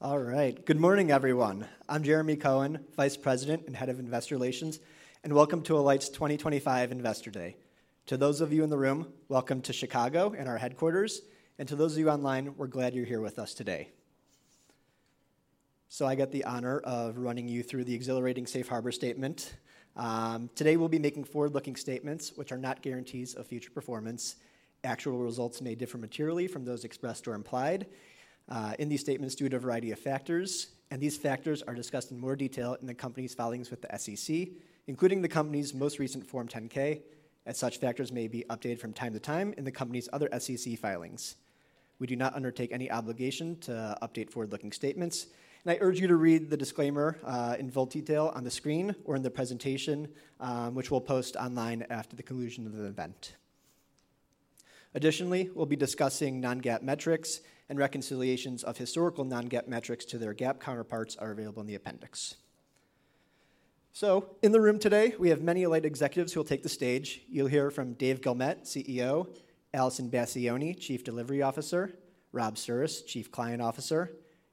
All right. Good morning, everyone. I'm Jeremy Cohen, Vice President and Head of Investor Relations, and welcome to Alight's 2025 Investor Day. To those of you in the room, welcome to Chicago and our headquarters, and to those of you online, we're glad you're here with us today. I get the honor of running you through the exhilarating Safe Harbor Statement. Today, we'll be making forward-looking statements, which are not guarantees of future performance. Actual results may differ materially from those expressed or implied in these statements, due to a variety of factors, and these factors are discussed in more detail in the company's filings with the SEC, including the company's most recent Form 10-K. Such factors may be updated from time to time in the company's other SEC filings. We do not undertake any obligation to update forward-looking statements, and I urge you to read the disclaimer in full detail on the screen or in the presentation, which we'll post online after the conclusion of the event. Additionally, we'll be discussing non-GAAP metrics, and reconciliations of historical non-GAAP metrics to their GAAP counterparts are available in the appendix. In the room today, we have many Alight executives who will take the stage. You'll hear from Dave Guilmette, CEO; Alison Bassione, Chief Delivery Officer; Rob Souris, Chief Client Officer;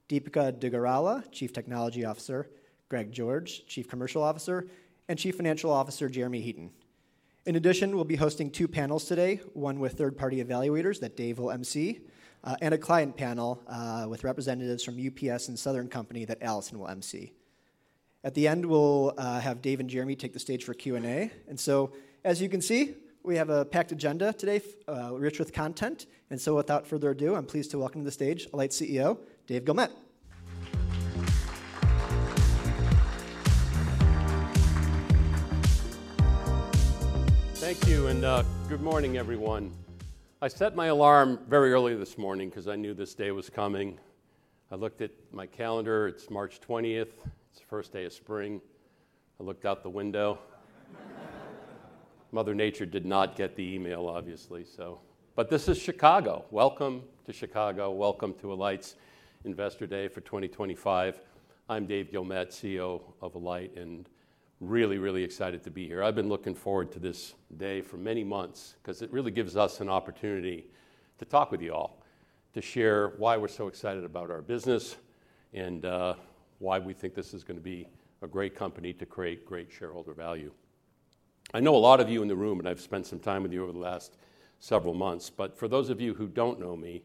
Deepika Duggirala Chief Technology Officer; Greg George, Chief Commercial Officer; and Chief Financial Officer Jeremy Heaton. In addition, we'll be hosting two panels today, one with third-party evaluators that Dave will emcee, and a client panel with representatives from UPS and Southern Company that Alison will emcee. At the end, we'll have Dave and Jeremy take the stage for Q&A. As you can see, we have a packed agenda today, rich with content. Without further ado, I'm pleased to welcome to the stage Alight's CEO, Dave Guilmette. Thank you, and good morning, everyone. I set my alarm very early this morning because I knew this day was coming. I looked at my calendar. It's March 20th. It's the first day of spring. I looked out the window. Mother Nature did not get the email, obviously. This is Chicago. Welcome to Chicago. Welcome to Alight's Investor Day for 2025. I'm Dave Guilmette, CEO of Alight, and really, really excited to be here. I've been looking forward to this day for many months because it really gives us an opportunity to talk with you all, to share why we're so excited about our business and why we think this is going to be a great company to create great shareholder value. I know a lot of you in the room, and I've spent some time with you over the last several months, but for those of you who don't know me,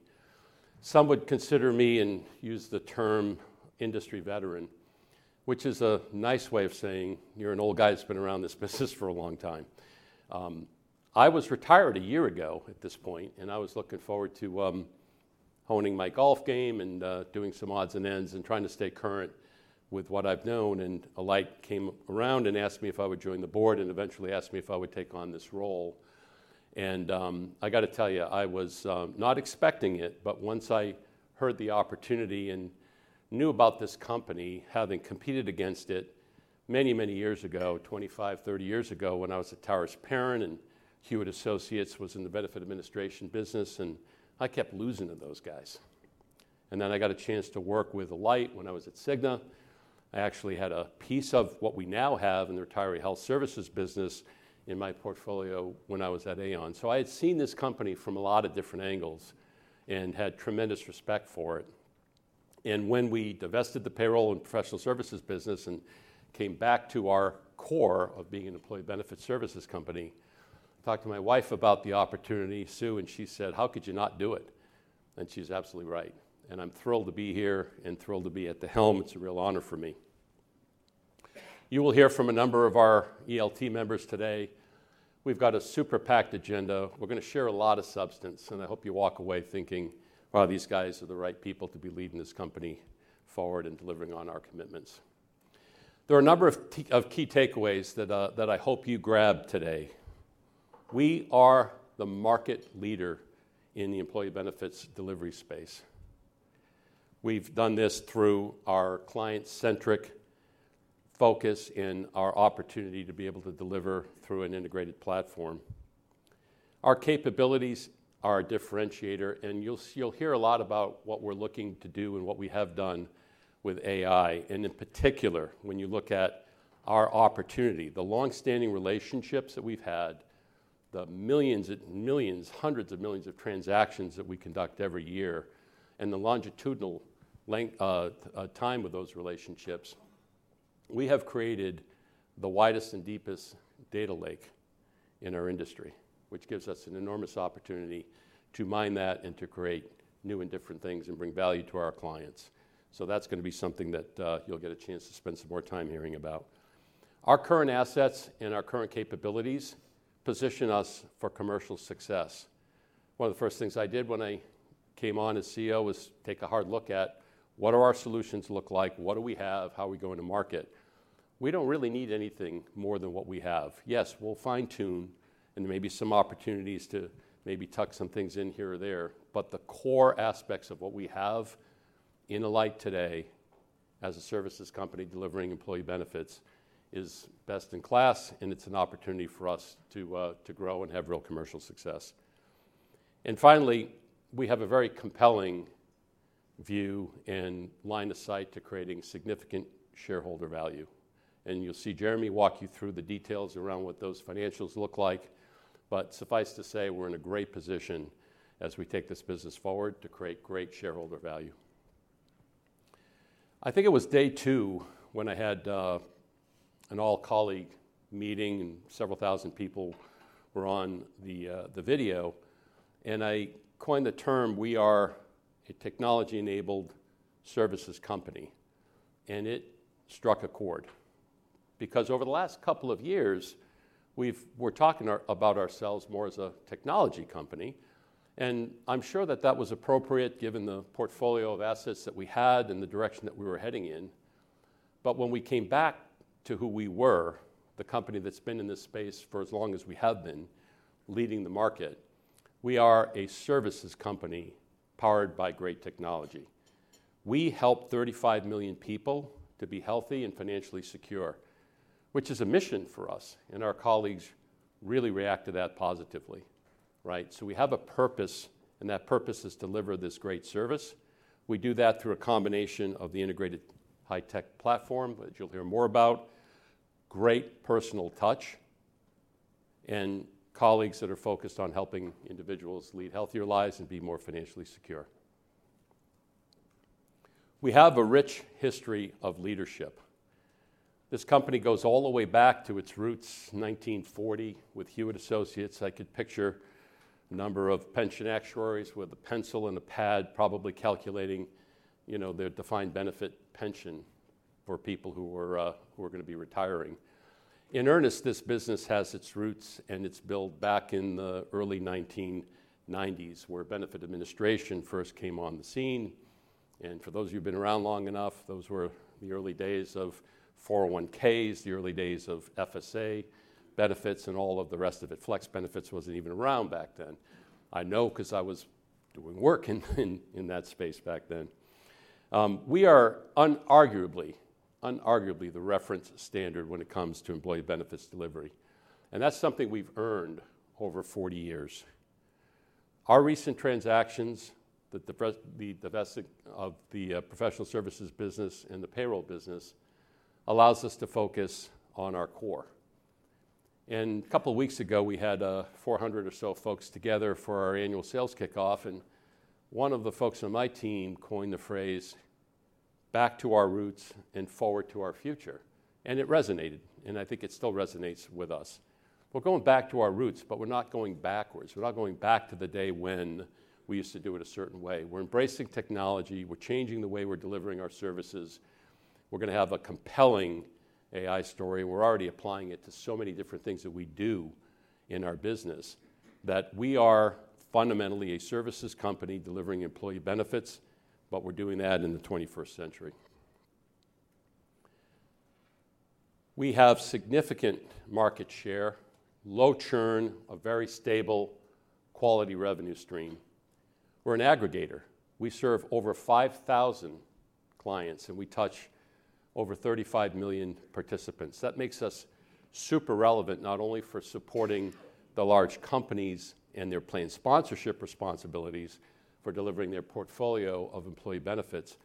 some would consider me and use the term industry veteran, which is a nice way of saying you're an old guy that's been around this business for a long time. I was retired a year ago at this point, and I was looking forward to honing my golf game and doing some odds and ends and trying to stay current with what I've known. Alight came around and asked me if I would join the board and eventually asked me if I would take on this role. I got to tell you, I was not expecting it, but once I heard the opportunity and knew about this company, having competed against it many, many years ago, 25, 30 years ago, when I was at Towers Perrin and Hewitt Associates was in the benefit administration business, and I kept losing to those guys. I got a chance to work with Alight when I was at Cigna. I actually had a piece of what we now have in the retiree health services business in my portfolio when I was at Aon. I had seen this company from a lot of different angles and had tremendous respect for it. When we divested the payroll and professional services business and came back to our core of being an employee benefit services company, I talked to my wife about the opportunity, Sue, and she said, "How could you not do it?" She's absolutely right. I'm thrilled to be here and thrilled to be at the helm. It's a real honor for me. You will hear from a number of our ELT members today. We've got a super packed agenda. We're going to share a lot of substance, and I hope you walk away thinking, "Wow, these guys are the right people to be leading this company forward and delivering on our commitments." There are a number of key takeaways that I hope you grab today. We are the market leader in the employee benefits delivery space. We've done this through our client-centric focus and our opportunity to be able to deliver through an integrated platform. Our capabilities are a differentiator, and you'll hear a lot about what we're looking to do and what we have done with AI. In particular, when you look at our opportunity, the long-standing relationships that we've had, the millions, hundreds of millions of transactions that we conduct every year, and the longitudinal time with those relationships, we have created the widest and deepest data lake in our industry, which gives us an enormous opportunity to mine that and to create new and different things and bring value to our clients. That is going to be something that you'll get a chance to spend some more time hearing about. Our current assets and our current capabilities position us for commercial success. One of the first things I did when I came on as CEO was take a hard look at what our solutions look like, what do we have, how are we going to market. We do not really need anything more than what we have. Yes, we will fine-tune and there may be some opportunities to maybe tuck some things in here or there, but the core aspects of what we have in Alight today as a services company delivering employee benefits is best in class, and it is an opportunity for us to grow and have real commercial success. Finally, we have a very compelling view and line of sight to creating significant shareholder value. You will see Jeremy walk you through the details around what those financials look like, but suffice to say, we are in a great position as we take this business forward to create great shareholder value. I think it was day two when I had an all-colleague meeting and several thousand people were on the video, and I coined the term, "We are a technology-enabled services company." It struck a chord because over the last couple of years, we're talking about ourselves more as a technology company. I'm sure that that was appropriate given the portfolio of assets that we had and the direction that we were heading in. When we came back to who we were, the company that's been in this space for as long as we have been leading the market, we are a services company powered by great technology. We help 35 million people to be healthy and financially secure, which is a mission for us, and our colleagues really react to that positively, right? We have a purpose, and that purpose is to deliver this great service. We do that through a combination of the integrated high-tech platform, which you'll hear more about, great personal touch, and colleagues that are focused on helping individuals lead healthier lives and be more financially secure. We have a rich history of leadership. This company goes all the way back to its roots in 1940 with Hewitt Associates. I could picture a number of pension actuaries with a pencil and a pad probably calculating their defined benefit pension for people who were going to be retiring. In earnest, this business has its roots and its build back in the early 1990s where benefit administration first came on the scene. For those of you who've been around long enough, those were the early days of 401(k)s, the early days of FSA benefits, and all of the rest of it. Flex benefits wasn't even around back then. I know because I was doing work in that space back then. We are unarguably the reference standard when it comes to employee benefits delivery, and that's something we've earned over 40 years. Our recent transactions that lead the vessel of the professional services business and the payroll business allows us to focus on our core. A couple of weeks ago, we had 400 or so folks together for our annual sales kickoff, and one of the folks on my team coined the phrase, "Back to our roots and forward to our future." It resonated, and I think it still resonates with us. We're going back to our roots, but we're not going backwards. We're not going back to the day when we used to do it a certain way. We're embracing technology. We're changing the way we're delivering our services. We're going to have a compelling AI story. We're already applying it to so many different things that we do in our business that we are fundamentally a services company delivering employee benefits, but we're doing that in the 21st century. We have significant market share, low churn, a very stable quality revenue stream. We're an aggregator. We serve over 5,000 clients, and we touch over 35 million participants. That makes us super relevant not only for supporting the large companies and their planned sponsorship responsibilities for delivering their portfolio of employee benefits,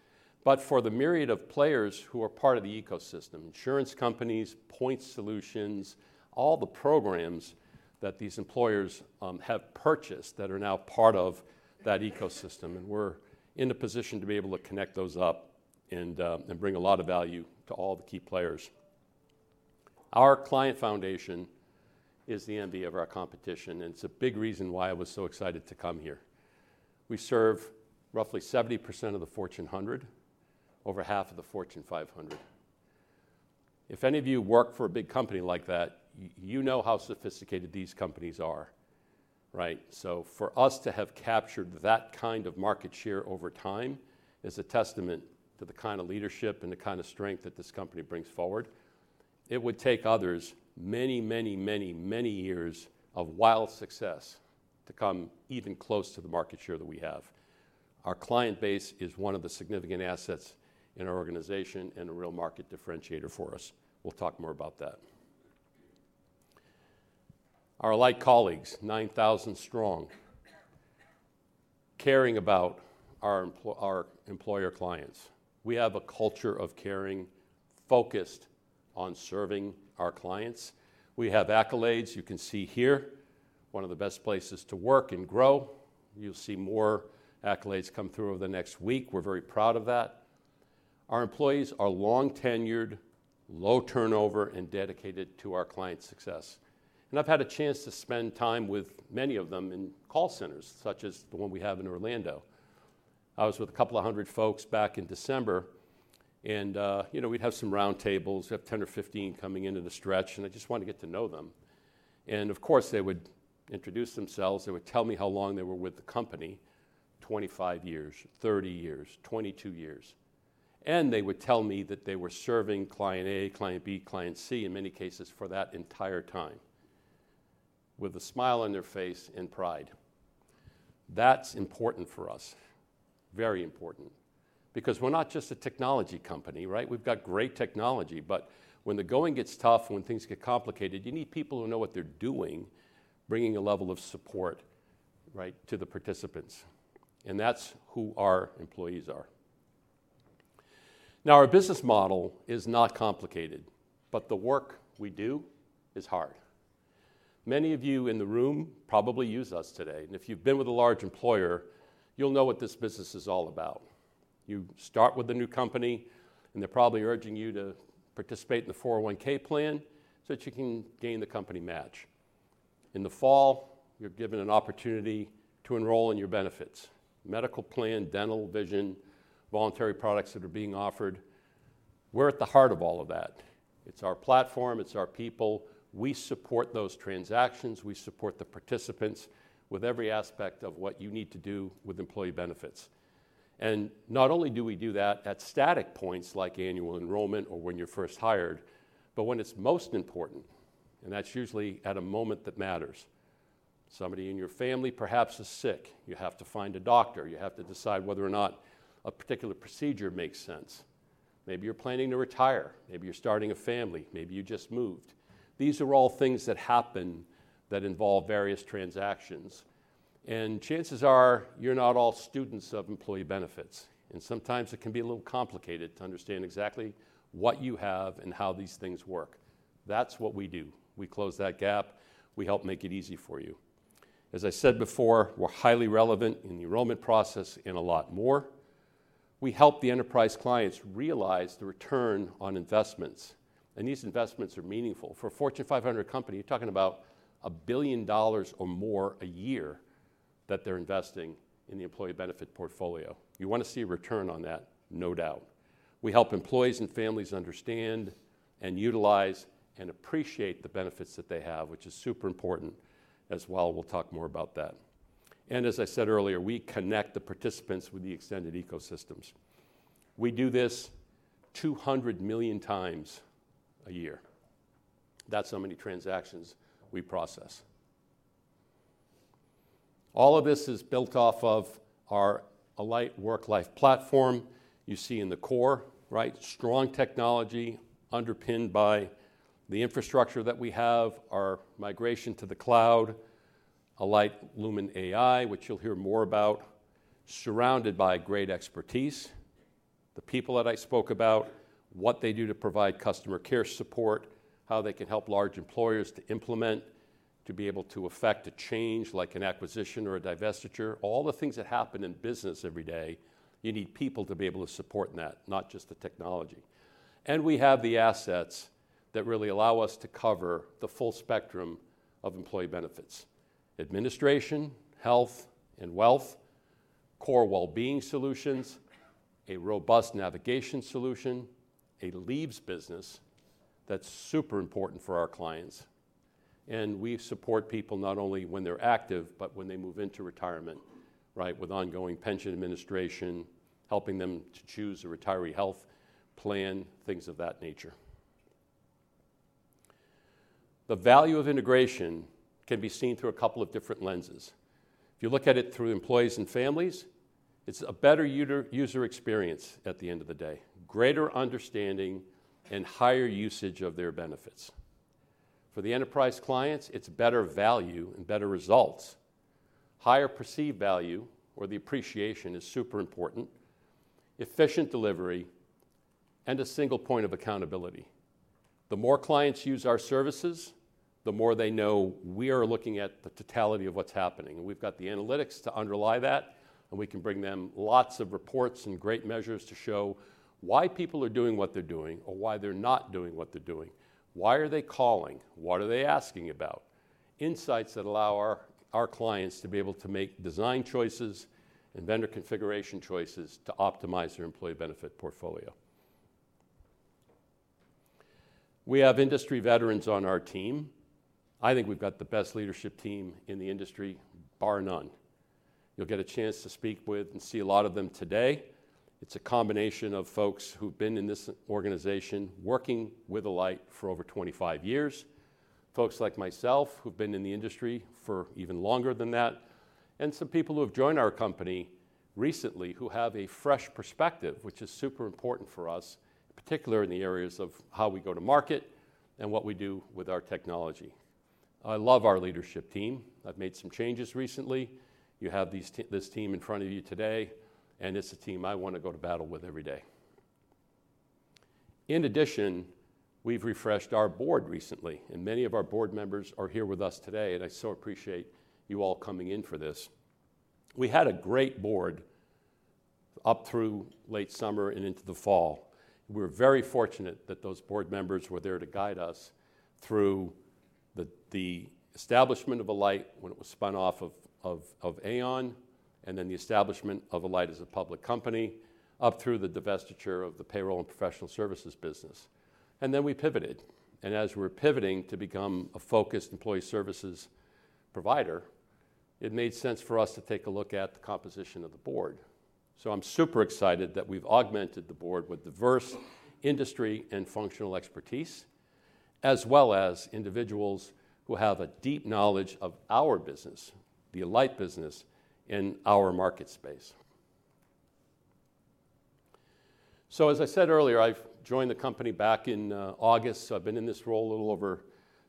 but for the myriad of players who are part of the ecosystem: insurance companies, point solutions, all the programs that these employers have purchased that are now part of that ecosystem. We're in a position to be able to connect those up and bring a lot of value to all the key players. Our client foundation is the envy of our competition, and it's a big reason why I was so excited to come here. We serve roughly 70% of the Fortune 100, over half of the Fortune 500. If any of you work for a big company like that, you know how sophisticated these companies are, right? For us to have captured that kind of market share over time is a testament to the kind of leadership and the kind of strength that this company brings forward. It would take others many, many, many, many years of wild success to come even close to the market share that we have. Our client base is one of the significant assets in our organization and a real market differentiator for us. We'll talk more about that. Our Alight colleagues, 9,000 strong, caring about our employer clients. We have a culture of caring focused on serving our clients. We have accolades you can see here, one of the best places to work and grow. You'll see more accolades come through over the next week. We're very proud of that. Our employees are long-tenured, low turnover, and dedicated to our client success. I've had a chance to spend time with many of them in call centers, such as the one we have in Orlando. I was with a couple of hundred folks back in December, and we'd have some round tables. We'd have 10 or 15 coming into the stretch, and I just wanted to get to know them. Of course, they would introduce themselves. They would tell me how long they were with the company: 25 years, 30 years, 22 years. They would tell me that they were serving client A, client B, client C, in many cases for that entire time, with a smile on their face and pride. That is important for us, very important, because we are not just a technology company, right? We have great technology, but when the going gets tough, when things get complicated, you need people who know what they are doing, bringing a level of support to the participants. That is who our employees are. Now, our business model is not complicated, but the work we do is hard. Many of you in the room probably use us today. If you have been with a large employer, you will know what this business is all about. You start with a new company, and they are probably urging you to participate in the 401(k) plan so that you can gain the company match. In the fall, you're given an opportunity to enroll in your benefits: medical plan, dental, vision, voluntary products that are being offered. We're at the heart of all of that. It's our platform. It's our people. We support those transactions. We support the participants with every aspect of what you need to do with employee benefits. Not only do we do that at static points like annual enrollment or when you're first hired, but when it's most important, and that's usually at a moment that matters. Somebody in your family perhaps is sick. You have to find a doctor. You have to decide whether or not a particular procedure makes sense. Maybe you're planning to retire. Maybe you're starting a family. Maybe you just moved. These are all things that happen that involve various transactions. Chances are you're not all students of employee benefits. Sometimes it can be a little complicated to understand exactly what you have and how these things work. That is what we do. We close that gap. We help make it easy for you. As I said before, we are highly relevant in the enrollment process and a lot more. We help the enterprise clients realize the return on investments. These investments are meaningful. For a Fortune 500 company, you are talking about $1 billion or more a year that they are investing in the employee benefit portfolio. You want to see a return on that, no doubt. We help employees and families understand and utilize and appreciate the benefits that they have, which is super important as well. We will talk more about that. As I said earlier, we connect the participants with the extended ecosystems. We do this 200 million times a year. That is how many transactions we process. All of this is built off of our Alight WorkLife platform you see in the core, right? Strong technology underpinned by the infrastructure that we have, our migration to the cloud, Alight Lumen AI, which you'll hear more about, surrounded by great expertise. The people that I spoke about, what they do to provide customer care support, how they can help large employers to implement, to be able to affect a change like an acquisition or a divestiture, all the things that happen in business every day. You need people to be able to support that, not just the technology. We have the assets that really allow us to cover the full spectrum of employee benefits: administration, health, and wealth, core well-being solutions, a robust navigation solution, a leaves business that's super important for our clients. We support people not only when they're active, but when they move into retirement, right, with ongoing pension administration, helping them to choose a retiree health plan, things of that nature. The value of integration can be seen through a couple of different lenses. If you look at it through employees and families, it's a better user experience at the end of the day, greater understanding, and higher usage of their benefits. For the enterprise clients, it's better value and better results, higher perceived value, or the appreciation is super important, efficient delivery, and a single point of accountability. The more clients use our services, the more they know we are looking at the totality of what's happening. We have got the analytics to underlie that, and we can bring them lots of reports and great measures to show why people are doing what they are doing or why they are not doing what they are doing. Why are they calling? What are they asking about? Insights that allow our clients to be able to make design choices and vendor configuration choices to optimize their employee benefit portfolio. We have industry veterans on our team. I think we have got the best leadership team in the industry, bar none. You will get a chance to speak with and see a lot of them today. It's a combination of folks who've been in this organization working with Alight for over 25 years, folks like myself who've been in the industry for even longer than that, and some people who have joined our company recently who have a fresh perspective, which is super important for us, particularly in the areas of how we go to market and what we do with our technology. I love our leadership team. I've made some changes recently. You have this team in front of you today, and it's a team I want to go to battle with every day. In addition, we've refreshed our board recently, and many of our board members are here with us today, and I so appreciate you all coming in for this. We had a great board up through late summer and into the fall. We were very fortunate that those board members were there to guide us through the establishment of Alight when it was spun off of Aon, and then the establishment of Alight as a public company up through the divestiture of the payroll and professional services business. We pivoted. As we're pivoting to become a focused employee services provider, it made sense for us to take a look at the composition of the board. I'm super excited that we've augmented the board with diverse industry and functional expertise, as well as individuals who have a deep knowledge of our business, the Alight business in our market space. As I said earlier, I joined the company back in August. I've been in this role a little over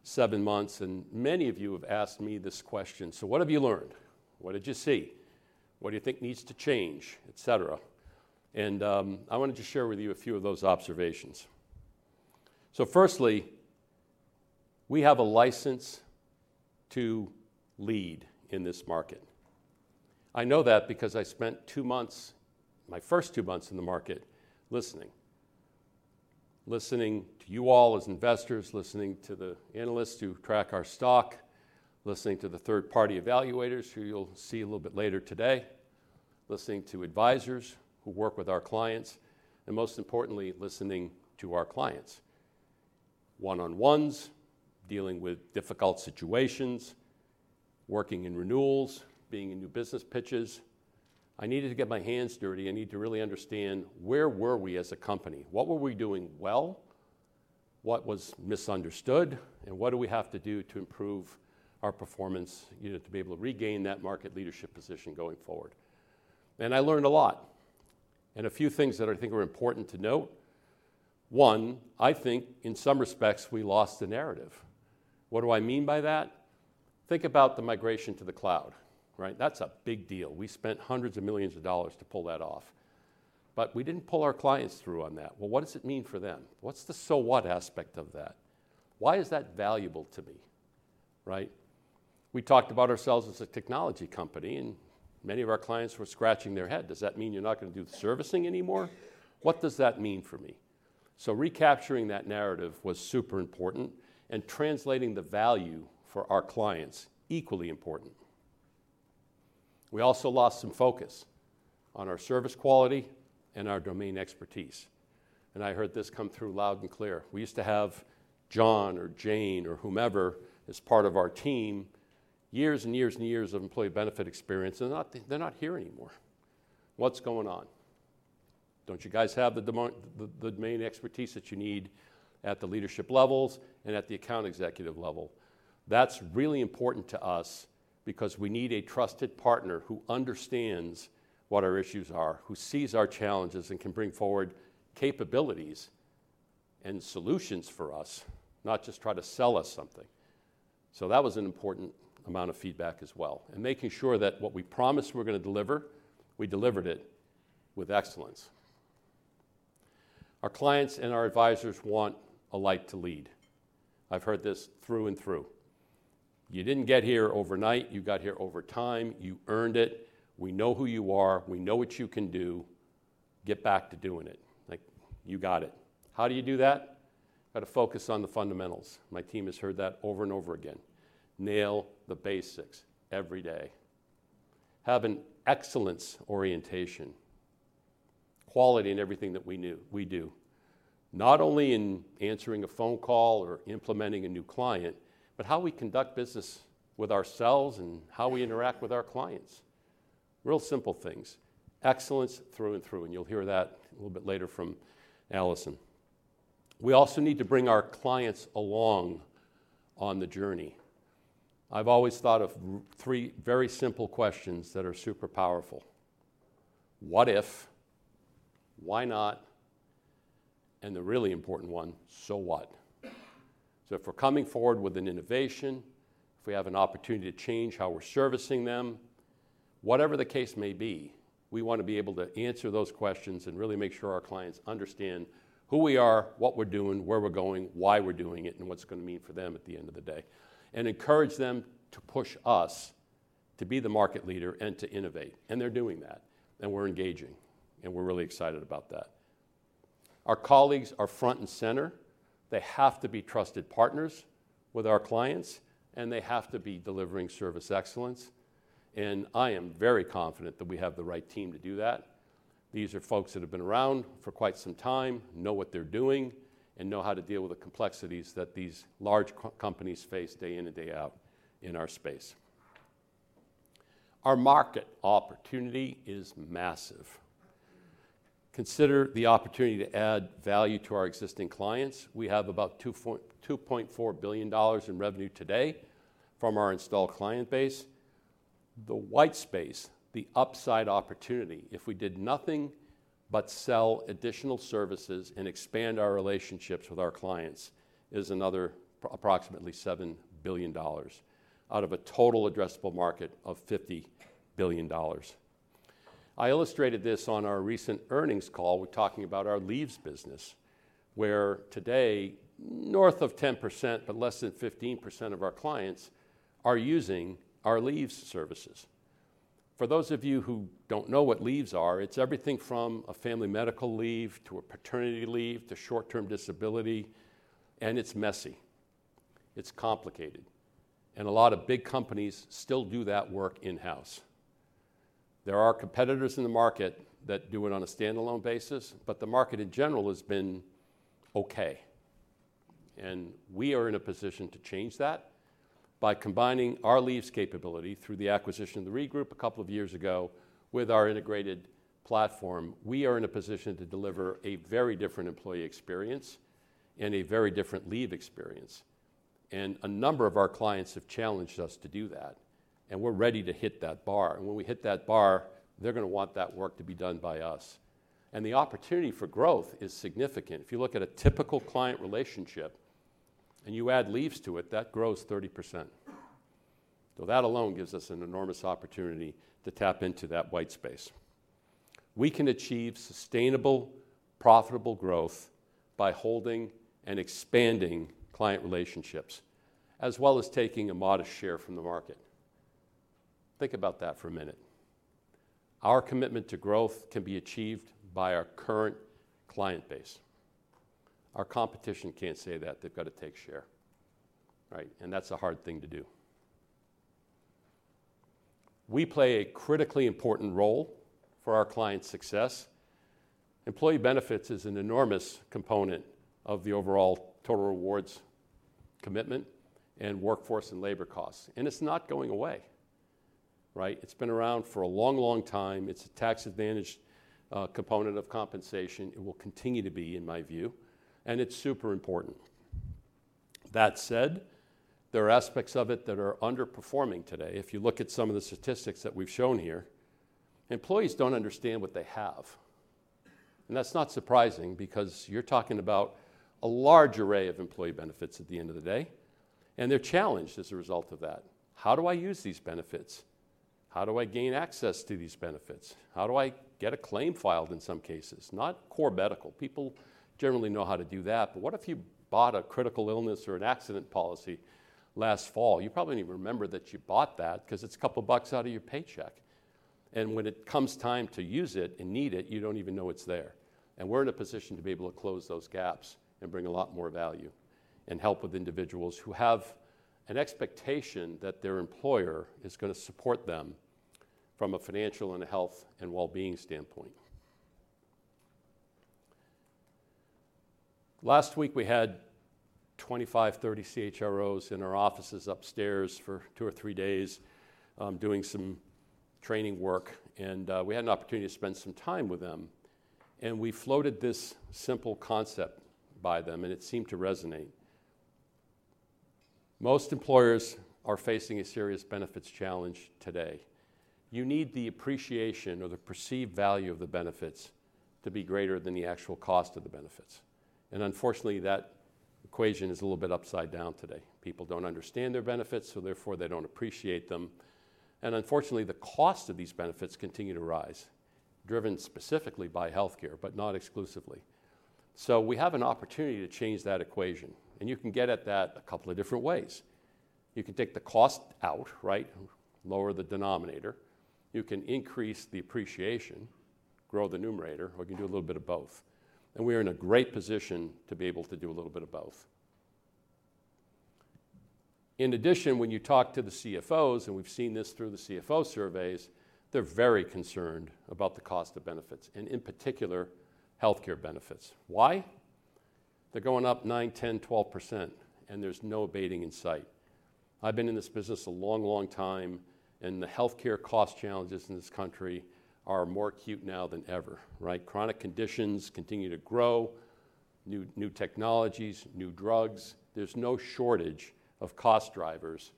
seven months, and many of you have asked me this question. What have you learned? What did you see? What do you think needs to change, etc.? I wanted to share with you a few of those observations. Firstly, we have a license to lead in this market. I know that because I spent two months, my first two months in the market, listening, listening to you all as investors, listening to the analysts who track our stock, listening to the third-party evaluators who you'll see a little bit later today, listening to advisors who work with our clients, and most importantly, listening to our clients, one-on-ones, dealing with difficult situations, working in renewals, being in new business pitches. I needed to get my hands dirty. I needed to really understand where were we as a company? What were we doing well? What was misunderstood? What do we have to do to improve our performance to be able to regain that market leadership position going forward? I learned a lot. A few things that I think are important to note. One, I think in some respects, we lost the narrative. What do I mean by that? Think about the migration to the cloud, right? That's a big deal. We spent hundreds of millions of dollars to pull that off, but we did not pull our clients through on that. What does it mean for them? What's the so what aspect of that? Why is that valuable to me, right? We talked about ourselves as a technology company, and many of our clients were scratching their head. Does that mean you're not going to do the servicing anymore? What does that mean for me? Recapturing that narrative was super important and translating the value for our clients equally important. We also lost some focus on our service quality and our domain expertise. I heard this come through loud and clear. We used to have John or Jane or whomever as part of our team, years and years and years of employee benefit experience, and they're not here anymore. What's going on? Don't you guys have the domain expertise that you need at the leadership levels and at the account executive level? That's really important to us because we need a trusted partner who understands what our issues are, who sees our challenges and can bring forward capabilities and solutions for us, not just try to sell us something. That was an important amount of feedback as well. Making sure that what we promised we were going to deliver, we delivered it with excellence. Our clients and our advisors want Alight to lead. I've heard this through and through. You didn't get here overnight. You got here over time. You earned it. We know who you are. We know what you can do. Get back to doing it. You got it. How do you do that? Got to focus on the fundamentals. My team has heard that over and over again. Nail the basics every day. Have an excellence orientation. Quality in everything that we do, not only in answering a phone call or implementing a new client, but how we conduct business with ourselves and how we interact with our clients. Real simple things. Excellence through and through. You'll hear that a little bit later from Alison. We also need to bring our clients along on the journey. I've always thought of three very simple questions that are super powerful: What if? Why not? And the really important one, so what? If we're coming forward with an innovation, if we have an opportunity to change how we're servicing them, whatever the case may be, we want to be able to answer those questions and really make sure our clients understand who we are, what we're doing, where we're going, why we're doing it, and what it's going to mean for them at the end of the day, and encourage them to push us to be the market leader and to innovate. They're doing that. We're engaging. We're really excited about that. Our colleagues are front and center. They have to be trusted partners with our clients, and they have to be delivering service excellence. I am very confident that we have the right team to do that. These are folks that have been around for quite some time, know what they're doing, and know how to deal with the complexities that these large companies face day in and day out in our space. Our market opportunity is massive. Consider the opportunity to add value to our existing clients. We have about $2.4 billion in revenue today from our installed client base. The white space, the upside opportunity, if we did nothing but sell additional services and expand our relationships with our clients, is another approximately $7 billion out of a total addressable market of $50 billion. I illustrated this on our recent earnings call. We're talking about our leaves business, where today, north of 10%, but less than 15% of our clients are using our leaves services. For those of you who don't know what leaves are, it's everything from a family medical leave to a paternity leave to short-term disability. It's messy. It's complicated. A lot of big companies still do that work in-house. There are competitors in the market that do it on a standalone basis, but the market in general has been okay. We are in a position to change that by combining our leaves capability through the acquisition of the Regroup a couple of years ago with our integrated platform. We are in a position to deliver a very different employee experience and a very different leave experience. A number of our clients have challenged us to do that. We're ready to hit that bar. When we hit that bar, they're going to want that work to be done by us. The opportunity for growth is significant. If you look at a typical client relationship and you add leaves to it, that grows 30%. That alone gives us an enormous opportunity to tap into that white space. We can achieve sustainable, profitable growth by holding and expanding client relationships, as well as taking a modest share from the market. Think about that for a minute. Our commitment to growth can be achieved by our current client base. Our competition can't say that. They've got to take share, right? That's a hard thing to do. We play a critically important role for our client's success. Employee benefits is an enormous component of the overall total rewards commitment and workforce and labor costs. It's not going away, right? It's been around for a long, long time. It's a tax-advantaged component of compensation. It will continue to be, in my view. And it's super important. That said, there are aspects of it that are underperforming today. If you look at some of the statistics that we've shown here, employees don't understand what they have. That's not surprising because you're talking about a large array of employee benefits at the end of the day. They're challenged as a result of that. How do I use these benefits? How do I gain access to these benefits? How do I get a claim filed in some cases? Not core medical. People generally know how to do that. What if you bought a critical illness or an accident policy last fall? You probably don't even remember that you bought that because it's a couple of bucks out of your paycheck. When it comes time to use it and need it, you do not even know it is there. We are in a position to be able to close those gaps and bring a lot more value and help with individuals who have an expectation that their employer is going to support them from a financial and a health and well-being standpoint. Last week, we had 25-30 CHROs in our offices upstairs for two or three days doing some training work. We had an opportunity to spend some time with them. We floated this simple concept by them, and it seemed to resonate. Most employers are facing a serious benefits challenge today. You need the appreciation or the perceived value of the benefits to be greater than the actual cost of the benefits. Unfortunately, that equation is a little bit upside down today. People do not understand their benefits, so therefore they do not appreciate them. Unfortunately, the cost of these benefits continues to rise, driven specifically by healthcare, but not exclusively. We have an opportunity to change that equation. You can get at that a couple of different ways. You can take the cost out, lower the denominator. You can increase the appreciation, grow the numerator, or you can do a little bit of both. We are in a great position to be able to do a little bit of both. In addition, when you talk to the CFOs, and we have seen this through the CFO surveys, they are very concerned about the cost of benefits, and in particular, healthcare benefits. Why? They are going up 9%, 10%, 12%, and there is no abating in sight. I've been in this business a long, long time, and the healthcare cost challenges in this country are more acute now than ever, right? Chronic conditions continue to grow, new technologies, new drugs. There's no shortage of cost drivers,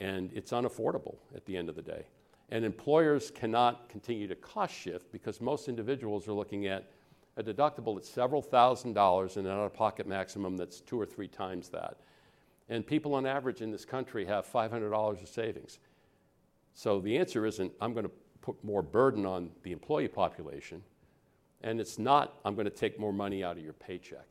and it's unaffordable at the end of the day. Employers cannot continue to cost shift because most individuals are looking at a deductible that's several thousand dollars and an out-of-pocket maximum that's two or three times that. People on average in this country have $500 of savings. The answer is not, "I'm going to put more burden on the employee population," and it's not, "I'm going to take more money out of your paycheck."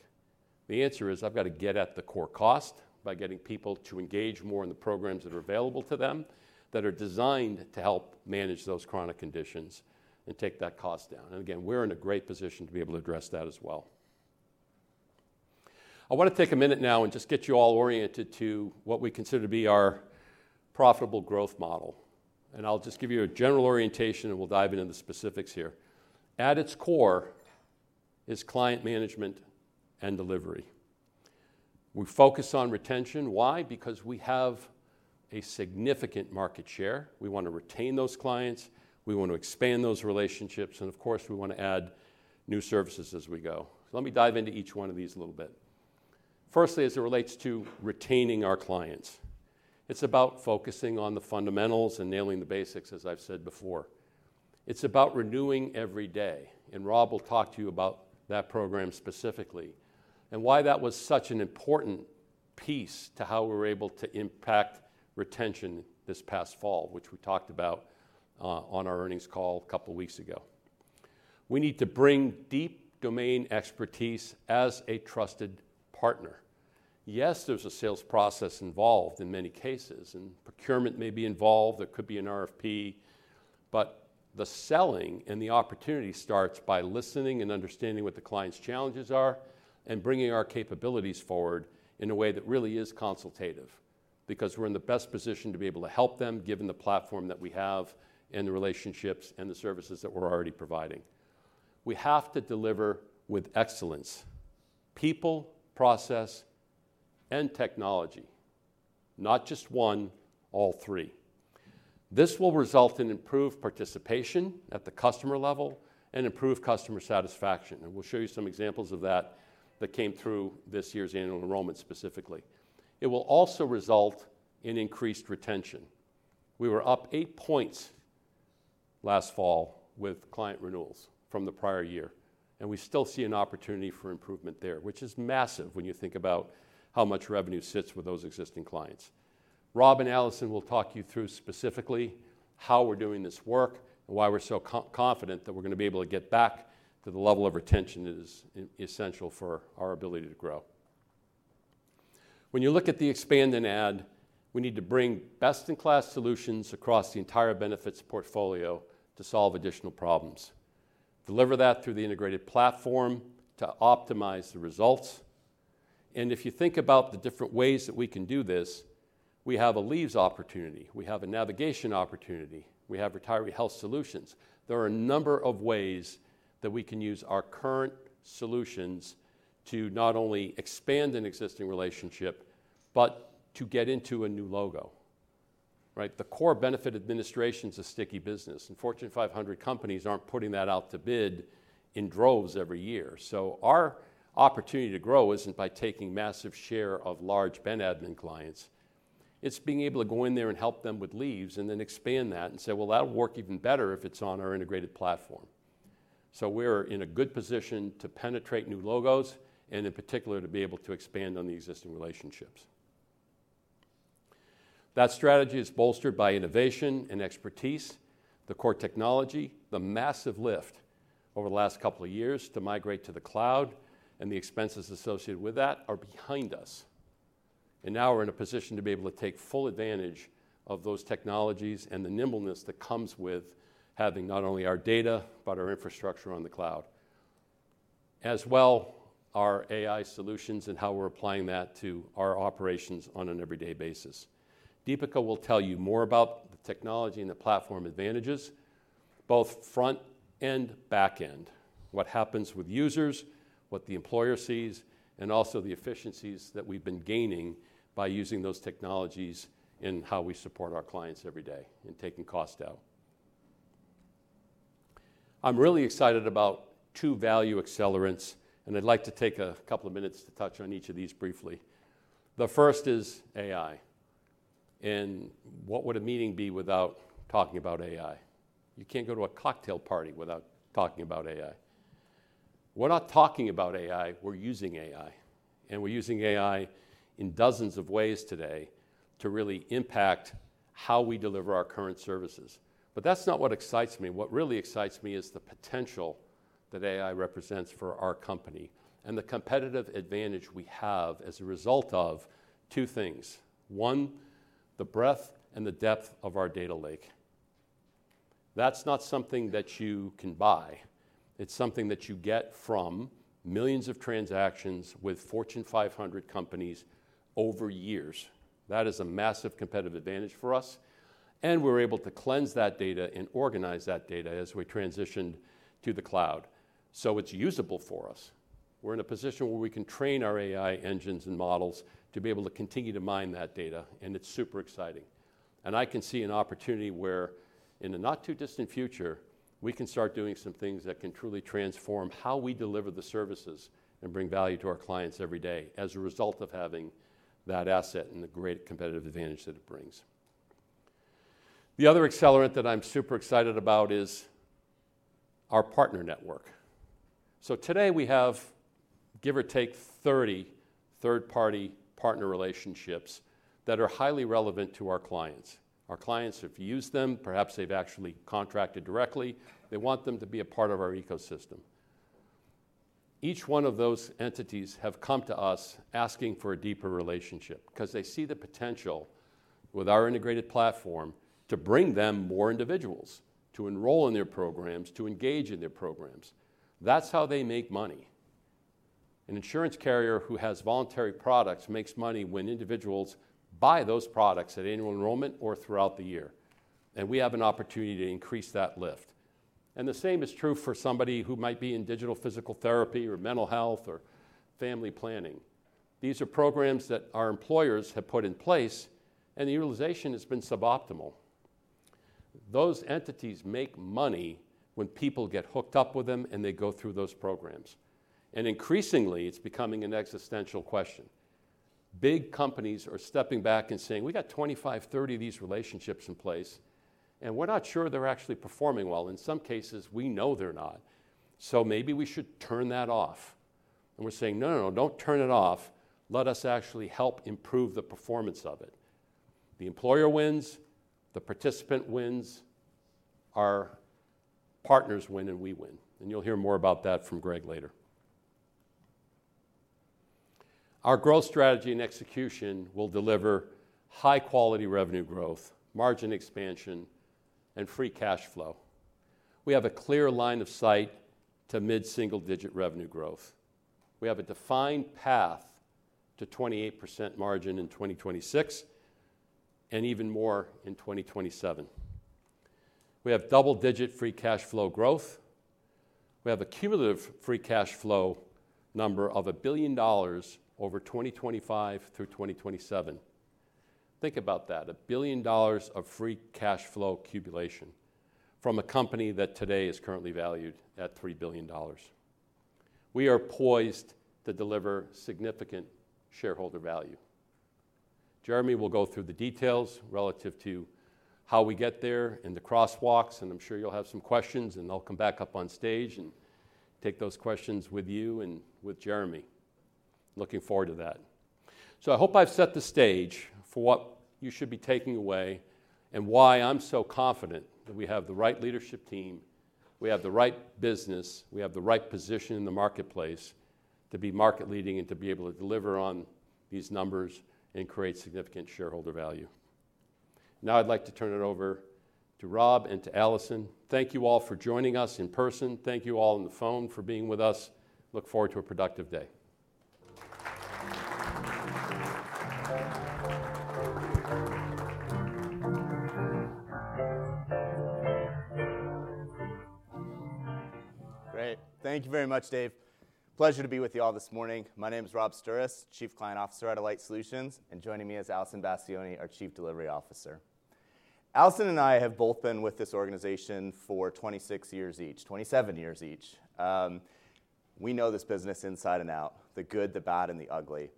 The answer is, "I've got to get at the core cost by getting people to engage more in the programs that are available to them that are designed to help manage those chronic conditions and take that cost down." Again, we are in a great position to be able to address that as well. I want to take a minute now and just get you all oriented to what we consider to be our profitable growth model. I'll just give you a general orientation, and we'll dive into the specifics here. At its core is client management and delivery. We focus on retention. Why? Because we have a significant market share. We want to retain those clients. We want to expand those relationships. Of course, we want to add new services as we go. Let me dive into each one of these a little bit. Firstly, as it relates to retaining our clients, it's about focusing on the fundamentals and nailing the basics, as I've said before. It's about renewing every day. Rob will talk to you about that program specifically and why that was such an important piece to how we were able to impact retention this past fall, which we talked about on our earnings call a couple of weeks ago. We need to bring deep domain expertise as a trusted partner. Yes, there's a sales process involved in many cases, and procurement may be involved. There could be an RFP, but the selling and the opportunity starts by listening and understanding what the client's challenges are and bringing our capabilities forward in a way that really is consultative because we're in the best position to be able to help them given the platform that we have and the relationships and the services that we're already providing. We have to deliver with excellence: people, process, and technology, not just one, all three. This will result in improved participation at the customer level and improved customer satisfaction. We will show you some examples of that that came through this year's annual enrollment specifically. It will also result in increased retention. We were up 8 percentage points last fall with client renewals from the prior year. We still see an opportunity for improvement there, which is massive when you think about how much revenue sits with those existing clients. Rob and Alison will talk you through specifically how we're doing this work and why we're so confident that we're going to be able to get back to the level of retention that is essential for our ability to grow. When you look at the expand and add, we need to bring best-in-class solutions across the entire benefits portfolio to solve additional problems, deliver that through the integrated platform to optimize the results. If you think about the different ways that we can do this, we have a leaves opportunity. We have a navigation opportunity. We have retiree health solutions. There are a number of ways that we can use our current solutions to not only expand an existing relationship, but to get into a new logo, right? The core benefit administration is a sticky business. Fortune 500 companies aren't putting that out to bid in droves every year. Our opportunity to grow isn't by taking massive share of large Ben Admin clients. It's being able to go in there and help them with leaves and then expand that and say, "Well, that'll work even better if it's on our integrated platform." We are in a good position to penetrate new logos and, in particular, to be able to expand on the existing relationships. That strategy is bolstered by innovation and expertise. The core technology, the massive lift over the last couple of years to migrate to the cloud and the expenses associated with that are behind us. Now we're in a position to be able to take full advantage of those technologies and the nimbleness that comes with having not only our data, but our infrastructure on the cloud, as well as our AI solutions and how we're applying that to our operations on an everyday basis. Deepika will tell you more about the technology and the platform advantages, both front and back end, what happens with users, what the employer sees, and also the efficiencies that we've been gaining by using those technologies in how we support our clients every day and taking cost out. I'm really excited about two value accelerants, and I'd like to take a couple of minutes to touch on each of these briefly. The first is AI. What would a meeting be without talking about AI? You can't go to a cocktail party without talking about AI. We're not talking about AI. We're using AI. And we're using AI in dozens of ways today to really impact how we deliver our current services. That's not what excites me. What really excites me is the potential that AI represents for our company and the competitive advantage we have as a result of two things. One, the breadth and the depth of our data lake. That's not something that you can buy. It's something that you get from millions of transactions with Fortune 500 companies over years. That is a massive competitive advantage for us. We're able to cleanse that data and organize that data as we transition to the cloud. It's usable for us. We're in a position where we can train our AI engines and models to be able to continue to mine that data. It's super exciting. I can see an opportunity where in the not-too-distant future, we can start doing some things that can truly transform how we deliver the services and bring value to our clients every day as a result of having that asset and the great competitive advantage that it brings. The other accelerant that I'm super excited about is our partner network. Today we have, give or take, 30 third-party partner relationships that are highly relevant to our clients. Our clients have used them. Perhaps they've actually contracted directly. They want them to be a part of our ecosystem. Each one of those entities has come to us asking for a deeper relationship because they see the potential with our integrated platform to bring them more individuals to enroll in their programs, to engage in their programs. That's how they make money. An insurance carrier who has voluntary products makes money when individuals buy those products at annual enrollment or throughout the year. We have an opportunity to increase that lift. The same is true for somebody who might be in digital physical therapy or mental health or family planning. These are programs that our employers have put in place, and the utilization has been suboptimal. Those entities make money when people get hooked up with them and they go through those programs. Increasingly, it's becoming an existential question. Big companies are stepping back and saying, "We got 25, 30 of these relationships in place, and we're not sure they're actually performing well." In some cases, we know they're not. Maybe we should turn that off. We're saying, "No, no, no. Don't turn it off. Let us actually help improve the performance of it. The employer wins, the participant wins, our partners win, and we win. You will hear more about that from Greg later. Our growth strategy and execution will deliver high-quality revenue growth, margin expansion, and free cash flow. We have a clear line of sight to mid-single-digit revenue growth. We have a defined path to 28% margin in 2026 and even more in 2027. We have double-digit free cash flow growth. We have a cumulative free cash flow number of $1 billion over 2025 through 2027. Think about that: $1 billion of free cash flow accumulation from a company that today is currently valued at $3 billion. We are poised to deliver significant shareholder value. Jeremy will go through the details relative to how we get there and the crosswalks. I'm sure you'll have some questions, and I'll come back up on stage and take those questions with you and with Jeremy. Looking forward to that. I hope I've set the stage for what you should be taking away and why I'm so confident that we have the right leadership team, we have the right business, we have the right position in the marketplace to be market-leading and to be able to deliver on these numbers and create significant shareholder value. Now I'd like to turn it over to Rob and to Alison. Thank you all for joining us in person. Thank you all on the phone for being with us. Look forward to a productive day. Great. Thank you very much, Dave. Pleasure to be with you all this morning. My name is Rob Souris, Chief Client Officer at Alight, and joining me is Alison Bassiouni, our Chief Delivery Officer. Alison and I have both been with this organization for 26 years each, 27 years each. We know this business inside and out, the good, the bad, and the ugly.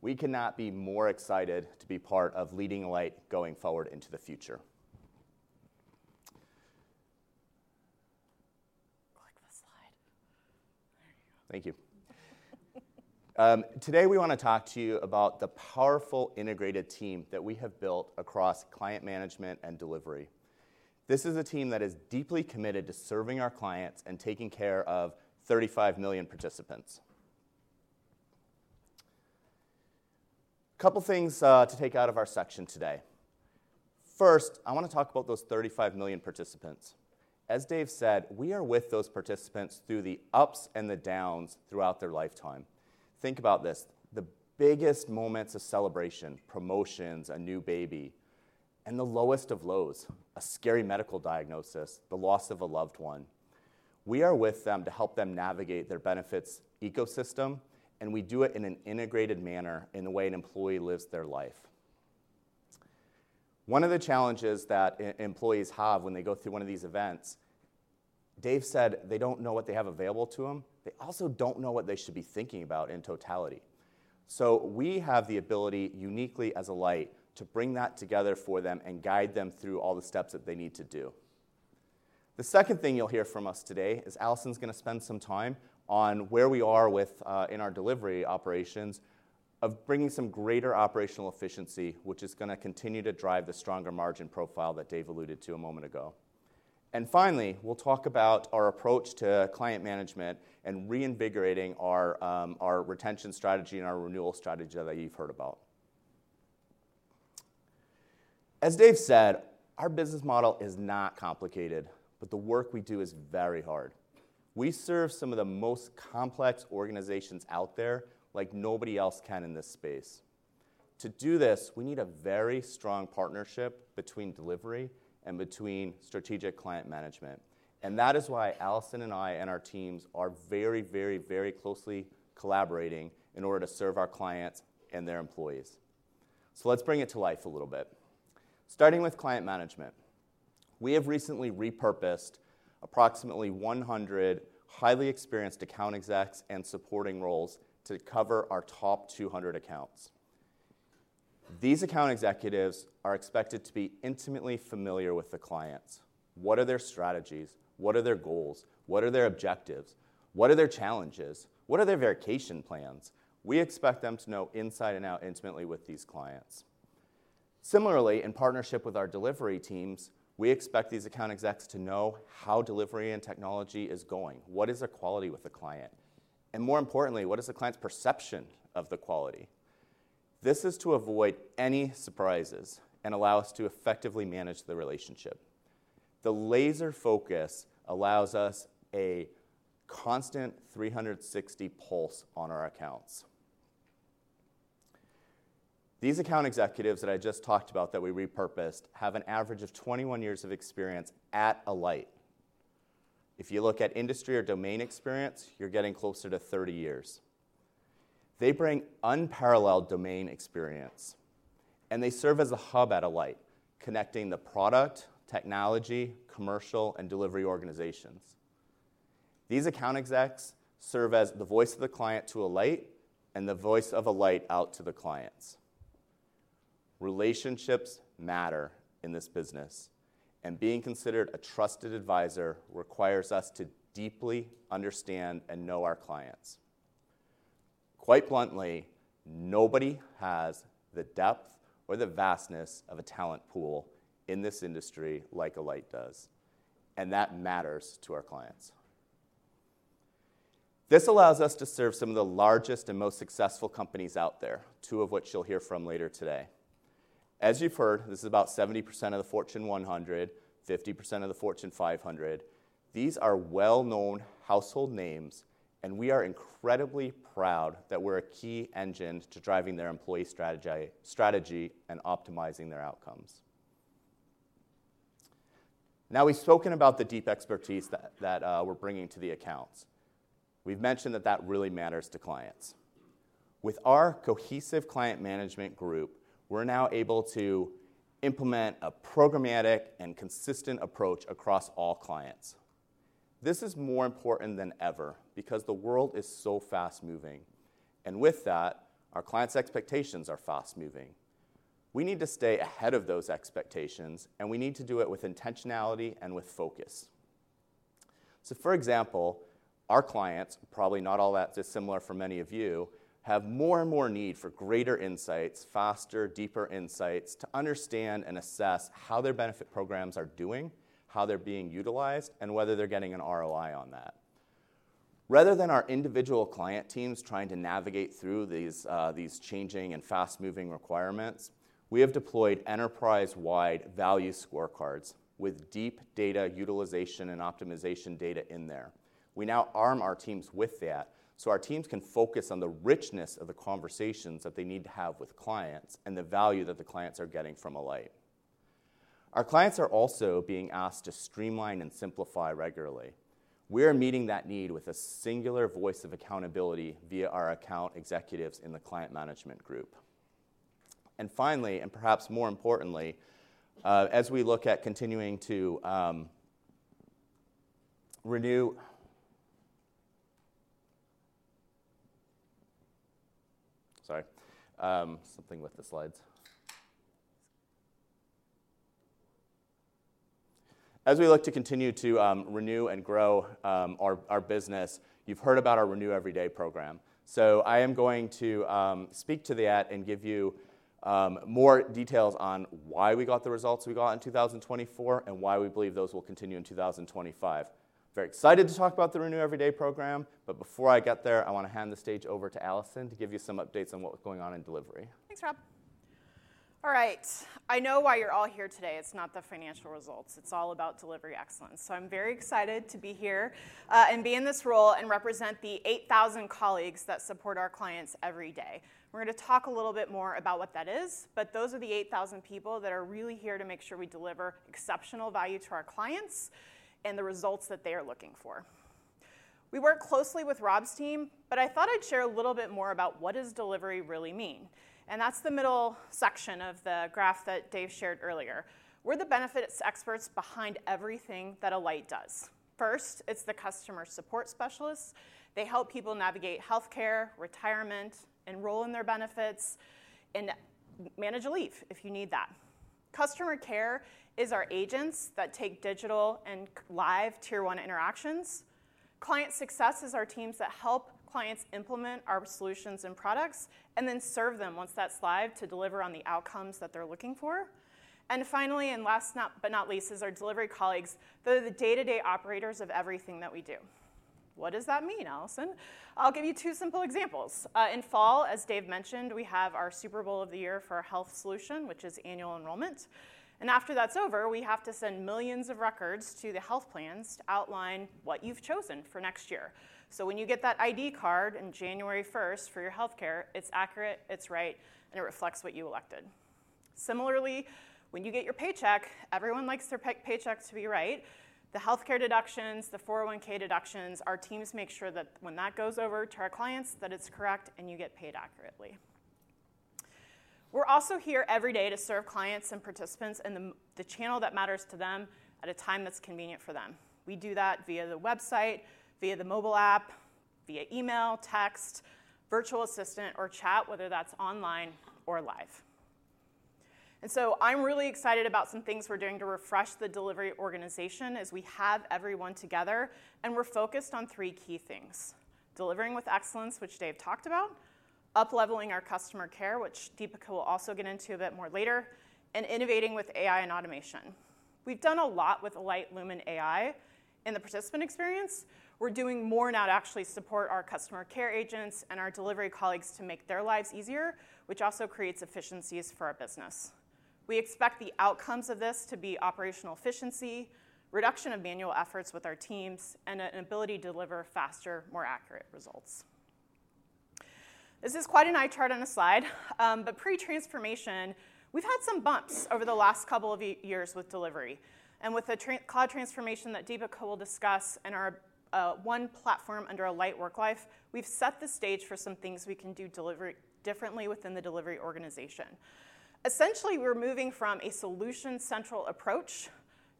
We cannot be more excited to be part of leading Alight going forward into the future. Click the slide. There you go. Thank you. Today, we want to talk to you about the powerful integrated team that we have built across client management and delivery. This is a team that is deeply committed to serving our clients and taking care of 35 million participants. A couple of things to take out of our section today. First, I want to talk about those 35 million participants. As Dave said, we are with those participants through the ups and the downs throughout their lifetime. Think about this: the biggest moments of celebration, promotions, a new baby, and the lowest of lows, a scary medical diagnosis, the loss of a loved one. We are with them to help them navigate their benefits ecosystem, and we do it in an integrated manner in the way an employee lives their life. One of the challenges that employees have when they go through one of these events, Dave said, they don't know what they have available to them. They also don't know what they should be thinking about in totality. We have the ability uniquely as Alight to bring that together for them and guide them through all the steps that they need to do. The second thing you'll hear from us today is Allison's going to spend some time on where we are in our delivery operations of bringing some greater operational efficiency, which is going to continue to drive the stronger margin profile that Dave alluded to a moment ago. Finally, we'll talk about our approach to client management and reinvigorating our retention strategy and our renewal strategy that you've heard about. As Dave said, our business model is not complicated, but the work we do is very hard. We serve some of the most complex organizations out there like nobody else can in this space. To do this, we need a very strong partnership between delivery and between strategic client management. That is why Allison and I and our teams are very, very, very closely collaborating in order to serve our clients and their employees. Let's bring it to life a little bit. Starting with client management, we have recently repurposed approximately 100 highly experienced account execs and supporting roles to cover our top 200 accounts. These account executives are expected to be intimately familiar with the clients. What are their strategies? What are their goals? What are their objectives? What are their challenges? What are their vacation plans? We expect them to know inside and out intimately with these clients. Similarly, in partnership with our delivery teams, we expect these account execs to know how delivery and technology is going. What is the quality with the client? More importantly, what is the client's perception of the quality? This is to avoid any surprises and allow us to effectively manage the relationship. The laser focus allows us a constant 360 pulse on our accounts. These account executives that I just talked about that we repurposed have an average of 21 years of experience at Alight. If you look at industry or domain experience, you're getting closer to 30 years. They bring unparalleled domain experience, and they serve as a hub at Alight, connecting the product, technology, commercial, and delivery organizations. These account execs serve as the voice of the client to Alight and the voice of Alight out to the clients. Relationships matter in this business, and being considered a trusted advisor requires us to deeply understand and know our clients. Quite bluntly, nobody has the depth or the vastness of a talent pool in this industry like Alight does. That matters to our clients. This allows us to serve some of the largest and most successful companies out there, two of which you'll hear from later today. As you've heard, this is about 70% of the Fortune 100, 50% of the Fortune 500. These are well-known household names, and we are incredibly proud that we're a key engine to driving their employee strategy and optimizing their outcomes. Now we've spoken about the deep expertise that we're bringing to the accounts. We've mentioned that that really matters to clients. With our cohesive client management group, we're now able to implement a programmatic and consistent approach across all clients. This is more important than ever because the world is so fast-moving. With that, our clients' expectations are fast-moving. We need to stay ahead of those expectations, and we need to do it with intentionality and with focus. For example, our clients, probably not all that dissimilar for many of you, have more and more need for greater insights, faster, deeper insights to understand and assess how their benefit programs are doing, how they're being utilized, and whether they're getting an ROI on that. Rather than our individual client teams trying to navigate through these changing and fast-moving requirements, we have deployed enterprise-wide value scorecards with deep data utilization and optimization data in there. We now arm our teams with that so our teams can focus on the richness of the conversations that they need to have with clients and the value that the clients are getting from Alight. Our clients are also being asked to streamline and simplify regularly. We are meeting that need with a singular voice of accountability via our account executives in the client management group. Finally, and perhaps more importantly, as we look at continuing to renew. Sorry. Something with the slides. As we look to continue to renew and grow our business, you have heard about our Renew Every Day program. I am going to speak to that and give you more details on why we got the results we got in 2024 and why we believe those will continue in 2025. Very excited to talk about the Renew Every Day program, but before I get there, I want to hand the stage over to Allison to give you some updates on what's going on in delivery. Thanks, Rob. All right. I know why you're all here today. It's not the financial results. It's all about delivery excellence. I am very excited to be here and be in this role and represent the 8,000 colleagues that support our clients every day. We're going to talk a little bit more about what that is, but those are the 8,000 people that are really here to make sure we deliver exceptional value to our clients and the results that they are looking for. We work closely with Rob's team. I thought I'd share a little bit more about what does delivery really mean. That is the middle section of the graph that Dave shared earlier. We're the benefits experts behind everything that Alight does. First, it's the customer support specialists. They help people navigate healthcare, retirement, enroll in their benefits, and manage a leave if you need that. Customer care is our agents that take digital and live tier-one interactions. Client success is our teams that help clients implement our solutions and products and then serve them once that's live to deliver on the outcomes that they're looking for. Finally, and last but not least, is our delivery colleagues. They're the day-to-day operators of everything that we do. What does that mean, Allison? I'll give you two simple examples. In fall, as Dave mentioned, we have our Super Bowl of the Year for our health solution, which is annual enrollment. After that's over, we have to send millions of records to the health plans to outline what you've chosen for next year. When you get that ID card on January 1st for your healthcare, it's accurate, it's right, and it reflects what you elected. Similarly, when you get your paycheck, everyone likes their paycheck to be right. The healthcare deductions, the 401(k) deductions, our teams make sure that when that goes over to our clients, that it's correct and you get paid accurately. We're also here every day to serve clients and participants in the channel that matters to them at a time that's convenient for them. We do that via the website, via the mobile app, via email, text, virtual assistant, or chat, whether that's online or live. I'm really excited about some things we're doing to refresh the delivery organization as we have everyone together, and we're focused on three key things: delivering with excellence, which Dave talked about; up-leveling our customer care, which Deepika will also get into a bit more later; and innovating with AI and automation. We've done a lot with Alight Lumen AI in the participant experience. We're doing more now to actually support our customer care agents and our delivery colleagues to make their lives easier, which also creates efficiencies for our business. We expect the outcomes of this to be operational efficiency, reduction of manual efforts with our teams, and an ability to deliver faster, more accurate results. This is quite an eye chart on a slide, but pre-transformation, we've had some bumps over the last couple of years with delivery. With the cloud transformation that Deepika will discuss and our one platform under Alight WorkLife, we've set the stage for some things we can do differently within the delivery organization. Essentially, we're moving from a solution-central approach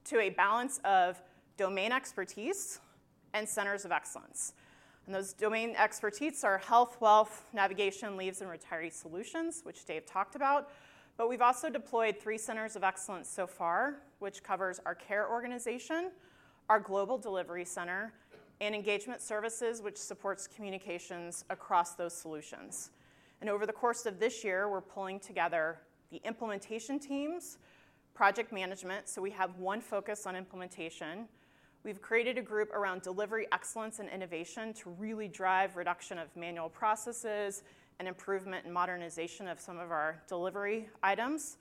to a balance of domain expertise and centers of excellence. Those domain expertise are health, wealth, navigation, leaves, and retiree solutions, which Dave talked about. We have also deployed three centers of excellence so far, which covers our care organization, our global delivery center, and engagement services, which supports communications across those solutions. Over the course of this year, we are pulling together the implementation teams, project management, so we have one focus on implementation. We have created a group around delivery excellence and innovation to really drive reduction of manual processes and improvement and modernization of some of our delivery items.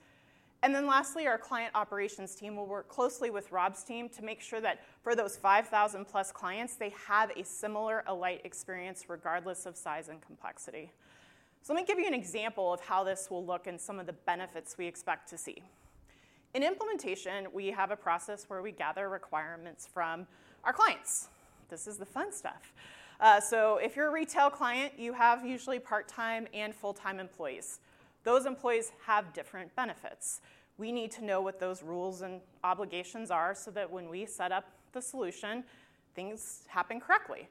Lastly, our client operations team will work closely with Rob's team to make sure that for those 5,000-plus clients, they have a similar Elite experience regardless of size and complexity. Let me give you an example of how this will look and some of the benefits we expect to see. In implementation, we have a process where we gather requirements from our clients. This is the fun stuff. If you're a retail client, you have usually part-time and full-time employees. Those employees have different benefits. We need to know what those rules and obligations are so that when we set up the solution, things happen correctly.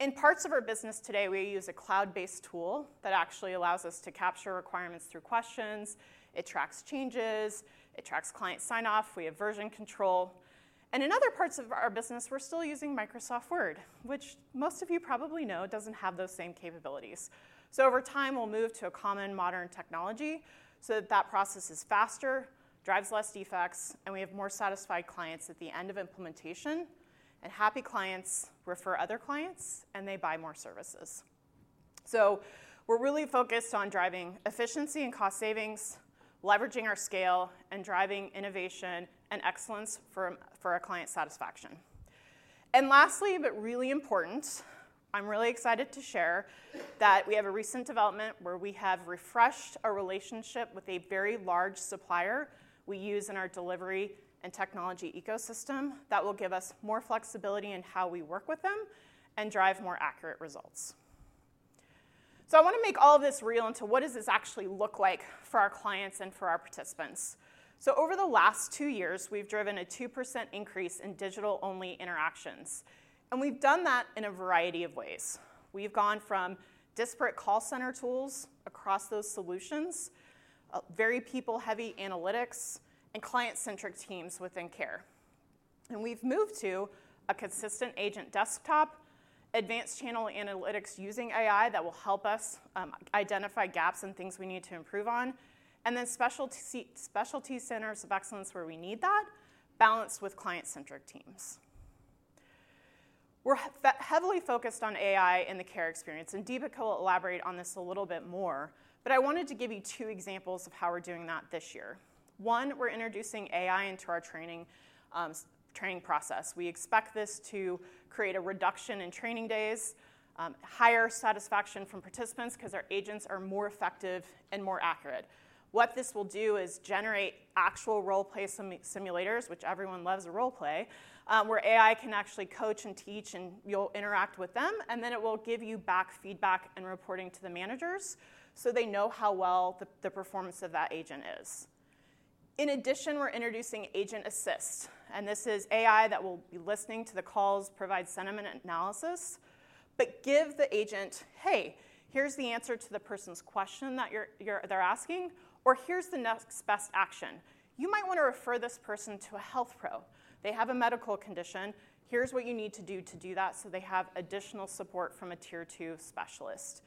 In parts of our business today, we use a cloud-based tool that actually allows us to capture requirements through questions. It tracks changes. It tracks client sign-off. We have version control. In other parts of our business, we're still using Microsoft Word, which most of you probably know doesn't have those same capabilities. Over time, we'll move to a common modern technology so that that process is faster, drives less defects, and we have more satisfied clients at the end of implementation. Happy clients refer other clients, and they buy more services. We are really focused on driving efficiency and cost savings, leveraging our scale, and driving innovation and excellence for our client satisfaction. Lastly, but really important, I am really excited to share that we have a recent development where we have refreshed our relationship with a very large supplier we use in our delivery and technology ecosystem that will give us more flexibility in how we work with them and drive more accurate results. I want to make all of this real into what does this actually look like for our clients and for our participants. Over the last two years, we have driven a 2% increase in digital-only interactions. We have done that in a variety of ways. We have gone from disparate call center tools across those solutions, very people-heavy analytics, and client-centric teams within care. We have moved to a consistent agent desktop, advanced channel analytics using AI that will help us identify gaps and things we need to improve on, and then specialty centers of excellence where we need that, balanced with client-centric teams. We are heavily focused on AI in the care experience, and Deepika will elaborate on this a little bit more, but I wanted to give you two examples of how we are doing that this year. One, we are introducing AI into our training process. We expect this to create a reduction in training days, higher satisfaction from participants because our agents are more effective and more accurate. What this will do is generate actual role-play simulators, which everyone loves a role-play, where AI can actually coach and teach, and you'll interact with them, and then it will give you back feedback and reporting to the managers so they know how well the performance of that agent is. In addition, we're introducing Agent Assist, and this is AI that will be listening to the calls, provide sentiment analysis, but give the agent, "Hey, here's the answer to the person's question that they're asking," or, "Here's the next best action. You might want to refer this person to a health pro. They have a medical condition. Here's what you need to do to do that," so they have additional support from a tier-two specialist.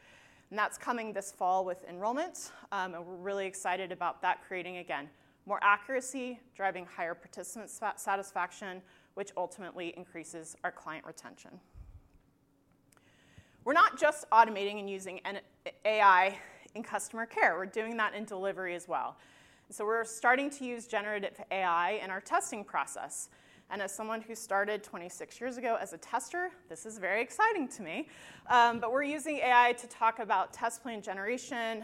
That's coming this fall with enrollment, and we're really excited about that, creating, again, more accuracy, driving higher participant satisfaction, which ultimately increases our client retention. We're not just automating and using AI in customer care. We're doing that in delivery as well. We're starting to use generative AI in our testing process. As someone who started 26 years ago as a tester, this is very exciting to me, but we're using AI to talk about test plan generation,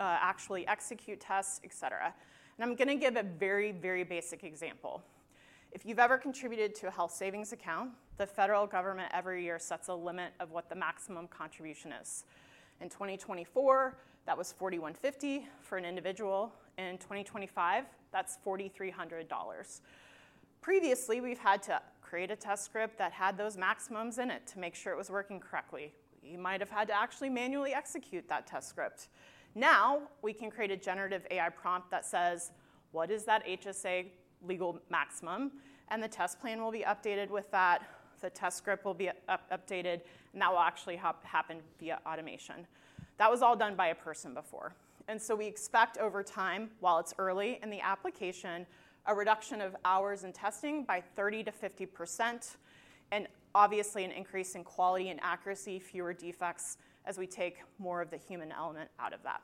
actually execute tests, etc. I'm going to give a very, very basic example. If you've ever contributed to a health savings account, the federal government every year sets a limit of what the maximum contribution is. In 2024, that was $4,150 for an individual. In 2025, that's $4,300. Previously, we've had to create a test script that had those maximums in it to make sure it was working correctly. You might have had to actually manually execute that test script. Now we can create a generative AI prompt that says, "What is that HSA legal maximum?" and the test plan will be updated with that. The test script will be updated, and that will actually happen via automation. That was all done by a person before. We expect over time, while it's early in the application, a reduction of hours in testing by 30-50%, and obviously an increase in quality and accuracy, fewer defects as we take more of the human element out of that.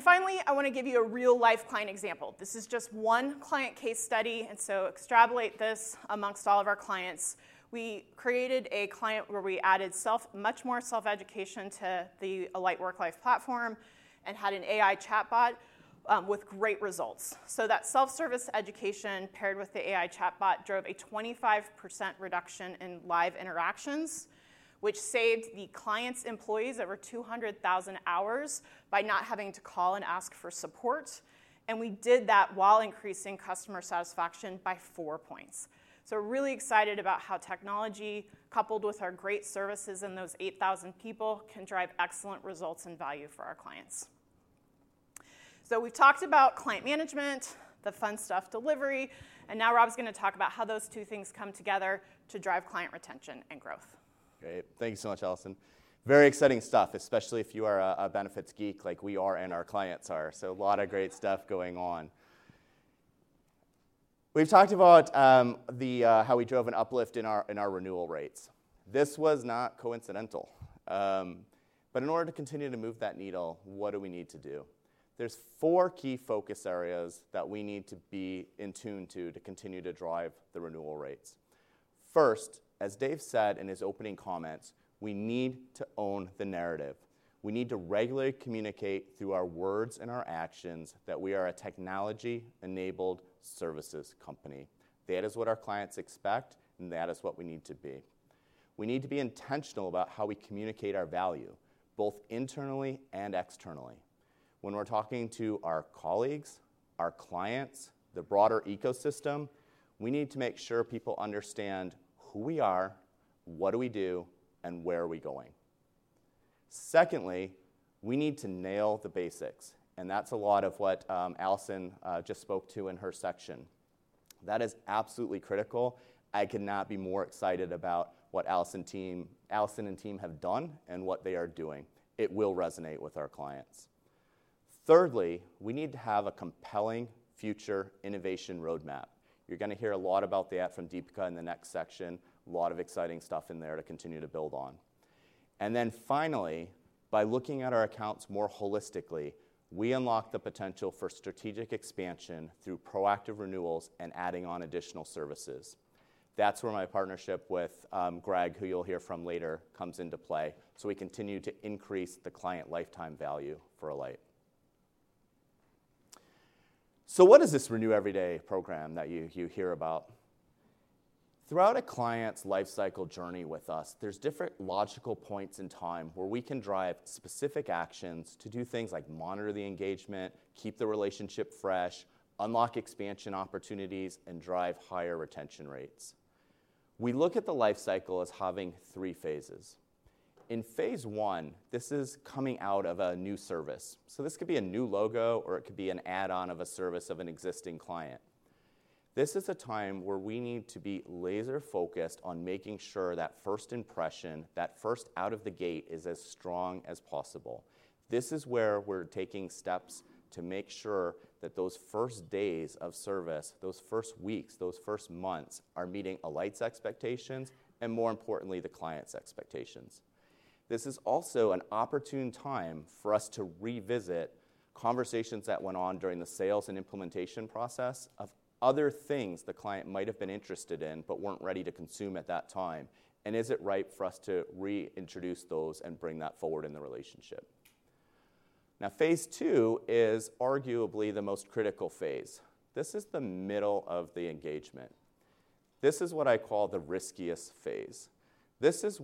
Finally, I want to give you a real-life client example. This is just one client case study, and so extrapolate this amongst all of our clients. We created a client where we added much more self-education to the Alight WorkLife platform and had an AI chatbot with great results. That self-service education paired with the AI chatbot drove a 25% reduction in live interactions, which saved the client's employees over 200,000 hours by not having to call and ask for support. We did that while increasing customer satisfaction by four points. We are really excited about how technology, coupled with our great services and those 8,000 people, can drive excellent results and value for our clients. We have talked about client management, the fun stuff, delivery, and now Rob's going to talk about how those two things come together to drive client retention and growth. Great. Thank you so much, Allison. Very exciting stuff, especially if you are a benefits geek like we are and our clients are. A lot of great stuff going on. We've talked about how we drove an uplift in our renewal rates. This was not coincidental. In order to continue to move that needle, what do we need to do? There are four key focus areas that we need to be in tune to to continue to drive the renewal rates. First, as Dave said in his opening comments, we need to own the narrative. We need to regularly communicate through our words and our actions that we are a technology-enabled services company. That is what our clients expect, and that is what we need to be. We need to be intentional about how we communicate our value, both internally and externally. When we're talking to our colleagues, our clients, the broader ecosystem, we need to make sure people understand who we are, what do we do, and where are we going. Secondly, we need to nail the basics, and that's a lot of what Allison just spoke to in her section. That is absolutely critical. I could not be more excited about what Allison and team have done and what they are doing. It will resonate with our clients. Thirdly, we need to have a compelling future innovation roadmap. You are going to hear a lot about that from Deepika in the next section, a lot of exciting stuff in there to continue to build on. Finally, by looking at our accounts more holistically, we unlock the potential for strategic expansion through proactive renewals and adding on additional services. That's where my partnership with Greg, who you'll hear from later, comes into play. We continue to increase the client lifetime value for Alight. What is this Renew Every Day program that you hear about? Throughout a client's lifecycle journey with us, there are different logical points in time where we can drive specific actions to do things like monitor the engagement, keep the relationship fresh, unlock expansion opportunities, and drive higher retention rates. We look at the lifecycle as having three phases. In phase one, this is coming out of a new service. This could be a new logo, or it could be an add-on of a service of an existing client. This is a time where we need to be laser-focused on making sure that first impression, that first out-of-the-gate, is as strong as possible. This is where we're taking steps to make sure that those first days of service, those first weeks, those first months are meeting Alight's expectations and, more importantly, the client's expectations. This is also an opportune time for us to revisit conversations that went on during the sales and implementation process of other things the client might have been interested in but were not ready to consume at that time. Is it ripe for us to reintroduce those and bring that forward in the relationship? Phase two is arguably the most critical phase. This is the middle of the engagement. This is what I call the riskiest phase. This is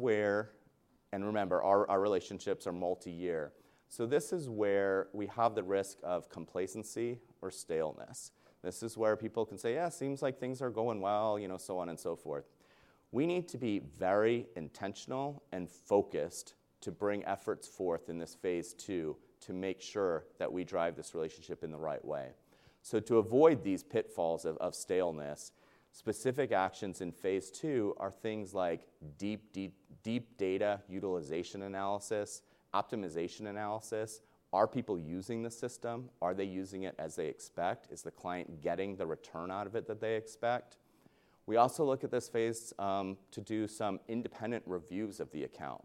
where, and remember, our relationships are multi-year. This is where we have the risk of complacency or staleness. This is where people can say, "Yeah, seems like things are going well," so on and so forth. We need to be very intentional and focused to bring efforts forth in this phase two to make sure that we drive this relationship in the right way. To avoid these pitfalls of staleness, specific actions in phase two are things like deep data utilization analysis, optimization analysis. Are people using the system? Are they using it as they expect? Is the client getting the return out of it that they expect? We also look at this phase to do some independent reviews of the account.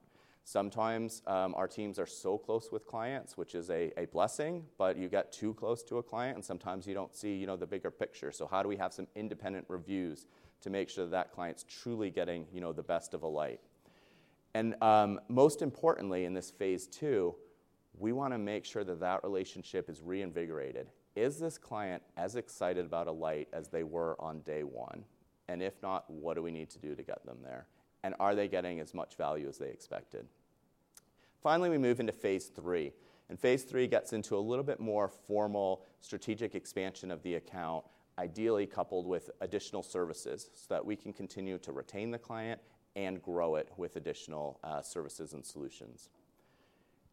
Sometimes our teams are so close with clients, which is a blessing, but you get too close to a client, and sometimes you don't see the bigger picture. How do we have some independent reviews to make sure that that client's truly getting the best of Alight? Most importantly, in this phase two, we want to make sure that that relationship is reinvigorated. Is this client as excited about Alight as they were on day one? If not, what do we need to do to get them there? Are they getting as much value as they expected? Finally, we move into phase three. Phase three gets into a little bit more formal strategic expansion of the account, ideally coupled with additional services so that we can continue to retain the client and grow it with additional services and solutions.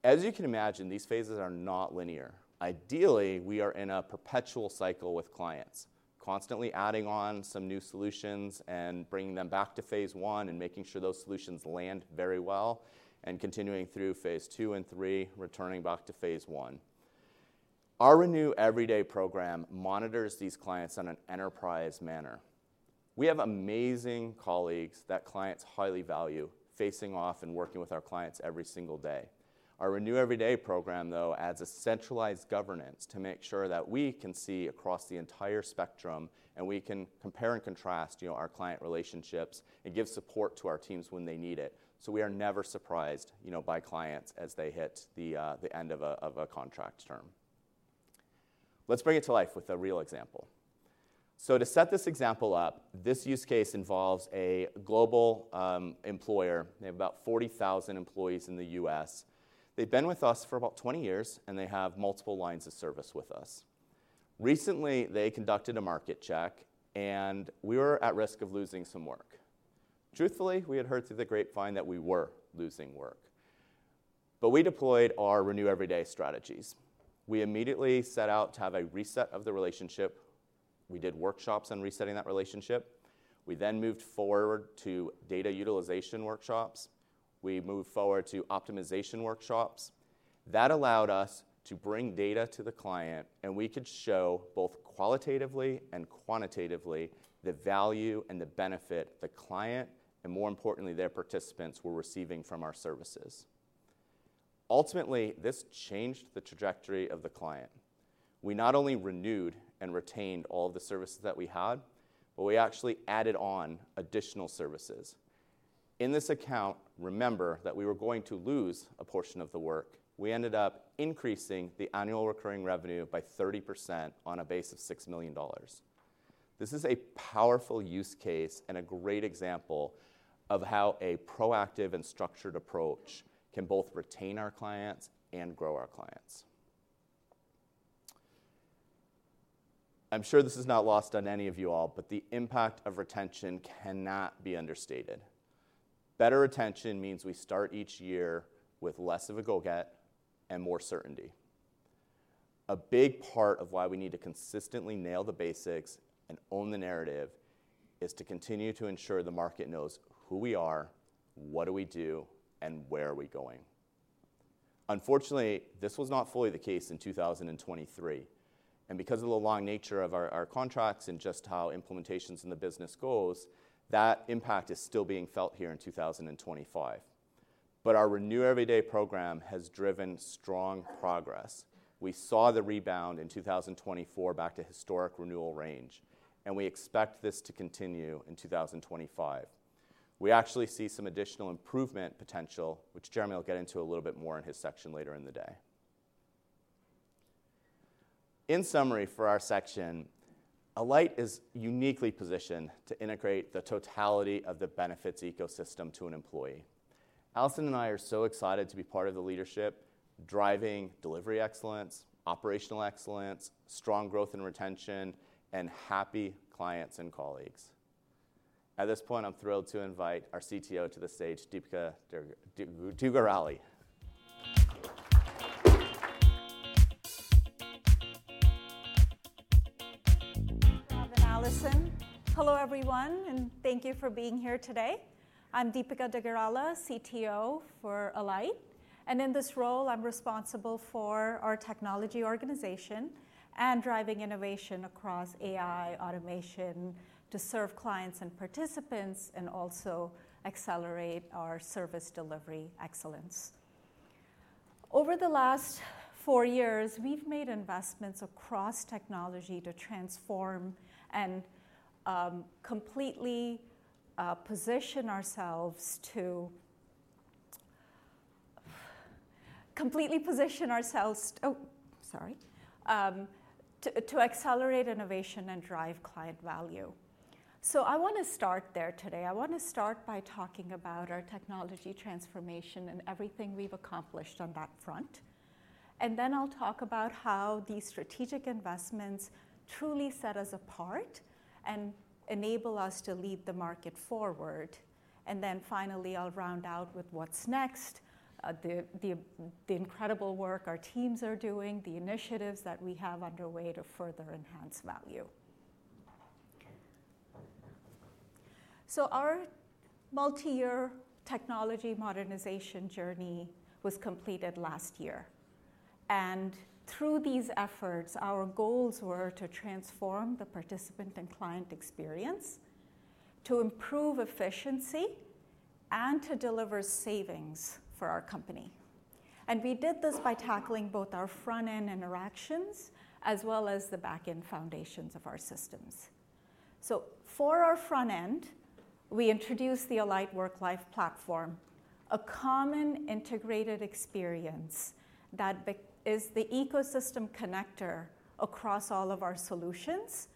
As you can imagine, these phases are not linear. Ideally, we are in a perpetual cycle with clients, constantly adding on some new solutions and bringing them back to phase one and making sure those solutions land very well and continuing through phase two and three, returning back to phase one. Our Renew Every Day program monitors these clients in an enterprise manner. We have amazing colleagues that clients highly value facing off and working with our clients every single day. Our Renew Every Day program, though, adds a centralized governance to make sure that we can see across the entire spectrum and we can compare and contrast our client relationships and give support to our teams when they need it. We are never surprised by clients as they hit the end of a contract term. Let's bring it to life with a real example. To set this example up, this use case involves a global employer. They have about 40,000 employees in the US. They've been with us for about 20 years, and they have multiple lines of service with us. Recently, they conducted a market check, and we were at risk of losing some work. Truthfully, we had heard through the grapevine that we were losing work. We deployed our Renew Every Day strategies. We immediately set out to have a reset of the relationship. We did workshops on resetting that relationship. We moved forward to data utilization workshops. We moved forward to optimization workshops. That allowed us to bring data to the client, and we could show both qualitatively and quantitatively the value and the benefit the client and, more importantly, their participants were receiving from our services. Ultimately, this changed the trajectory of the client. We not only renewed and retained all of the services that we had, but we actually added on additional services. In this account, remember that we were going to lose a portion of the work. We ended up increasing the annual recurring revenue by 30% on a base of $6 million. This is a powerful use case and a great example of how a proactive and structured approach can both retain our clients and grow our clients. I'm sure this is not lost on any of you all, but the impact of retention cannot be understated. Better retention means we start each year with less of a go-get and more certainty. A big part of why we need to consistently nail the basics and own the narrative is to continue to ensure the market knows who we are, what do we do, and where are we going. Unfortunately, this was not fully the case in 2023. Because of the long nature of our contracts and just how implementations in the business goes, that impact is still being felt here in 2025. Our Renew Every Day program has driven strong progress. We saw the rebound in 2024 back to historic renewal range, and we expect this to continue in 2025. We actually see some additional improvement potential, which Jeremy will get into a little bit more in his section later in the day. In summary for our section, Alight is uniquely positioned to integrate the totality of the benefits ecosystem to an employee. Allison and I are so excited to be part of the leadership driving delivery excellence, operational excellence, strong growth and retention, and happy clients and colleagues. At this point, I'm thrilled to invite our CTO to the stage, Deepika Degorala. Rob and Allison. Hello, everyone, and thank you for being here today. I'm Deepika Degorala, CTO for Alight. In this role, I'm responsible for our technology organization and driving innovation across AI automation to serve clients and participants and also accelerate our service delivery excellence. Over the last four years, we've made investments across technology to transform and completely position ourselves to accelerate innovation and drive client value. I want to start there today. I want to start by talking about our technology transformation and everything we've accomplished on that front. I will talk about how these strategic investments truly set us apart and enable us to lead the market forward. Finally, I'll round out with what's next, the incredible work our teams are doing, the initiatives that we have underway to further enhance value. Our multi-year technology modernization journey was completed last year. Through these efforts, our goals were to transform the participant and client experience, to improve efficiency, and to deliver savings for our company. We did this by tackling both our front-end interactions as well as the back-end foundations of our systems. For our front-end, we introduced the Alight WorkLife platform, a common integrated experience that is the ecosystem connector across all of our solutions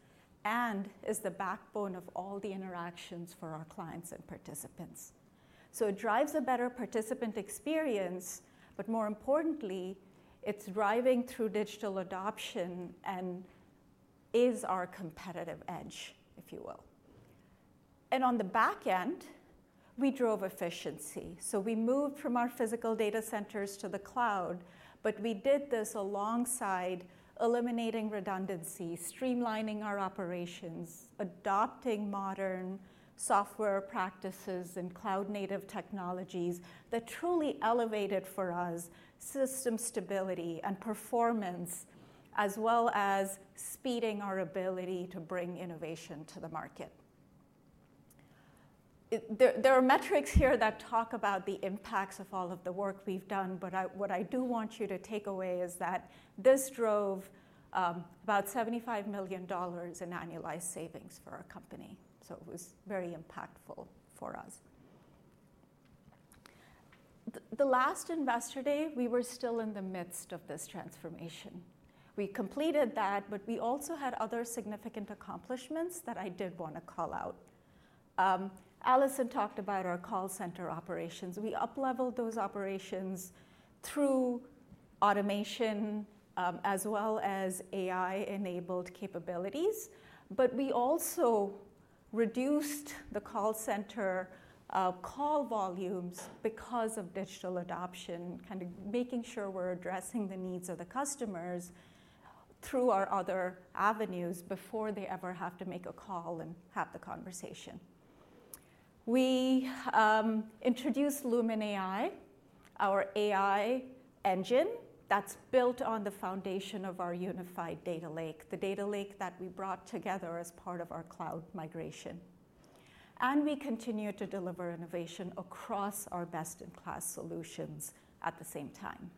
and is the backbone of all the interactions for our clients and participants. It drives a better participant experience, but more importantly, it is driving through digital adoption and is our competitive edge, if you will. On the back end, we drove efficiency. We moved from our physical data centers to the cloud, but we did this alongside eliminating redundancy, streamlining our operations, adopting modern software practices and cloud-native technologies that truly elevated for us system stability and performance, as well as speeding our ability to bring innovation to the market. There are metrics here that talk about the impacts of all of the work we've done, but what I do want you to take away is that this drove about $75 million in annualized savings for our company. It was very impactful for us. The last investor day, we were still in the midst of this transformation. We completed that, but we also had other significant accomplishments that I did want to call out. Allison talked about our call center operations. We upleveled those operations through automation as well as AI-enabled capabilities. We also reduced the call center call volumes because of digital adoption, kind of making sure we're addressing the needs of the customers through our other avenues before they ever have to make a call and have the conversation. We introduced Alight Lumen AI, our AI engine that's built on the foundation of our unified data lake, the data lake that we brought together as part of our cloud migration. We continue to deliver innovation across our best-in-class solutions at the same time.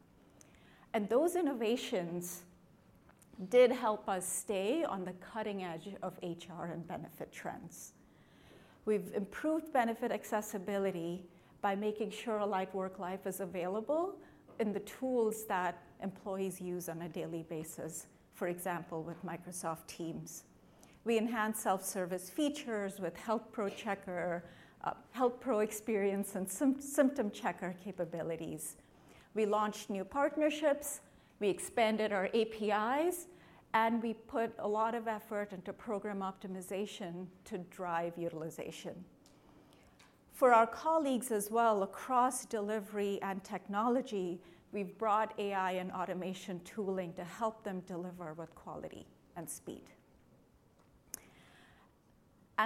Those innovations did help us stay on the cutting edge of HR and benefit trends. We've improved benefit accessibility by making sure Alight WorkLife is available in the tools that employees use on a daily basis, for example, with Microsoft Teams. We enhanced self-service features with HealthPro Checker, HealthPro Experience, and Symptom Checker capabilities. We launched new partnerships. We expanded our APIs, and we put a lot of effort into program optimization to drive utilization. For our colleagues as well, across delivery and technology, we've brought AI and automation tooling to help them deliver with quality and speed.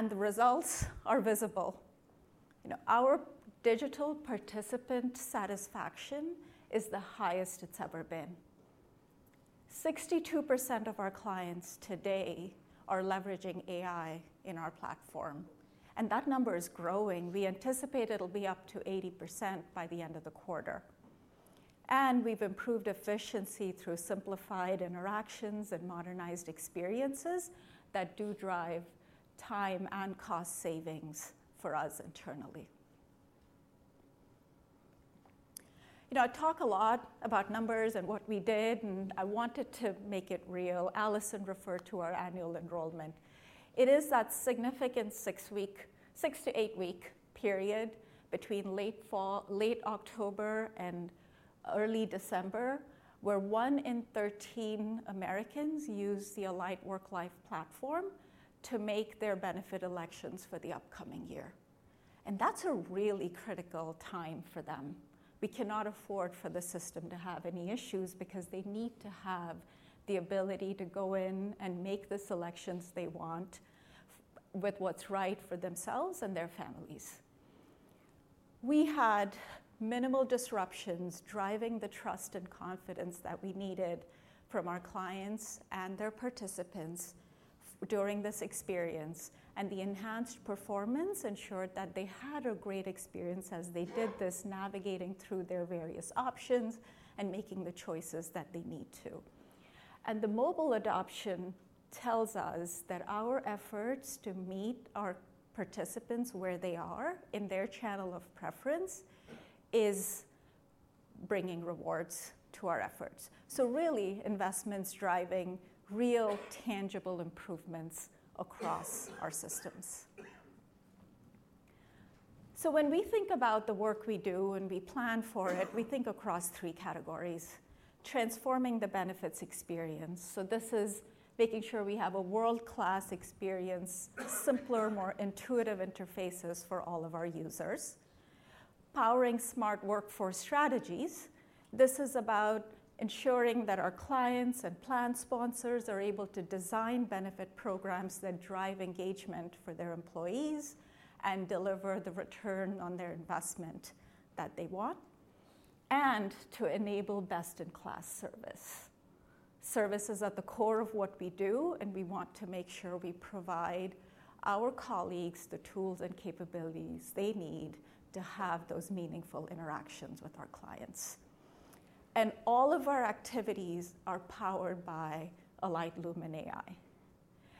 The results are visible. Our digital participant satisfaction is the highest it's ever been. 62% of our clients today are leveraging AI in our platform. That number is growing. We anticipate it'll be up to 80% by the end of the quarter. We've improved efficiency through simplified interactions and modernized experiences that do drive time and cost savings for us internally. I talk a lot about numbers and what we did, and I wanted to make it real. Allison referred to our annual enrollment. It is that significant six to eight-week period between late October and early December where one in 13 Americans use the Alight WorkLife platform to make their benefit elections for the upcoming year. That's a really critical time for them. We cannot afford for the system to have any issues because they need to have the ability to go in and make the selections they want with what's right for themselves and their families. We had minimal disruptions driving the trust and confidence that we needed from our clients and their participants during this experience. The enhanced performance ensured that they had a great experience as they did this, navigating through their various options and making the choices that they need to. The mobile adoption tells us that our efforts to meet our participants where they are in their channel of preference is bringing rewards to our efforts. Really, investments driving real tangible improvements across our systems. When we think about the work we do and we plan for it, we think across three categories: transforming the benefits experience. This is making sure we have a world-class experience, simpler, more intuitive interfaces for all of our users, powering smart workforce strategies. This is about ensuring that our clients and plan sponsors are able to design benefit programs that drive engagement for their employees and deliver the return on their investment that they want, and to enable best-in-class service. Service is at the core of what we do, and we want to make sure we provide our colleagues the tools and capabilities they need to have those meaningful interactions with our clients. All of our activities are powered by Alight Lumen AI.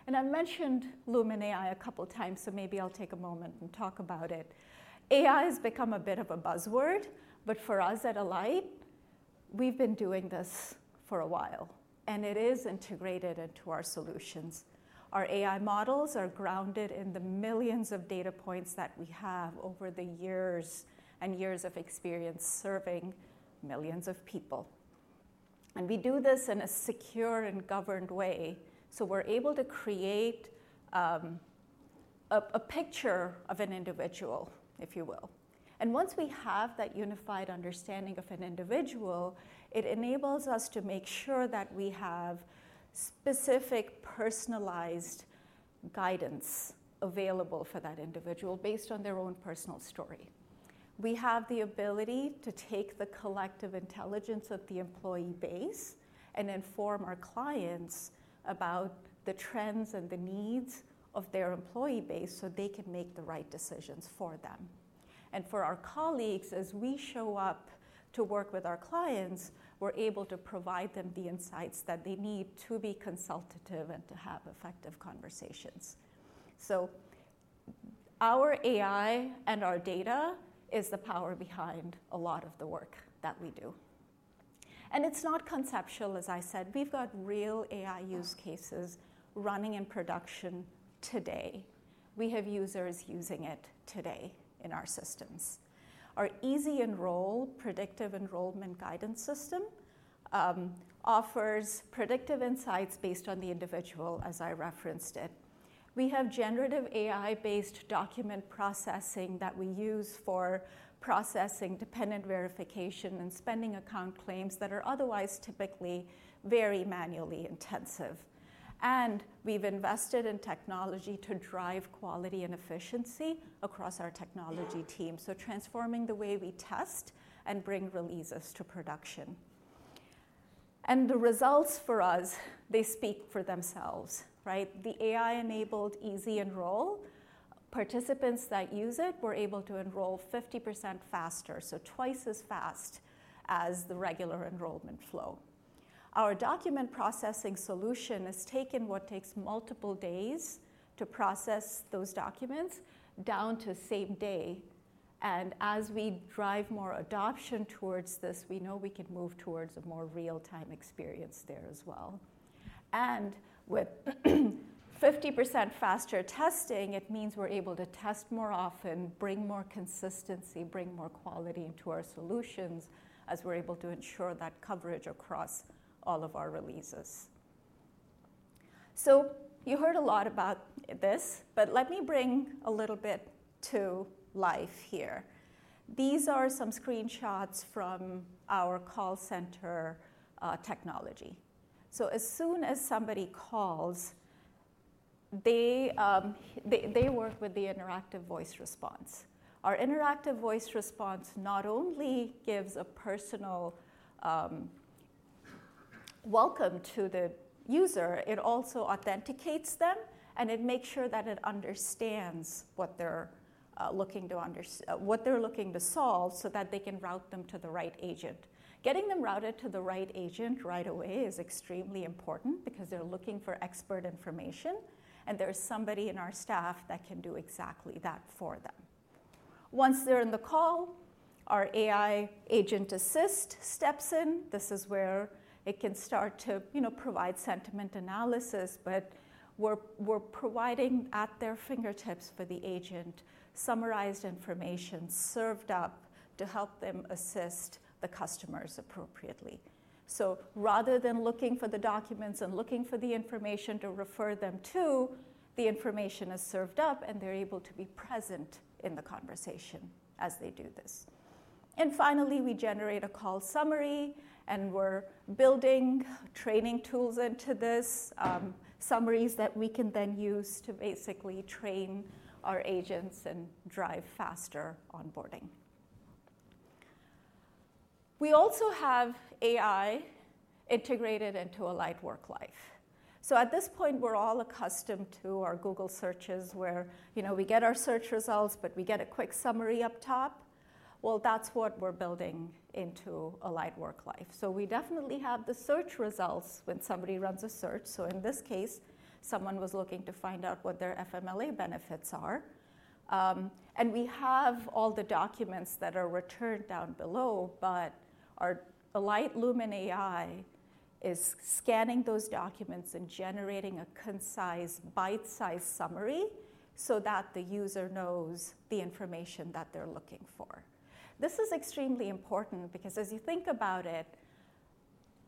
I mentioned Lumen AI a couple of times, so maybe I'll take a moment and talk about it. AI has become a bit of a buzzword, but for us at Alight, we've been doing this for a while, and it is integrated into our solutions. Our AI models are grounded in the millions of data points that we have over the years and years of experience serving millions of people. We do this in a secure and governed way. We are able to create a picture of an individual, if you will. Once we have that unified understanding of an individual, it enables us to make sure that we have specific personalized guidance available for that individual based on their own personal story. We have the ability to take the collective intelligence of the employee base and inform our clients about the trends and the needs of their employee base so they can make the right decisions for them. For our colleagues, as we show up to work with our clients, we're able to provide them the insights that they need to be consultative and to have effective conversations. Our AI and our data is the power behind a lot of the work that we do. It's not conceptual, as I said. We've got real AI use cases running in production today. We have users using it today in our systems. Our Easy Enroll, predictive enrollment guidance system offers predictive insights based on the individual, as I referenced it. We have generative AI-based document processing that we use for processing dependent verification and spending account claims that are otherwise typically very manually intensive. We have invested in technology to drive quality and efficiency across our technology team, transforming the way we test and bring releases to production. The results for us, they speak for themselves, right? The AI-enabled Easy Enroll, participants that use it were able to enroll 50% faster, so twice as fast as the regular enrollment flow. Our document processing solution has taken what takes multiple days to process those documents down to same day. As we drive more adoption towards this, we know we can move towards a more real-time experience there as well. With 50% faster testing, it means we're able to test more often, bring more consistency, bring more quality into our solutions as we're able to ensure that coverage across all of our releases. You heard a lot about this, but let me bring a little bit to life here. These are some screenshots from our call center technology. As soon as somebody calls, they work with the interactive voice response. Our interactive voice response not only gives a personal welcome to the user, it also authenticates them, and it makes sure that it understands what they're looking to solve so that they can route them to the right agent. Getting them routed to the right agent right away is extremely important because they're looking for expert information, and there's somebody in our staff that can do exactly that for them. Once they're in the call, our AI agent assist steps in. This is where it can start to provide sentiment analysis, but we're providing at their fingertips for the agent, summarized information served up to help them assist the customers appropriately. Rather than looking for the documents and looking for the information to refer them to, the information is served up, and they're able to be present in the conversation as they do this. Finally, we generate a call summary, and we're building training tools into this, summaries that we can then use to basically train our agents and drive faster onboarding. We also have AI integrated into Alight WorkLife. At this point, we're all accustomed to our Google searches where we get our search results, but we get a quick summary up top. That's what we're building into Alight WorkLife. We definitely have the search results when somebody runs a search. In this case, someone was looking to find out what their FMLA benefits are. We have all the documents that are returned down below, but Alight Lumen AI is scanning those documents and generating a concise bite-sized summary so that the user knows the information that they're looking for. This is extremely important because as you think about it,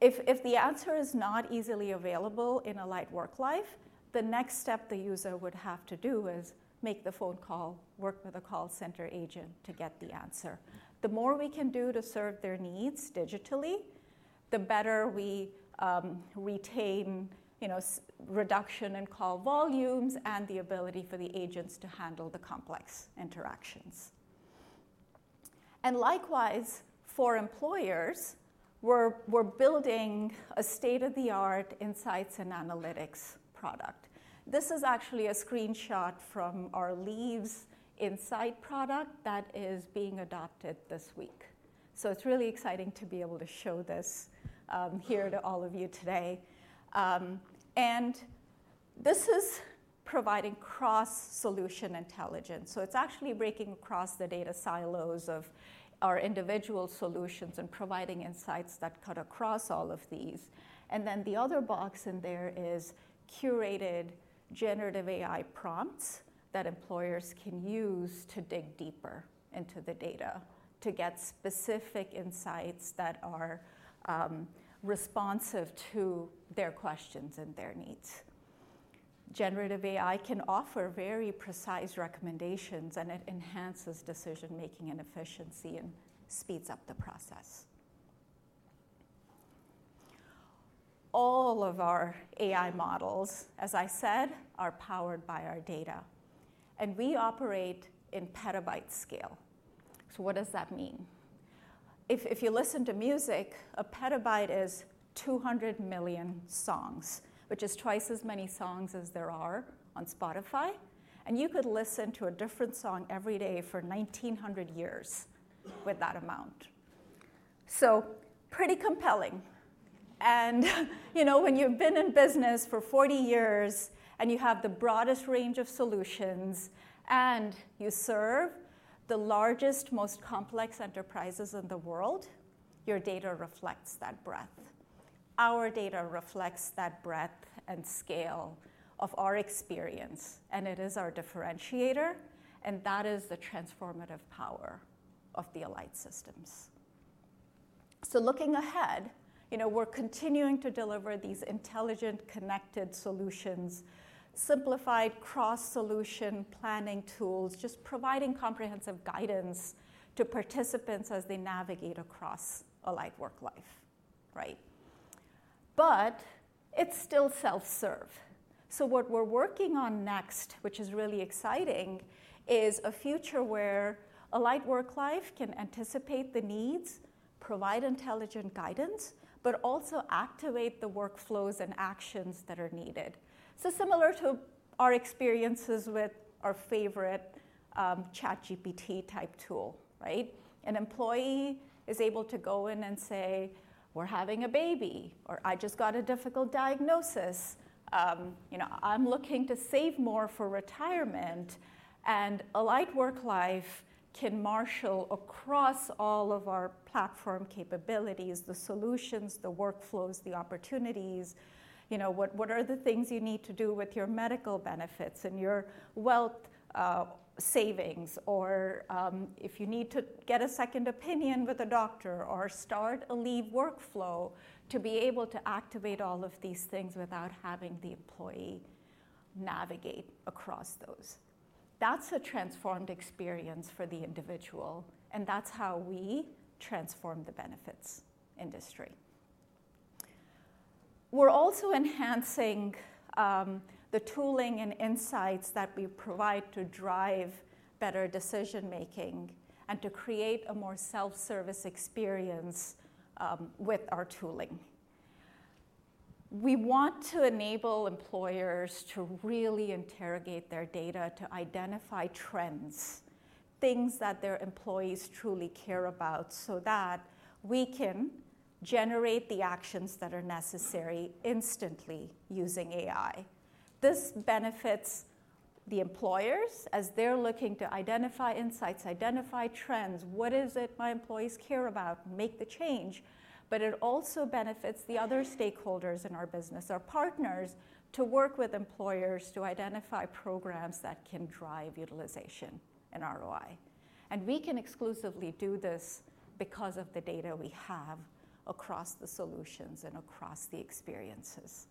if the answer is not easily available in Alight WorkLife, the next step the user would have to do is make the phone call, work with a call center agent to get the answer. The more we can do to serve their needs digitally, the better we retain reduction in call volumes and the ability for the agents to handle the complex interactions. Likewise, for employers, we're building a state-of-the-art insights and analytics product. This is actually a screenshot from our leaves insight product that is being adopted this week. It is really exciting to be able to show this here to all of you today. This is providing cross-solution intelligence. It is actually breaking across the data silos of our individual solutions and providing insights that cut across all of these. The other box in there is curated generative AI prompts that employers can use to dig deeper into the data to get specific insights that are responsive to their questions and their needs. Generative AI can offer very precise recommendations, and it enhances decision-making and efficiency and speeds up the process. All of our AI models, as I said, are powered by our data. We operate in petabyte scale. What does that mean? If you listen to music, a petabyte is 200 million songs, which is twice as many songs as there are on Spotify. You could listen to a different song every day for 1,900 years with that amount. Pretty compelling. When you've been in business for 40 years and you have the broadest range of solutions and you serve the largest, most complex enterprises in the world, your data reflects that breadth. Our data reflects that breadth and scale of our experience, and it is our differentiator, and that is the transformative power of the Alight systems. Looking ahead, we're continuing to deliver these intelligent connected solutions, simplified cross-solution planning tools, just providing comprehensive guidance to participants as they navigate across Alight WorkLife, right? It's still self-serve. What we're working on next, which is really exciting, is a future where Alight WorkLife can anticipate the needs, provide intelligent guidance, but also activate the workflows and actions that are needed. Similar to our experiences with our favorite ChatGPT type tool, right? An employee is able to go in and say, "We're having a baby," or, "I just got a difficult diagnosis. I'm looking to save more for retirement." Alight WorkLife can marshal across all of our platform capabilities, the solutions, the workflows, the opportunities. What are the things you need to do with your medical benefits and your wealth savings, or if you need to get a second opinion with a doctor or start a leave workflow to be able to activate all of these things without having the employee navigate across those? That's a transformed experience for the individual, and that's how we transform the benefits industry. We're also enhancing the tooling and insights that we provide to drive better decision-making and to create a more self-service experience with our tooling. We want to enable employers to really interrogate their data to identify trends, things that their employees truly care about so that we can generate the actions that are necessary instantly using AI. This benefits the employers as they're looking to identify insights, identify trends, what is it my employees care about, make the change, it also benefits the other stakeholders in our business, our partners to work with employers to identify programs that can drive utilization and ROI. We can exclusively do this because of the data we have across the solutions and across the experiences.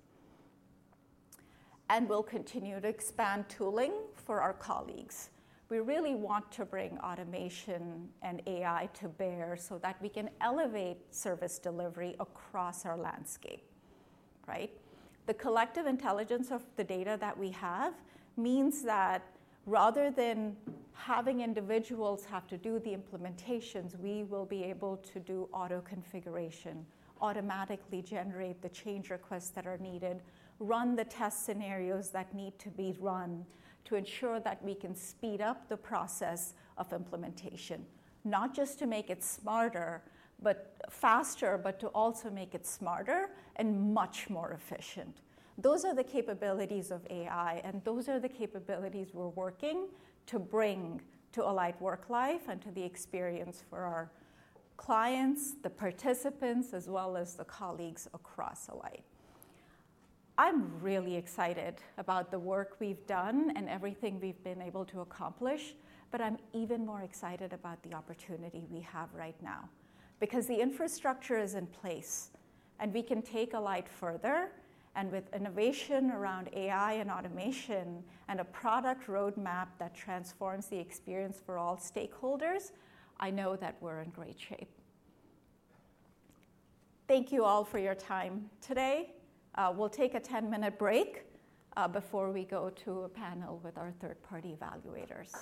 We'll continue to expand tooling for our colleagues. We really want to bring automation and AI to bear so that we can elevate service delivery across our landscape, right? The collective intelligence of the data that we have means that rather than having individuals have to do the implementations, we will be able to do auto configuration, automatically generate the change requests that are needed, run the test scenarios that need to be run to ensure that we can speed up the process of implementation, not just to make it smarter, but faster, but to also make it smarter and much more efficient. Those are the capabilities of AI, and those are the capabilities we're working to bring to Alight WorkLife and to the experience for our clients, the participants, as well as the colleagues across Alight. I'm really excited about the work we've done and everything we've been able to accomplish, but I'm even more excited about the opportunity we have right now because the infrastructure is in place, and we can take Alight further. With innovation around AI and automation and a product roadmap that transforms the experience for all stakeholders, I know that we're in great shape. Thank you all for your time today. We'll take a 10-minute break before we go to a panel with our third-party evaluators.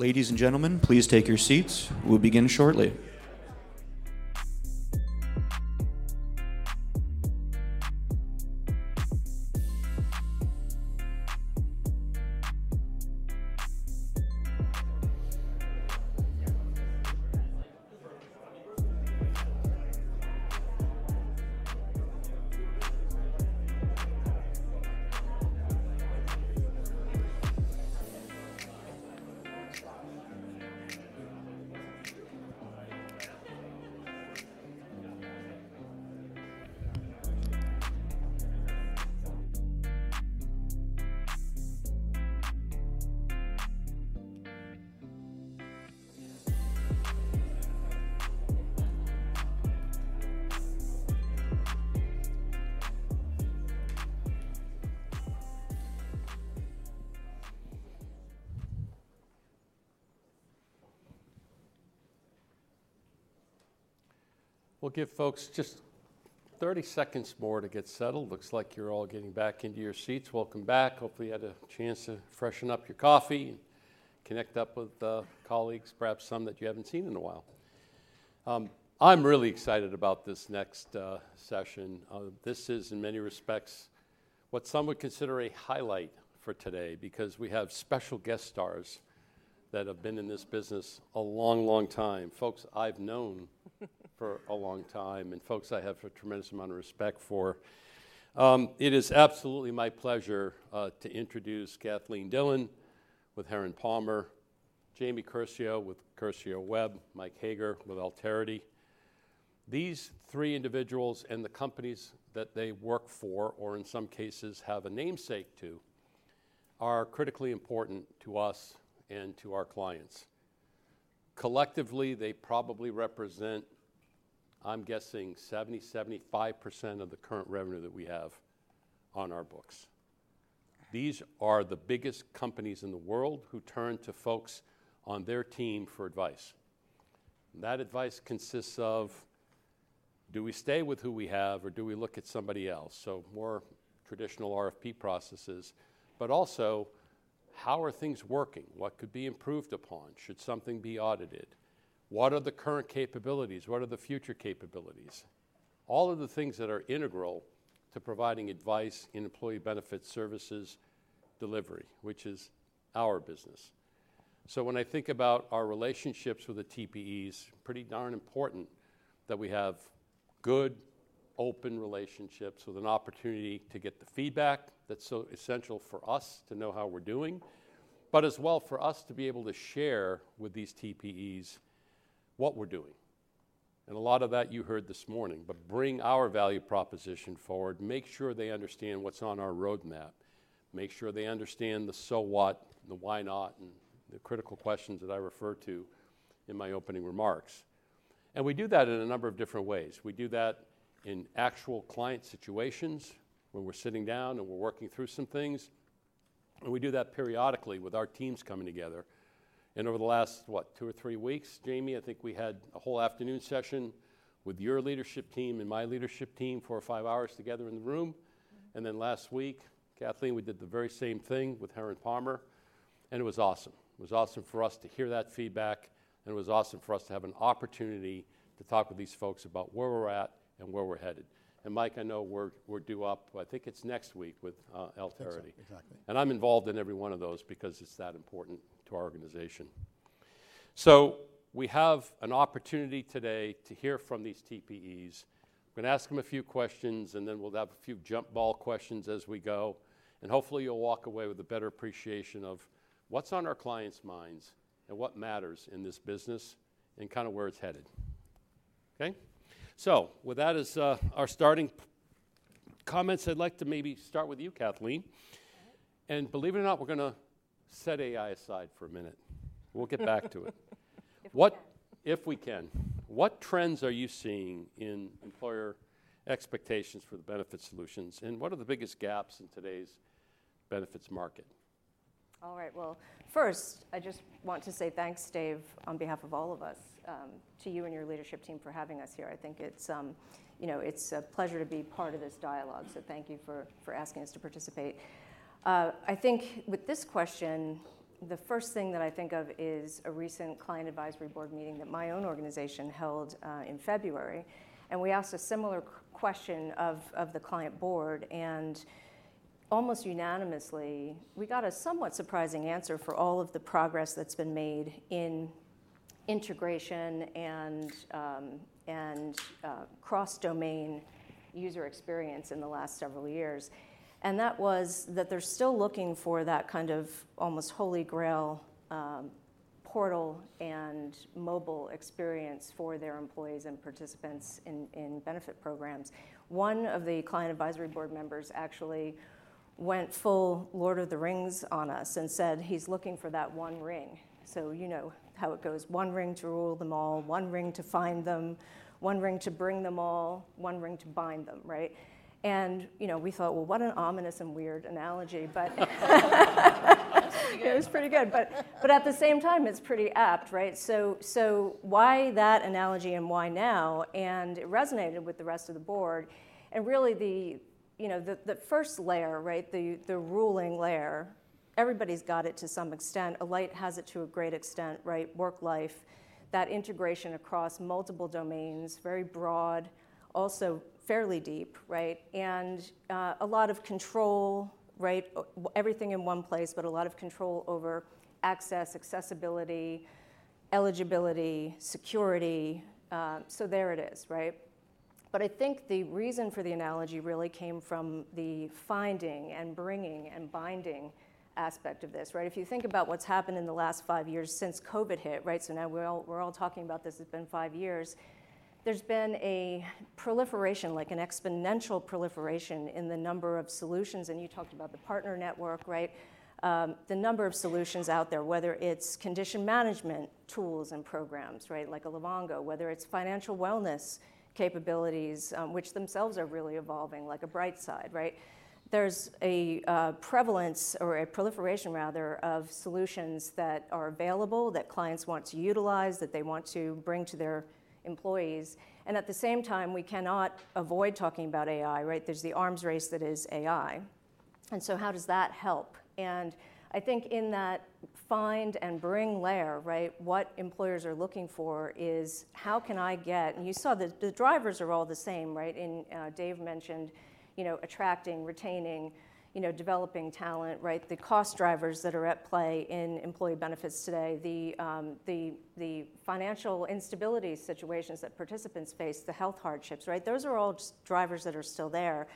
Ladies and gentlemen, please take your seats. We'll begin shortly. We'll give folks just 30 seconds more to get settled. Looks like you're all getting back into your seats. Welcome back. Hopefully, you had a chance to freshen up your coffee and connect up with colleagues, perhaps some that you haven't seen in a while. I'm really excited about this next session. This is, in many respects, what some would consider a highlight for today because we have special guest stars that have been in this business a long, long time, folks I've known for a long time and folks I have a tremendous amount of respect for. It is absolutely my pleasure to introduce Kathleen Dillon with Herron Palmer, Jamie Curcio with Curcio Webb, Mike Hager with Alterity. These three individuals and the companies that they work for, or in some cases, have a namesake to, are critically important to us and to our clients. Collectively, they probably represent, I'm guessing, 70-75% of the current revenue that we have on our books. These are the biggest companies in the world who turn to folks on their team for advice. That advice consists of, do we stay with who we have, or do we look at somebody else? More traditional RFP processes, but also how are things working? What could be improved upon? Should something be audited? What are the current capabilities? What are the future capabilities? All of the things that are integral to providing advice in employee benefit services delivery, which is our business. When I think about our relationships with the TPEs, it is pretty darn important that we have good, open relationships with an opportunity to get the feedback that is so essential for us to know how we are doing, but as well for us to be able to share with these TPEs what we are doing. A lot of that you heard this morning, but bring our value proposition forward, make sure they understand what is on our roadmap, make sure they understand the so what, the why not, and the critical questions that I refer to in my opening remarks. We do that in a number of different ways. We do that in actual client situations where we're sitting down and we're working through some things, and we do that periodically with our teams coming together. Over the last, what, two or three weeks, Jamie, I think we had a whole afternoon session with your leadership team and my leadership team, four or five hours together in the room. Last week, Kathleen, we did the very same thing with Herron Palmer, and it was awesome. It was awesome for us to hear that feedback, and it was awesome for us to have an opportunity to talk with these folks about where we're at and where we're headed. Mike, I know we're due up, I think it's next week with Alterity. Exactly. I'm involved in every one of those because it's that important to our organization. We have an opportunity today to hear from these TPEs. We're going to ask them a few questions, and then we'll have a few jump ball questions as we go. Hopefully, you'll walk away with a better appreciation of what's on our clients' minds and what matters in this business and kind of where it's headed. Okay? With that as our starting comments, I'd like to maybe start with you, Kathleen. Believe it or not, we're going to set AI aside for a minute. We'll get back to it if we can. What trends are you seeing in employer expectations for the benefit solutions, and what are the biggest gaps in today's benefits market? All right. First, I just want to say thanks, Dave, on behalf of all of us, to you and your leadership team for having us here. I think it's a pleasure to be part of this dialogue, so thank you for asking us to participate. I think with this question, the first thing that I think of is a recent client advisory board meeting that my own organization held in February, and we asked a similar question of the client board. Almost unanimously, we got a somewhat surprising answer for all of the progress that's been made in integration and cross-domain user experience in the last several years. That was that they're still looking for that kind of almost holy grail portal and mobile experience for their employees and participants in benefit programs. One of the client advisory board members actually went full Lord of the Rings on us and said, "He's looking for that one ring." You know how it goes. One ring to rule them all, one ring to find them, one ring to bring them all, one ring to bind them, right? We thought, "What an ominous and weird analogy," but it was pretty good. At the same time, it's pretty apt, right? Why that analogy and why now? It resonated with the rest of the board. Really, the first layer, the ruling layer, everybody's got it to some extent. Alight has it to a great extent, right? WorkLife, that integration across multiple domains, very broad, also fairly deep, right? A lot of control, right? Everything in one place, but a lot of control over access, accessibility, eligibility, security. There it is, right? I think the reason for the analogy really came from the finding and bringing and binding aspect of this, right? If you think about what's happened in the last five years since COVID hit, right? Now we're all talking about this. It's been five years. There's been a proliferation, like an exponential proliferation in the number of solutions. You talked about the partner network, right? The number of solutions out there, whether it's condition management tools and programs, right? Like a Livongo, whether it's financial wellness capabilities, which themselves are really evolving, like a BrightSide, right? There's a prevalence or a proliferation, rather, of solutions that are available, that clients want to utilize, that they want to bring to their employees. At the same time, we cannot avoid talking about AI, right? There's the arms race that is AI. How does that help? I think in that find and bring layer, right, what employers are looking for is how can I get—and you saw that the drivers are all the same, right? Dave mentioned attracting, retaining, developing talent, right? The cost drivers that are at play in employee benefits today, the financial instability situations that participants face, the health hardships, right? Those are all drivers that are still there.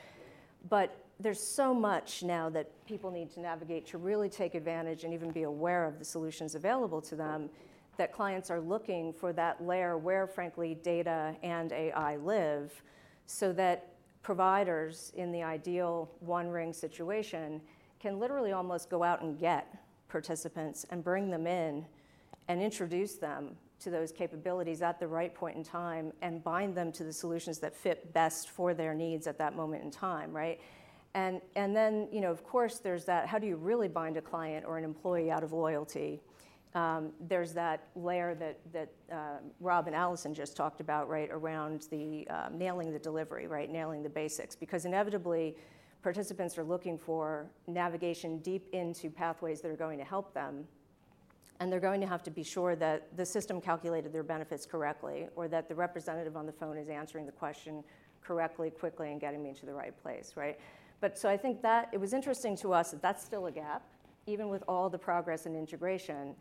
There is so much now that people need to navigate to really take advantage and even be aware of the solutions available to them that clients are looking for that layer where, frankly, data and AI live so that providers in the ideal one ring situation can literally almost go out and get participants and bring them in and introduce them to those capabilities at the right point in time and bind them to the solutions that fit best for their needs at that moment in time, right? Of course, there is that—how do you really bind a client or an employee out of loyalty? There is that layer that Rob and Allison just talked about, right, around nailing the delivery, right? Nailing the basics. Because inevitably, participants are looking for navigation deep into pathways that are going to help them, and they're going to have to be sure that the system calculated their benefits correctly or that the representative on the phone is answering the question correctly, quickly, and getting me to the right place, right? I think that it was interesting to us that that's still a gap, even with all the progress and integration.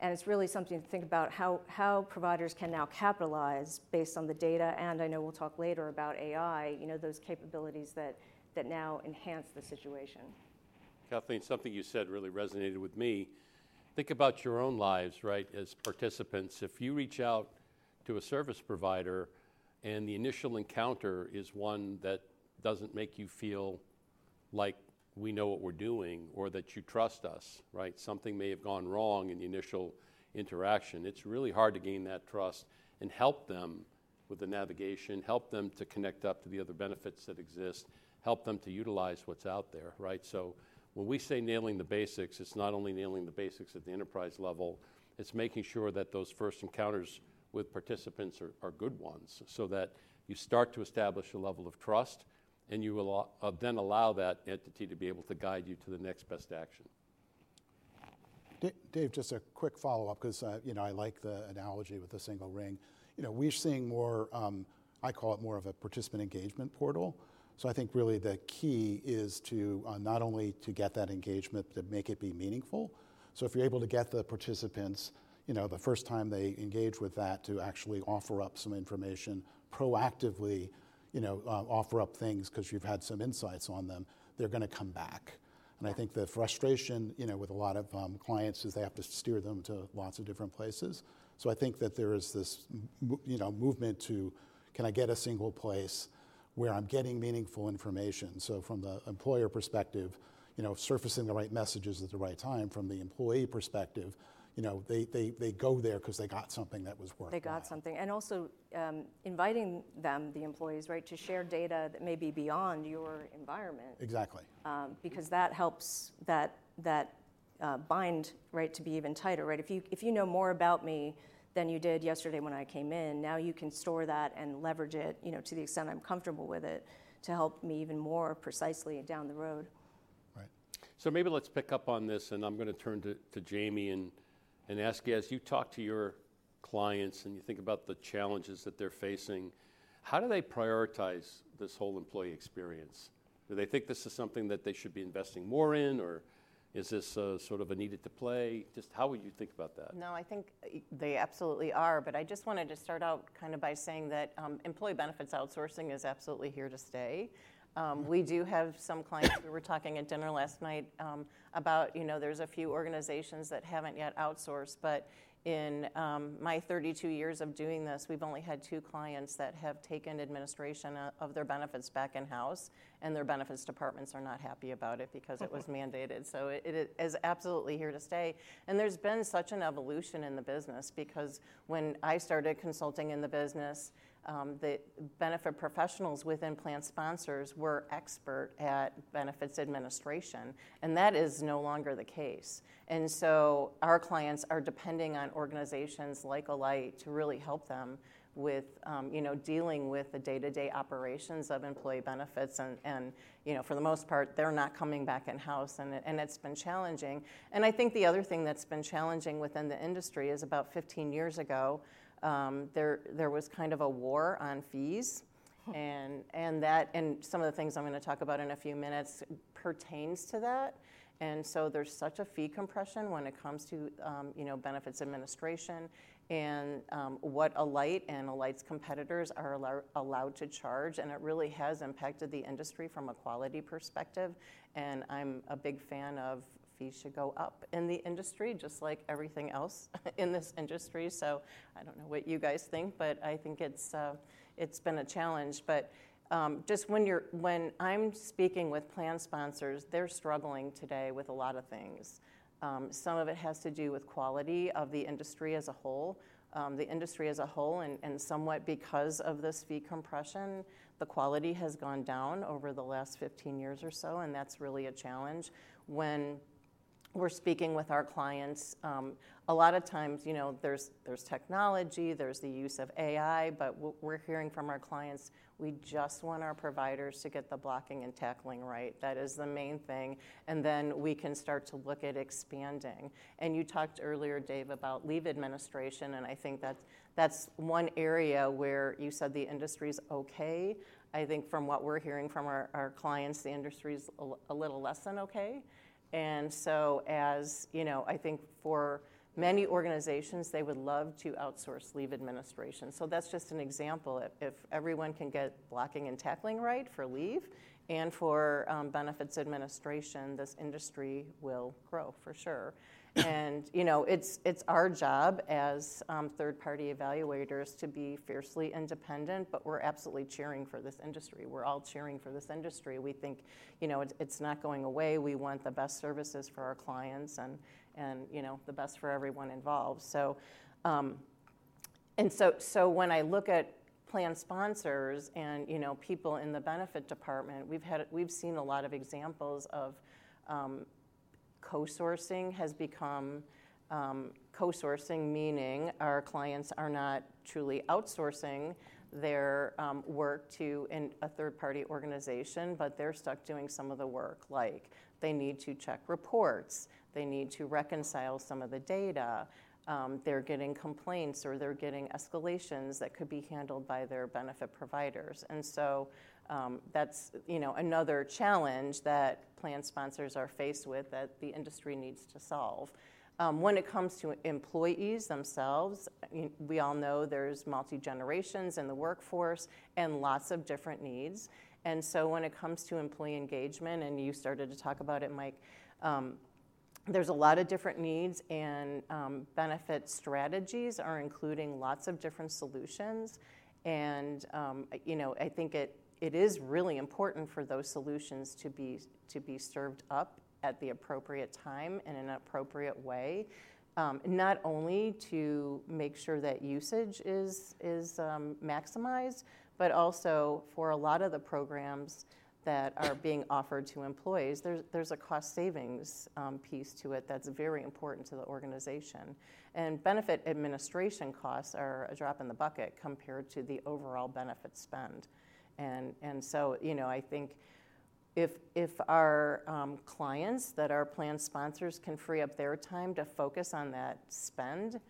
It's really something to think about how providers can now capitalize based on the data. I know we'll talk later about AI, those capabilities that now enhance the situation. Kathleen, something you said really resonated with me. Think about your own lives, right, as participants. If you reach out to a service provider and the initial encounter is one that doesn't make you feel like we know what we're doing or that you trust us, right? Something may have gone wrong in the initial interaction. It's really hard to gain that trust and help them with the navigation, help them to connect up to the other benefits that exist, help them to utilize what's out there, right? When we say nailing the basics, it's not only nailing the basics at the enterprise level. It's making sure that those first encounters with participants are good ones so that you start to establish a level of trust, and you will then allow that entity to be able to guide you to the next best action. Dave, just a quick follow-up because I like the analogy with the single ring. We're seeing more—I call it more of a participant engagement portal. I think really the key is to not only get that engagement, but to make it be meaningful. If you're able to get the participants, the first time they engage with that, to actually offer up some information, proactively offer up things because you've had some insights on them, they're going to come back. I think the frustration with a lot of clients is they have to steer them to lots of different places. I think that there is this movement to, can I get a single place where I'm getting meaningful information? From the employer perspective, surfacing the right messages at the right time. From the employee perspective, they go there because they got something that was worth it. They got something. Also inviting them, the employees, right, to share data that may be beyond your environment. Exactly. Because that helps that bind, right, to be even tighter, right? If you know more about me than you did yesterday when I came in, now you can store that and leverage it to the extent I'm comfortable with it to help me even more precisely down the road. Right. Maybe let's pick up on this, and I'm going to turn to Jamie and ask you, as you talk to your clients and you think about the challenges that they're facing, how do they prioritize this whole employee experience? Do they think this is something that they should be investing more in, or is this sort of a needed to play? Just how would you think about that? No, I think they absolutely are. I just wanted to start out kind of by saying that employee benefits outsourcing is absolutely here to stay. We do have some clients. We were talking at dinner last night about there's a few organizations that haven't yet outsourced. In my 32 years of doing this, we've only had two clients that have taken administration of their benefits back in-house, and their benefits departments are not happy about it because it was mandated. It is absolutely here to stay. There's been such an evolution in the business because when I started consulting in the business, the benefit professionals within Plan Sponsors were expert at benefits administration, and that is no longer the case. Our clients are depending on organizations like Alight to really help them with dealing with the day-to-day operations of employee benefits. For the most part, they're not coming back in-house, and it's been challenging. I think the other thing that's been challenging within the industry is about 15 years ago, there was kind of a war on fees. Some of the things I'm going to talk about in a few minutes pertains to that. There's such a fee compression when it comes to benefits administration and what Alight and Alight's competitors are allowed to charge. It really has impacted the industry from a quality perspective. I'm a big fan of fees should go up in the industry, just like everything else in this industry. I don't know what you guys think, but I think it's been a challenge. Just when I'm speaking with Plan Sponsors, they're struggling today with a lot of things. Some of it has to do with quality of the industry as a whole. The industry as a whole, and somewhat because of this fee compression, the quality has gone down over the last 15 years or so, and that's really a challenge. When we're speaking with our clients, a lot of times there's technology, there's the use of AI, but what we're hearing from our clients, we just want our providers to get the blocking and tackling right. That is the main thing. Then we can start to look at expanding. You talked earlier, Dave, about leave administration, and I think that's one area where you said the industry's okay. I think from what we're hearing from our clients, the industry's a little less than okay. As I think for many organizations, they would love to outsource leave administration. That's just an example. If everyone can get blocking and tackling right for leave and for benefits administration, this industry will grow for sure. It is our job as third-party evaluators to be fiercely independent, but we are absolutely cheering for this industry. We are all cheering for this industry. We think it is not going away. We want the best services for our clients and the best for everyone involved. When I look at Plan Sponsors and people in the benefit department, we have seen a lot of examples of co-sourcing has become co-sourcing, meaning our clients are not truly outsourcing their work to a third-party organization, but they are stuck doing some of the work, like they need to check reports, they need to reconcile some of the data, they are getting complaints, or they are getting escalations that could be handled by their benefit providers. That is another challenge that Plan Sponsors are faced with that the industry needs to solve. When it comes to employees themselves, we all know there are multi-generations in the workforce and lots of different needs. When it comes to employee engagement, and you started to talk about it, Mike, there are a lot of different needs, and benefit strategies are including lots of different solutions. I think it is really important for those solutions to be served up at the appropriate time and in an appropriate way, not only to make sure that usage is maximized, but also for a lot of the programs that are being offered to employees, there is a cost savings piece to it that is very important to the organization. Benefit administration costs are a drop in the bucket compared to the overall benefit spend. I think if our clients that are Plan Sponsors can free up their time to focus on that spend,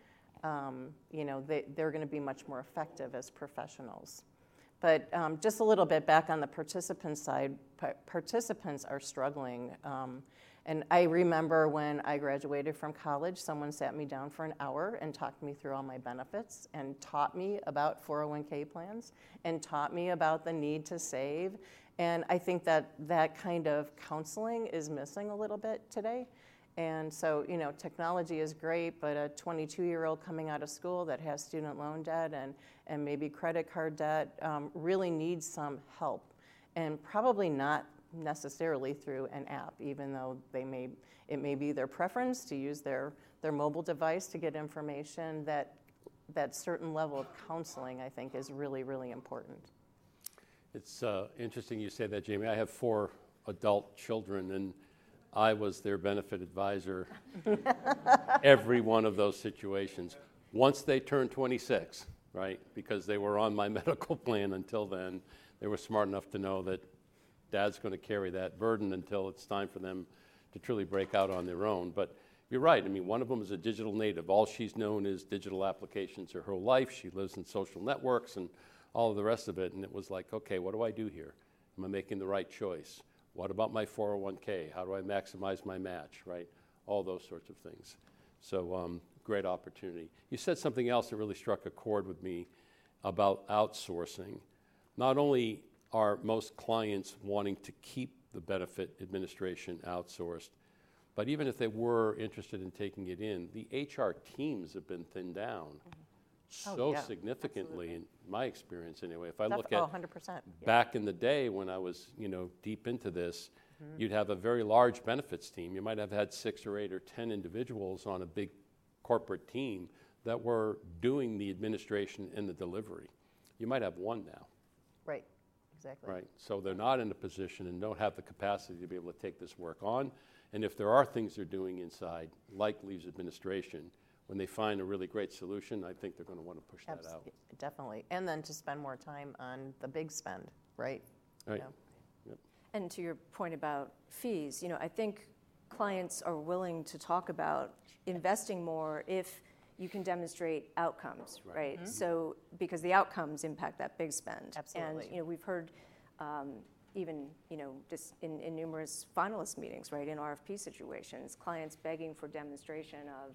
they're going to be much more effective as professionals. Just a little bit back on the participant side, participants are struggling. I remember when I graduated from college, someone sat me down for an hour and talked me through all my benefits and taught me about 401(k) plans and taught me about the need to save. I think that that kind of counseling is missing a little bit today. Technology is great, but a 22-year-old coming out of school that has student loan debt and maybe credit card debt really needs some help, and probably not necessarily through an app, even though it may be their preference to use their mobile device to get information. That certain level of counseling, I think, is really, really important. It's interesting you say that, Jamie. I have four adult children, and I was their benefit advisor in every one of those situations. Once they turned 26, right, because they were on my medical plan until then, they were smart enough to know that dad's going to carry that burden until it's time for them to truly break out on their own. You're right. I mean, one of them is a digital native. All she's known is digital applications her whole life. She lives in social networks and all of the rest of it. It was like, "Okay, what do I do here? Am I making the right choice? What about my 401(k)? How do I maximize my match?" All those sorts of things. Great opportunity. You said something else that really struck a chord with me about outsourcing. Not only are most clients wanting to keep the benefit administration outsourced, but even if they were interested in taking it in, the HR teams have been thinned down so significantly, in my experience, anyway. That's all 100%. Back in the day when I was deep into this, you'd have a very large benefits team. You might have had six or eight or ten individuals on a big corporate team that were doing the administration and the delivery. You might have one now. Right. Exactly. Right. They are not in a position and do not have the capacity to be able to take this work on. If there are things they are doing inside, like leave administration, when they find a really great solution, I think they are going to want to push that out. Definitely. To spend more time on the big spend, right? Right. To your point about fees, I think clients are willing to talk about investing more if you can demonstrate outcomes, right? Because the outcomes impact that big spend. We have heard even just in numerous finalist meetings, in RFP situations, clients begging for demonstration of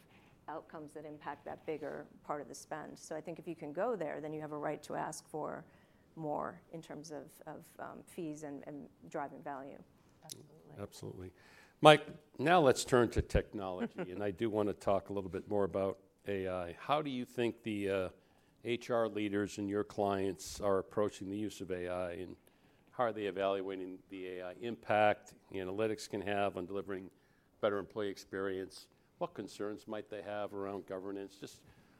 outcomes that impact that bigger part of the spend. I think if you can go there, then you have a right to ask for more in terms of fees and driving value. Absolutely. Mike, now let's turn to technology. I do want to talk a little bit more about AI. How do you think the HR leaders and your clients are approaching the use of AI, and how are they evaluating the AI impact the analytics can have on delivering better employee experience? What concerns might they have around governance? Just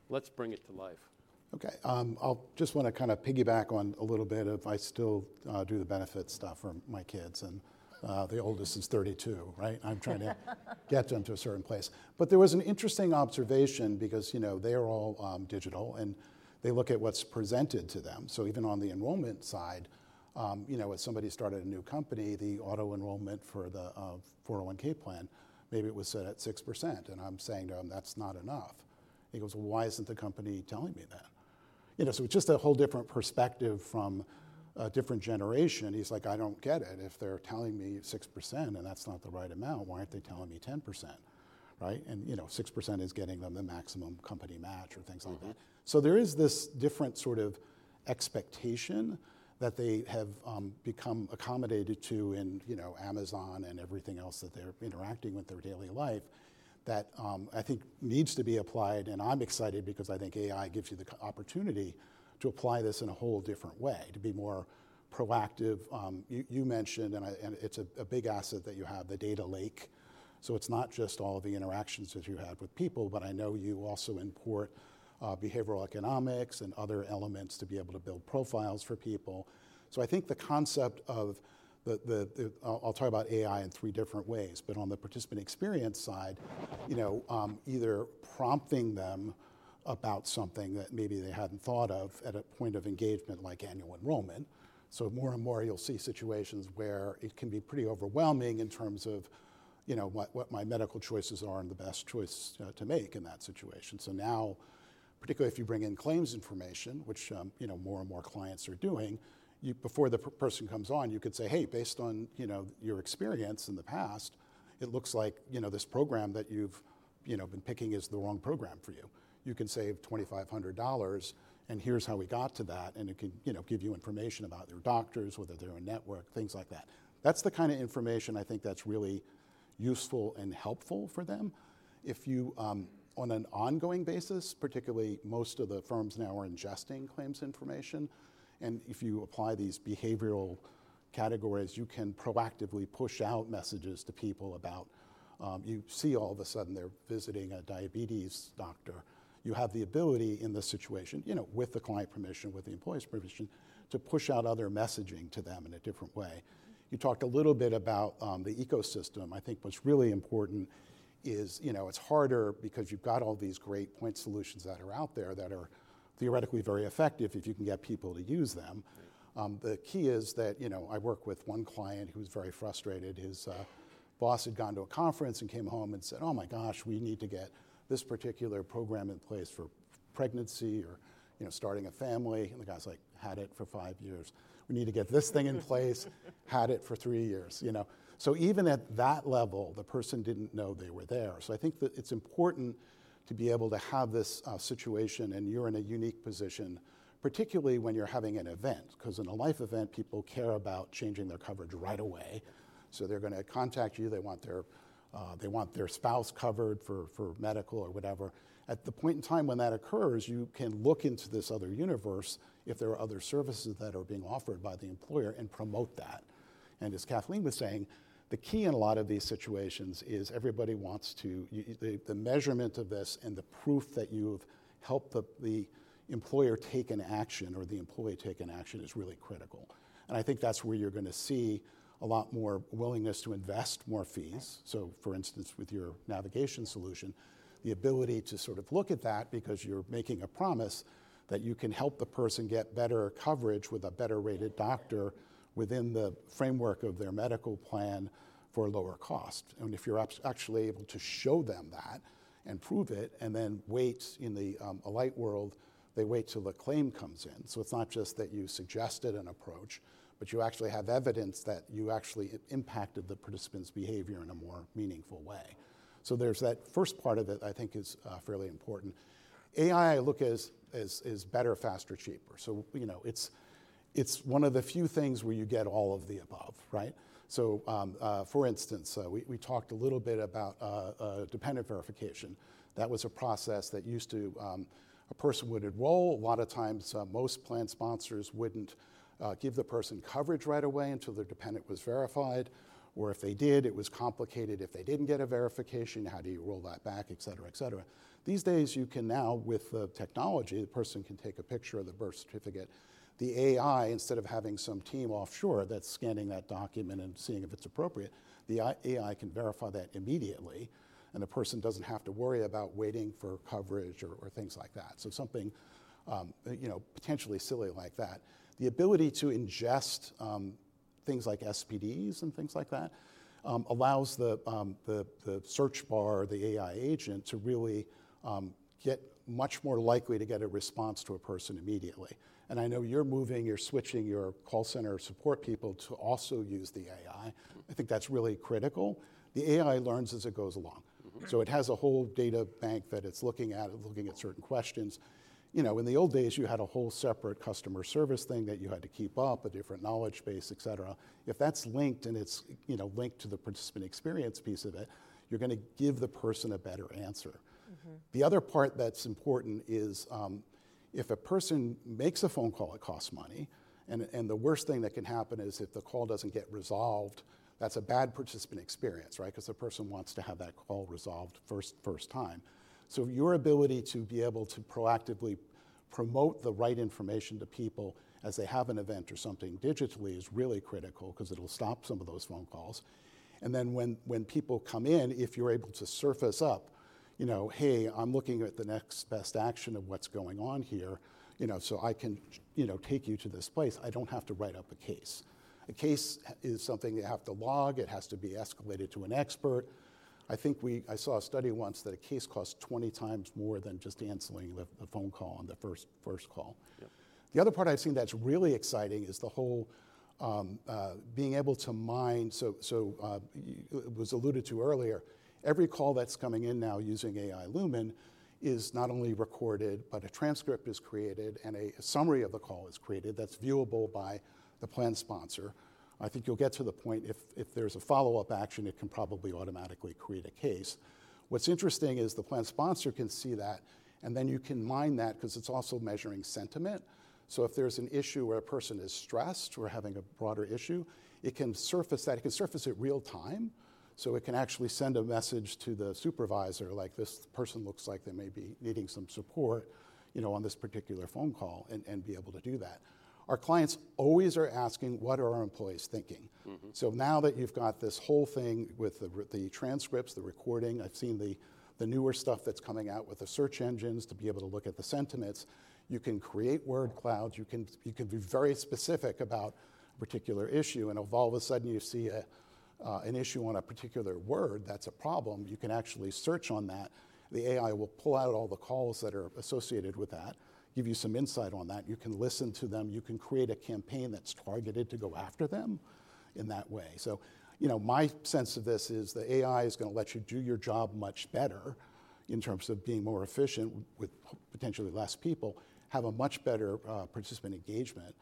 let's bring it to life. Okay. I just want to kind of piggyback on a little bit of I still do the benefit stuff for my kids. And the oldest is 32, right? I'm trying to get them to a certain place. But there was an interesting observation because they are all digital, and they look at what's presented to them. So even on the enrollment side, if somebody started a new company, the auto enrollment for the 401(k) plan, maybe it was set at 6%. And I'm saying to them, "That's not enough." He goes, "Why isn't the company telling me that?" It's just a whole different perspective from a different generation. He's like, "I don't get it. If they're telling me 6% and that's not the right amount, why aren't they telling me 10%?" Right? 6% is getting them the maximum company match or things like that. There is this different sort of expectation that they have become accommodated to in Amazon and everything else that they're interacting with in their daily life that I think needs to be applied. I'm excited because I think AI gives you the opportunity to apply this in a whole different way, to be more proactive. You mentioned, and it's a big asset that you have, the data lake. It's not just all the interactions that you have with people, but I know you also import behavioral economics and other elements to be able to build profiles for people. I think the concept of I'll talk about AI in three different ways, but on the participant experience side, either prompting them about something that maybe they hadn't thought of at a point of engagement like annual enrollment. More and more, you'll see situations where it can be pretty overwhelming in terms of what my medical choices are and the best choice to make in that situation. Now, particularly if you bring in claims information, which more and more clients are doing, before the person comes on, you could say, "Hey, based on your experience in the past, it looks like this program that you've been picking is the wrong program for you. You can save $2,500, and here's how we got to that." It can give you information about their doctors, whether they're in network, things like that. That's the kind of information I think that's really useful and helpful for them. On an ongoing basis, particularly most of the firms now are ingesting claims information. If you apply these behavioral categories, you can proactively push out messages to people about you see all of a sudden they're visiting a diabetes doctor. You have the ability in this situation, with the client permission, with the employee's permission, to push out other messaging to them in a different way. You talked a little bit about the ecosystem. I think what's really important is it's harder because you've got all these great point solutions that are out there that are theoretically very effective if you can get people to use them. The key is that I work with one client who was very frustrated. His boss had gone to a conference and came home and said, "Oh my gosh, we need to get this particular program in place for pregnancy or starting a family." And the guy's like, "Had it for five years. We need to get this thing in place. Had it for three years." Even at that level, the person didn't know they were there. I think it's important to be able to have this situation, and you're in a unique position, particularly when you're having an event, because in a life event, people care about changing their coverage right away. They're going to contact you. They want their spouse covered for medical or whatever. At the point in time when that occurs, you can look into this other universe if there are other services that are being offered by the employer and promote that. As Kathleen was saying, the key in a lot of these situations is everybody wants the measurement of this and the proof that you've helped the employer take an action or the employee take an action is really critical. I think that's where you're going to see a lot more willingness to invest more fees. For instance, with your navigation solution, the ability to sort of look at that because you're making a promise that you can help the person get better coverage with a better rated doctor within the framework of their medical plan for lower cost. If you're actually able to show them that and prove it, and then in the Alight world, they wait till the claim comes in. It's not just that you suggested an approach, but you actually have evidence that you actually impacted the participant's behavior in a more meaningful way. There's that first part of it, I think, is fairly important. AI, I look as better, faster, cheaper. It's one of the few things where you get all of the above, right? For instance, we talked a little bit about dependent verification. That was a process that used to, a person would enroll. A lot of times, most Plan Sponsors wouldn't give the person coverage right away until their dependent was verified. Or if they did, it was complicated. If they didn't get a verification, how do you roll that back, etc., etc. These days, you can now, with the technology, the person can take a picture of the birth certificate. The AI, instead of having some team offshore that's scanning that document and seeing if it's appropriate, the AI can verify that immediately, and the person doesn't have to worry about waiting for coverage or things like that. Something potentially silly like that. The ability to ingest things like SPDs and things like that allows the search bar, the AI agent, to really get much more likely to get a response to a person immediately. I know you're moving, you're switching your call center support people to also use the AI. I think that's really critical. The AI learns as it goes along. It has a whole data bank that it's looking at, looking at certain questions. In the old days, you had a whole separate customer service thing that you had to keep up, a different knowledge base, etc. If that's linked and it's linked to the participant experience piece of it, you're going to give the person a better answer. The other part that's important is if a person makes a phone call, it costs money. The worst thing that can happen is if the call doesn't get resolved, that's a bad participant experience, right? Because the person wants to have that call resolved first time. Your ability to be able to proactively promote the right information to people as they have an event or something digitally is really critical because it'll stop some of those phone calls. When people come in, if you're able to surface up, "Hey, I'm looking at the next best action of what's going on here so I can take you to this place." I don't have to write up a case. A case is something you have to log. It has to be escalated to an expert. I think I saw a study once that a case costs 20 times more than just answering the phone call on the first call. The other part I've seen that's really exciting is the whole being able to mine. It was alluded to earlier, every call that's coming in now using Alight Lumen AI is not only recorded, but a transcript is created and a summary of the call is created that's viewable by the Plan Sponsor. I think you'll get to the point if there's a follow-up action, it can probably automatically create a case. What's interesting is the Plan Sponsor can see that, and then you can mine that because it's also measuring sentiment. If there's an issue where a person is stressed or having a broader issue, it can surface that. It can surface it real time. It can actually send a message to the supervisor like, "This person looks like they may be needing some support on this particular phone call," and be able to do that. Our clients always are asking, "What are our employees thinking?" Now that you've got this whole thing with the transcripts, the recording, I've seen the newer stuff that's coming out with the search engines to be able to look at the sentiments. You can create word clouds. You can be very specific about a particular issue. If all of a sudden you see an issue on a particular word that's a problem, you can actually search on that. The AI will pull out all the calls that are associated with that, give you some insight on that. You can listen to them. You can create a campaign that's targeted to go after them in that way. My sense of this is the AI is going to let you do your job much better in terms of being more efficient with potentially less people, have a much better participant engagement.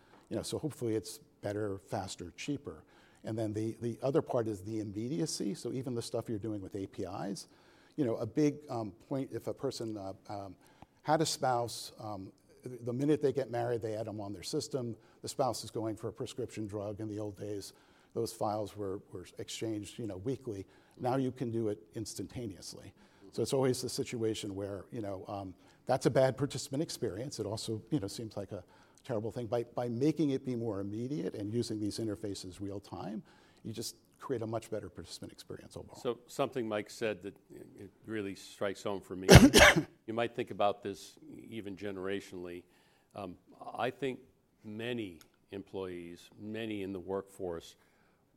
Hopefully it's better, faster, cheaper. The other part is the immediacy. Even the stuff you're doing with APIs. A big point, if a person had a spouse, the minute they get married, they add them on their system. The spouse is going for a prescription drug. In the old days, those files were exchanged weekly. Now you can do it instantaneously. It's always the situation where that's a bad participant experience. It also seems like a terrible thing. By making it be more immediate and using these interfaces real time, you just create a much better participant experience overall. Something Mike said that really strikes home for me. You might think about this even generationally. I think many employees, many in the workforce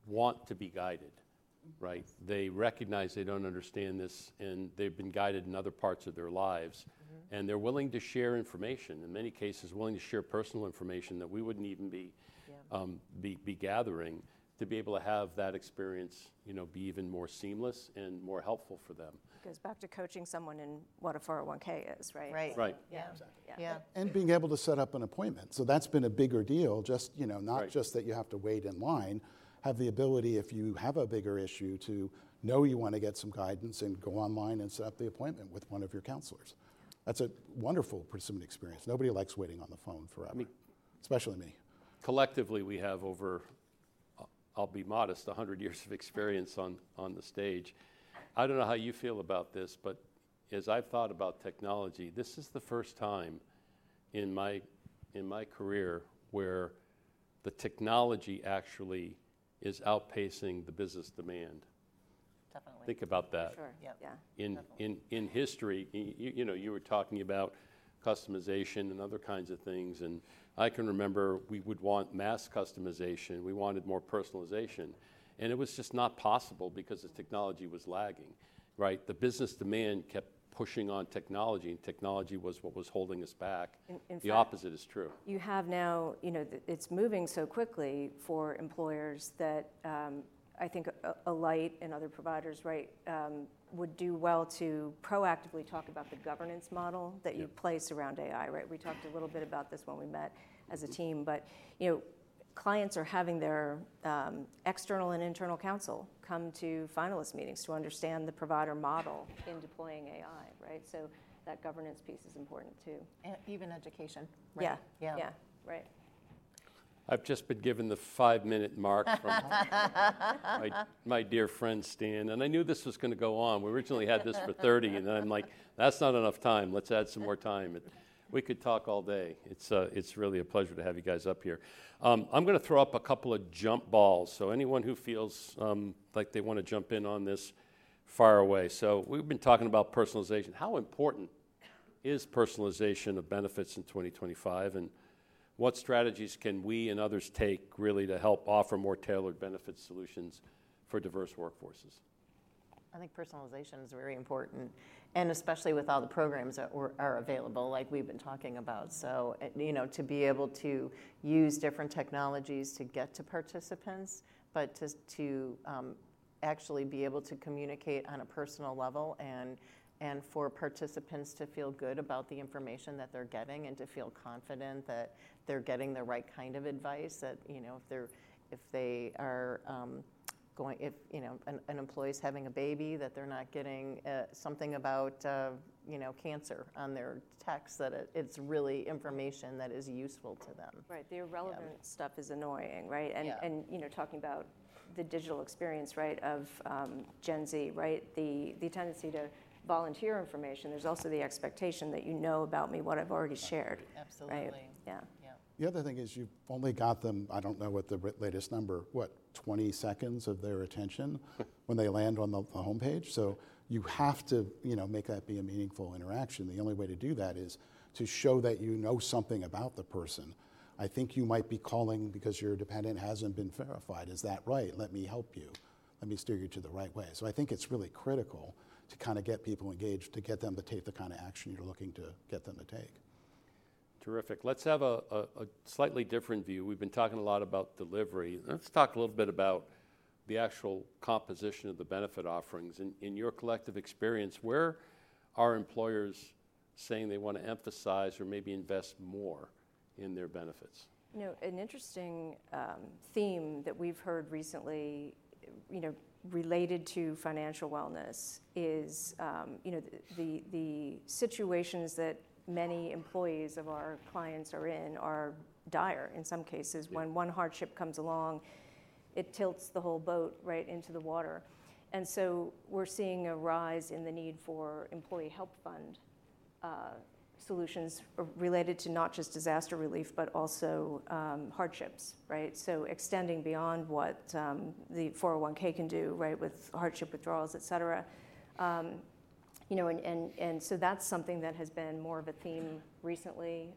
want to be guided, right? They recognize they do not understand this, and they have been guided in other parts of their lives. They are willing to share information, in many cases, willing to share personal information that we would not even be gathering to be able to have that experience be even more seamless and more helpful for them. It goes back to coaching someone in what a 401(k) is, right? Right. Right. Yeah. Exactly. Yeah. Being able to set up an appointment. That has been a bigger deal, not just that you have to wait in line. Have the ability, if you have a bigger issue, to know you want to get some guidance and go online and set up the appointment with one of your counselors. That's a wonderful participant experience. Nobody likes waiting on the phone forever, especially me. Collectively, we have over, I'll be modest, 100 years of experience on the stage. I don't know how you feel about this, but as I've thought about technology, this is the first time in my career where the technology actually is outpacing the business demand. Definitely. Think about that. Sure. Yeah. In history, you were talking about customization and other kinds of things. I can remember we would want mass customization. We wanted more personalization. It was just not possible because the technology was lagging, right? The business demand kept pushing on technology, and technology was what was holding us back. The opposite is true. You have now, it's moving so quickly for employers that I think Alight and other providers, right, would do well to proactively talk about the governance model that you place around AI, right? We talked a little bit about this when we met as a team, but clients are having their external and internal counsel come to finalist meetings to understand the provider model in deploying AI, right? That governance piece is important too. Even education, right? Yeah. Yeah. I've just been given the five-minute mark from my dear friend, Stan. I knew this was going to go on. We originally had this for 30, and then I'm like, "That's not enough time. Let's add some more time." We could talk all day. It's really a pleasure to have you guys up here. I'm going to throw up a couple of jump balls. Anyone who feels like they want to jump in on this, fire away. We've been talking about personalization. How important is personalization of benefits in 2025? What strategies can we and others take really to help offer more tailored benefit solutions for diverse workforces? I think personalization is very important, especially with all the programs that are available, like we've been talking about. To be able to use different technologies to get to participants, but to actually be able to communicate on a personal level and for participants to feel good about the information that they're getting and to feel confident that they're getting the right kind of advice, that if they are going, if an employee's having a baby, that they're not getting something about cancer on their text, that it's really information that is useful to them. Right. The irrelevant stuff is annoying, right? Talking about the digital experience, right, of Gen Z, right, the tendency to volunteer information. There's also the expectation that you know about me, what I've already shared. Absolutely. Yeah. The other thing is you've only got them, I don't know what the latest number, what, 20 seconds of their attention when they land on the homepage. You have to make that be a meaningful interaction. The only way to do that is to show that you know something about the person. I think you might be calling because your dependent hasn't been verified. Is that right? Let me help you. Let me steer you to the right way. I think it's really critical to kind of get people engaged to get them to take the kind of action you're looking to get them to take. Terrific. Let's have a slightly different view. We've been talking a lot about delivery. Let's talk a little bit about the actual composition of the benefit offerings. In your collective experience, where are employers saying they want to emphasize or maybe invest more in their benefits? An interesting theme that we've heard recently related to financial wellness is the situations that many employees of our clients are in are dire. In some cases, when one hardship comes along, it tilts the whole boat, right, into the water. We're seeing a rise in the need for employee help fund solutions related to not just disaster relief, but also hardships, right? Extending beyond what the 401(k) can do, right, with hardship withdrawals, etc. That's something that has been more of a theme recently.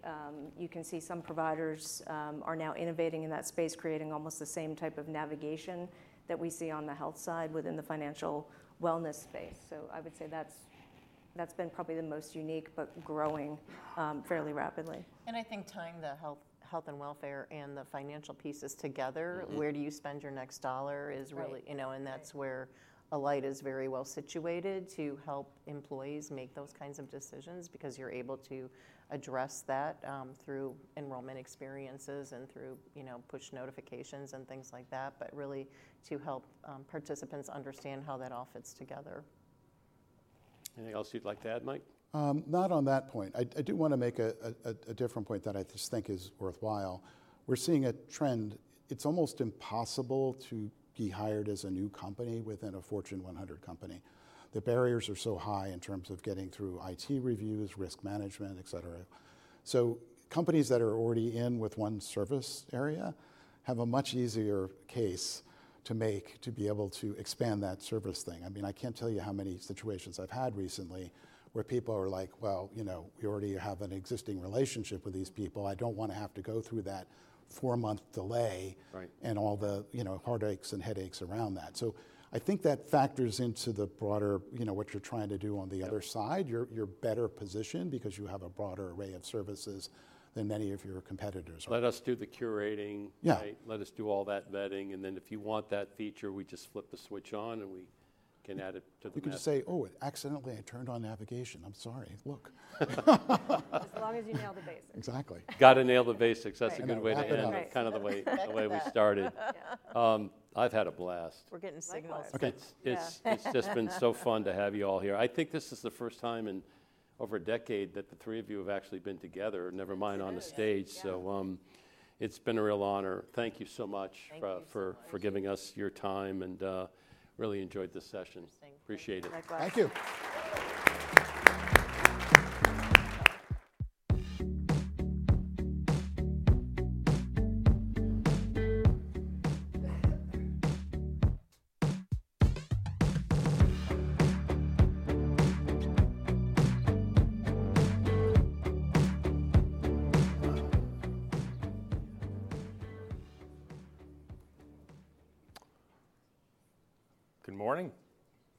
You can see some providers are now innovating in that space, creating almost the same type of navigation that we see on the health side within the financial wellness space. I would say that's been probably the most unique, but growing fairly rapidly. I think tying the health and welfare and the financial pieces together, where do you spend your next dollar is really, and that's where Alight is very well situated to help employees make those kinds of decisions because you're able to address that through enrollment experiences and through push notifications and things like that, but really to help participants understand how that all fits together. Anything else you'd like to add, Mike? Not on that point. I do want to make a different point that I just think is worthwhile. We're seeing a trend. It's almost impossible to be hired as a new company within a Fortune 100 company. The barriers are so high in terms of getting through IT reviews, risk management, etc. Companies that are already in with one service area have a much easier case to make to be able to expand that service thing. I mean, I can't tell you how many situations I've had recently where people are like, "Well, we already have an existing relationship with these people. I don't want to have to go through that four-month delay and all the heartaches and headaches around that." I think that factors into the broader what you're trying to do on the other side. You're better positioned because you have a broader array of services than many of your competitors. Let us do the curating, right? Let us do all that vetting. If you want that feature, we just flip the switch on and we can add it to the guide. You could just say, "Oh, accidentally I turned on navigation. I'm sorry. Look." As long as you nail the basics. Exactly. Got to nail the basics. That's a good way to end it, kind of the way we started. I've had a blast. We're getting signals. Okay. It's just been so fun to have you all here. I think this is the first time in over a decade that the three of you have actually been together, never mind on the stage. It has been a real honor. Thank you so much for giving us your time. I really enjoyed this session. Appreciate it. Thank you. Good morning.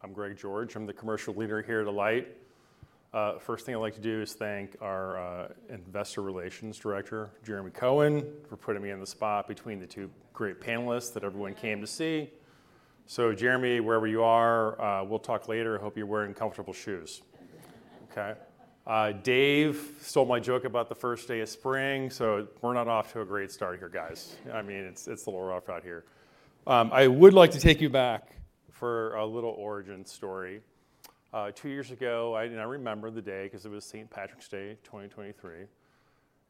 I'm Greg George. I'm the commercial leader here at Alight. First thing I'd like to do is thank our investor relations director, Jeremy Cohen, for putting me in the spot between the two great panelists that everyone came to see. Jeremy, wherever you are, we'll talk later. I hope you're wearing comfortable shoes. Okay. Dave stole my joke about the first day of spring. We're not off to a great start here, guys. I mean, it's a little rough out here. I would like to take you back for a little origin story. Two years ago, and I remember the day because it was St. Patrick's Day, 2023,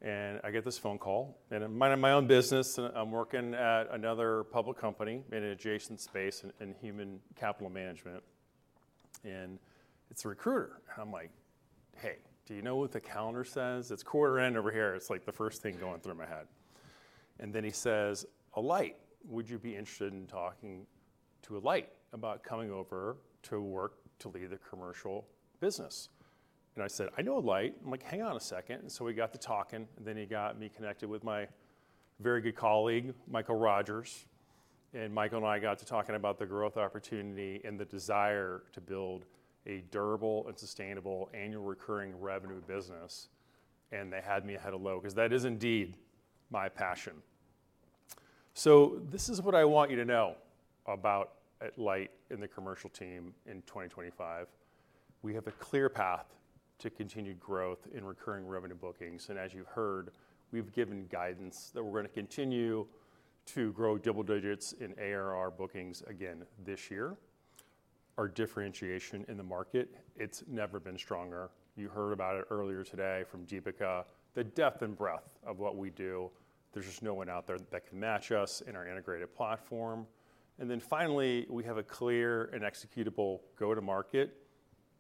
and I get this phone call. I'm minding my own business. I'm working at another public company in an adjacent space in human capital management. It's a recruiter. I'm like, "Hey, do you know what the calendar says? It's quarter end over here." It's like the first thing going through my head. He says, "Alight, would you be interested in talking to Alight about coming over to work to lead the commercial business?" I said, "I know Alight." I'm like, "Hang on a second." We got to talking. He got me connected with my very good colleague, Michael Rogers. Michael and I got to talking about the growth opportunity and the desire to build a durable and sustainable annual recurring revenue business. They had me at hello because that is indeed my passion. This is what I want you to know about Alight and the commercial team in 2025. We have a clear path to continue growth in recurring revenue bookings. As you've heard, we've given guidance that we're going to continue to grow double digits in ARR bookings again this year. Our differentiation in the market has never been stronger. You heard about it earlier today from Deepika, the depth and breadth of what we do. There's just no one out there that can match us in our integrated platform. Finally, we have a clear and executable go-to-market.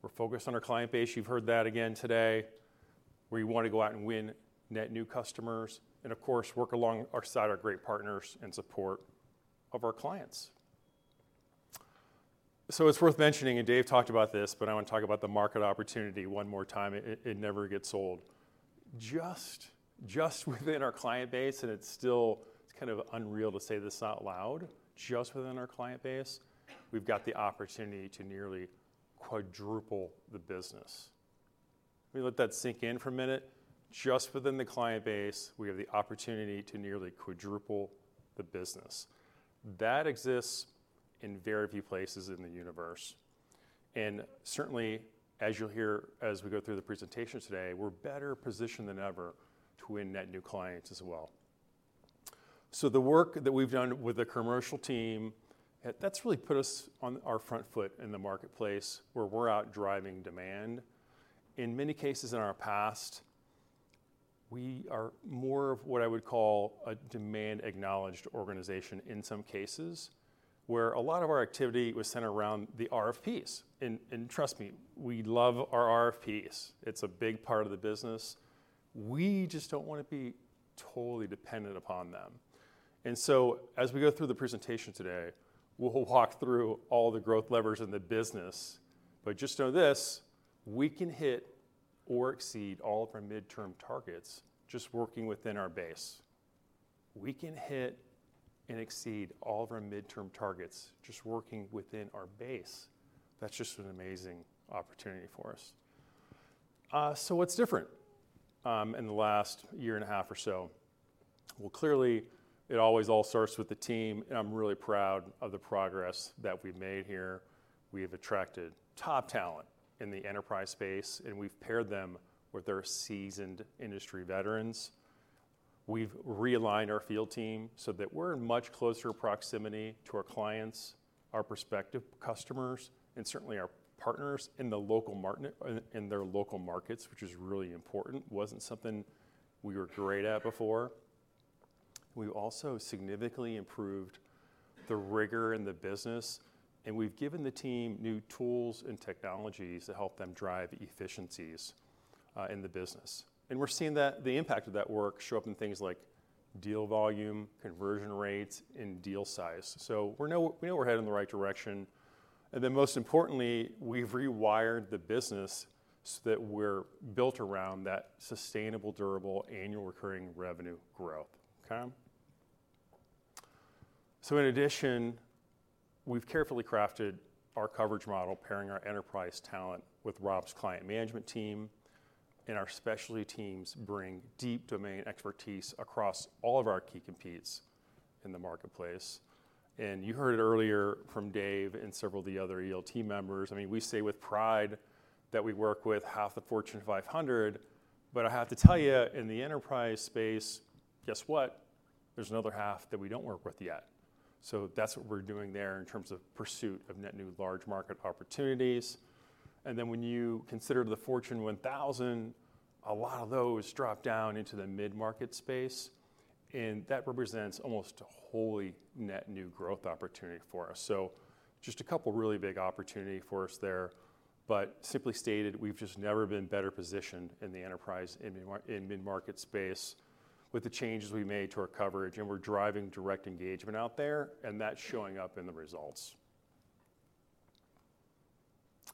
We're focused on our client base. You've heard that again today, where you want to go out and win net new customers and, of course, work alongside our great partners in support of our clients. It's worth mentioning, and Dave talked about this, but I want to talk about the market opportunity one more time. It never gets old. Just within our client base, and it's still kind of unreal to say this out loud, just within our client base, we've got the opportunity to nearly quadruple the business. Let that sink in for a minute. Just within the client base, we have the opportunity to nearly quadruple the business. That exists in very few places in the universe. Certainly, as you'll hear as we go through the presentation today, we're better positioned than ever to win net new clients as well. The work that we've done with the commercial team, that's really put us on our front foot in the marketplace where we're out driving demand. In many cases in our past, we are more of what I would call a demand-acknowledged organization in some cases, where a lot of our activity was centered around the RFPs. Trust me, we love our RFPs. It's a big part of the business. We just don't want to be totally dependent upon them. As we go through the presentation today, we'll walk through all the growth levers in the business. Just know this, we can hit or exceed all of our midterm targets just working within our base. We can hit and exceed all of our midterm targets just working within our base. That's just an amazing opportunity for us. What's different in the last year and a half or so? Clearly, it always all starts with the team. I'm really proud of the progress that we've made here. We have attracted top talent in the enterprise space, and we've paired them with our seasoned industry veterans. We've realigned our field team so that we're in much closer proximity to our clients, our prospective customers, and certainly our partners in their local markets, which is really important. It wasn't something we were great at before. We've also significantly improved the rigor in the business, and we've given the team new tools and technologies to help them drive efficiencies in the business. We're seeing the impact of that work show up in things like deal volume, conversion rates, and deal size. We know we're heading in the right direction. Most importantly, we've rewired the business so that we're built around that sustainable, durable, annual recurring revenue growth. In addition, we've carefully crafted our coverage model, pairing our enterprise talent with Rob's client management team. Our specialty teams bring deep domain expertise across all of our key competes in the marketplace. You heard it earlier from Dave and several of the other ELT members. I mean, we say with pride that we work with half the Fortune 500, but I have to tell you, in the enterprise space, guess what? There's another half that we don't work with yet. That is what we're doing there in terms of pursuit of net new large market opportunities. When you consider the Fortune 1000, a lot of those drop down into the mid-market space. That represents almost a wholly net new growth opportunity for us. Just a couple of really big opportunities for us there. Simply stated, we've just never been better positioned in the enterprise and mid-market space with the changes we made to our coverage. We're driving direct engagement out there, and that's showing up in the results.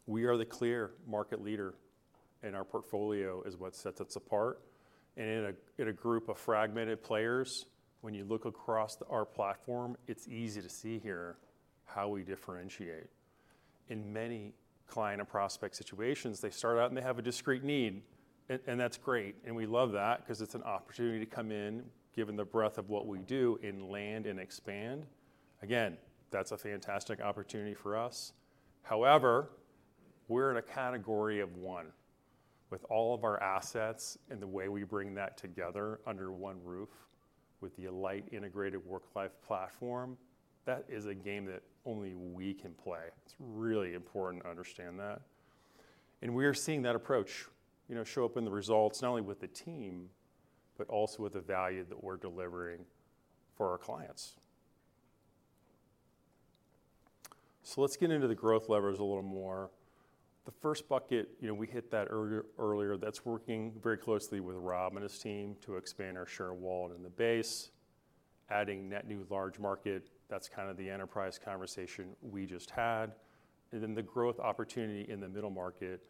We are the clear market leader, and our portfolio is what sets us apart. In a group of fragmented players, when you look across our platform, it's easy to see here how we differentiate. In many client and prospect situations, they start out and they have a discrete need, and that's great. We love that because it's an opportunity to come in, given the breadth of what we do, and land and expand. Again, that's a fantastic opportunity for us. However, we're in a category of one. With all of our assets and the way we bring that together under one roof with the Alight WorkLife platform, that is a game that only we can play. It's really important to understand that. We are seeing that approach show up in the results, not only with the team, but also with the value that we're delivering for our clients. Let's get into the growth levers a little more. The first bucket, we hit that earlier. That's working very closely with Rob and his team to expand our share of wallet in the base. Adding net new large market, that's kind of the enterprise conversation we just had. Then the growth opportunity in the middle market.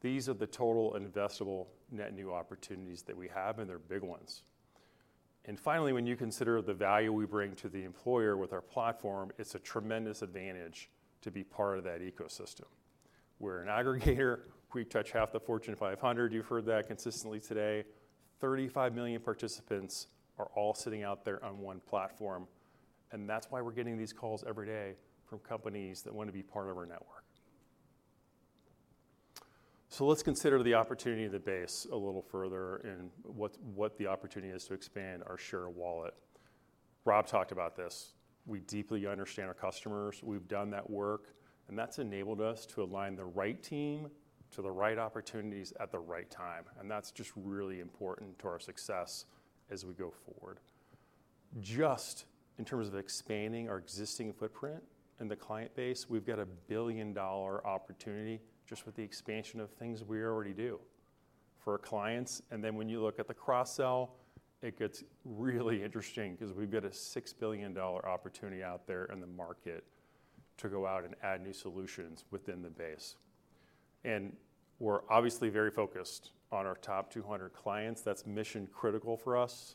These are the total investable net new opportunities that we have, and they're big ones. Finally, when you consider the value we bring to the employer with our platform, it's a tremendous advantage to be part of that ecosystem. We're an aggregator. We touch half the Fortune 500. You've heard that consistently today. 35 million participants are all sitting out there on one platform. That's why we're getting these calls every day from companies that want to be part of our network. Let's consider the opportunity of the base a little further and what the opportunity is to expand our share of wallet. Rob talked about this. We deeply understand our customers. We've done that work. That's enabled us to align the right team to the right opportunities at the right time. That's just really important to our success as we go forward. Just in terms of expanding our existing footprint and the client base, we've got a $1 billion opportunity just with the expansion of things we already do for our clients. Then when you look at the cross-sell, it gets really interesting because we've got a $6 billion opportunity out there in the market to go out and add new solutions within the base. We're obviously very focused on our top 200 clients. That's mission-critical for us.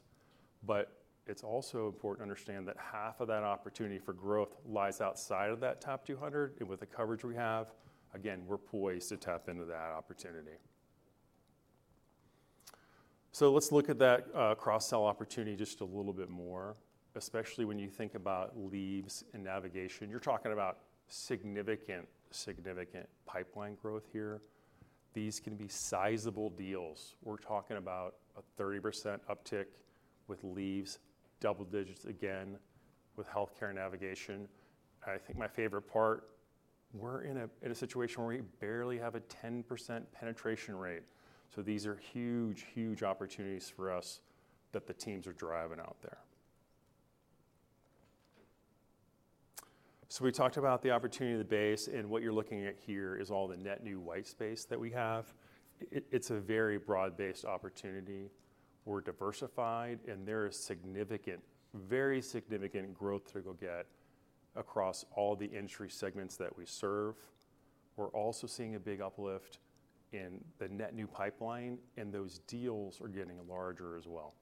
It's also important to understand that half of that opportunity for growth lies outside of that top 200. With the coverage we have, again, we're poised to tap into that opportunity. Let's look at that cross-sell opportunity just a little bit more, especially when you think about leads and navigation. You're talking about significant, significant pipeline growth here. These can be sizable deals. We're talking about a 30% uptick with leads, double digits again with healthcare navigation. I think my favorite part, we're in a situation where we barely have a 10% penetration rate. These are huge, huge opportunities for us that the teams are driving out there. We talked about the opportunity of the base, and what you're looking at here is all the net new white space that we have. It's a very broad-based opportunity. We're diversified, and there is significant, very significant growth that we'll get across all the entry segments that we serve. We're also seeing a big uplift in the net new pipeline, and those deals are getting larger as well.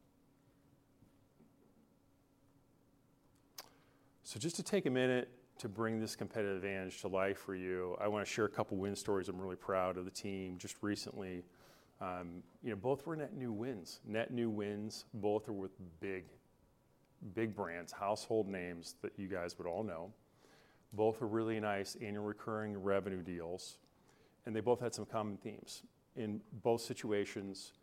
Just to take a minute to bring this competitive advantage to life for you, I want to share a couple of win stories. I'm really proud of the team. Just recently, both were net new wins. Net new wins, both are with big brands, household names that you guys would all know. Both are really nice annual recurring revenue deals, and they both had some common themes. In both situations,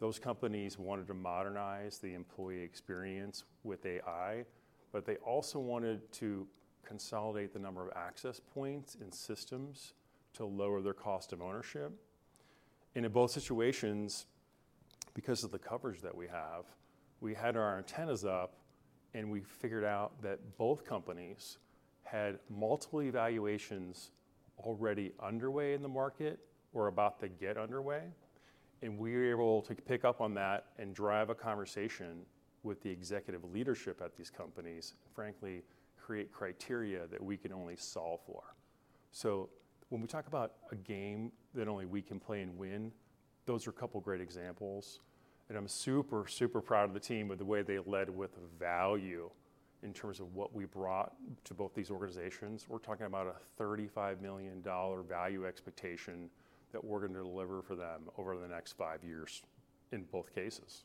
those companies wanted to modernize the employee experience with AI, but they also wanted to consolidate the number of access points and systems to lower their cost of ownership. In both situations, because of the coverage that we have, we had our antennas up, and we figured out that both companies had multiple evaluations already underway in the market or about to get underway. We were able to pick up on that and drive a conversation with the executive leadership at these companies and, frankly, create criteria that we can only solve for. When we talk about a game that only we can play and win, those are a couple of great examples. I'm super, super proud of the team with the way they led with value in terms of what we brought to both these organizations. We're talking about a $35 million value expectation that we're going to deliver for them over the next five years in both cases.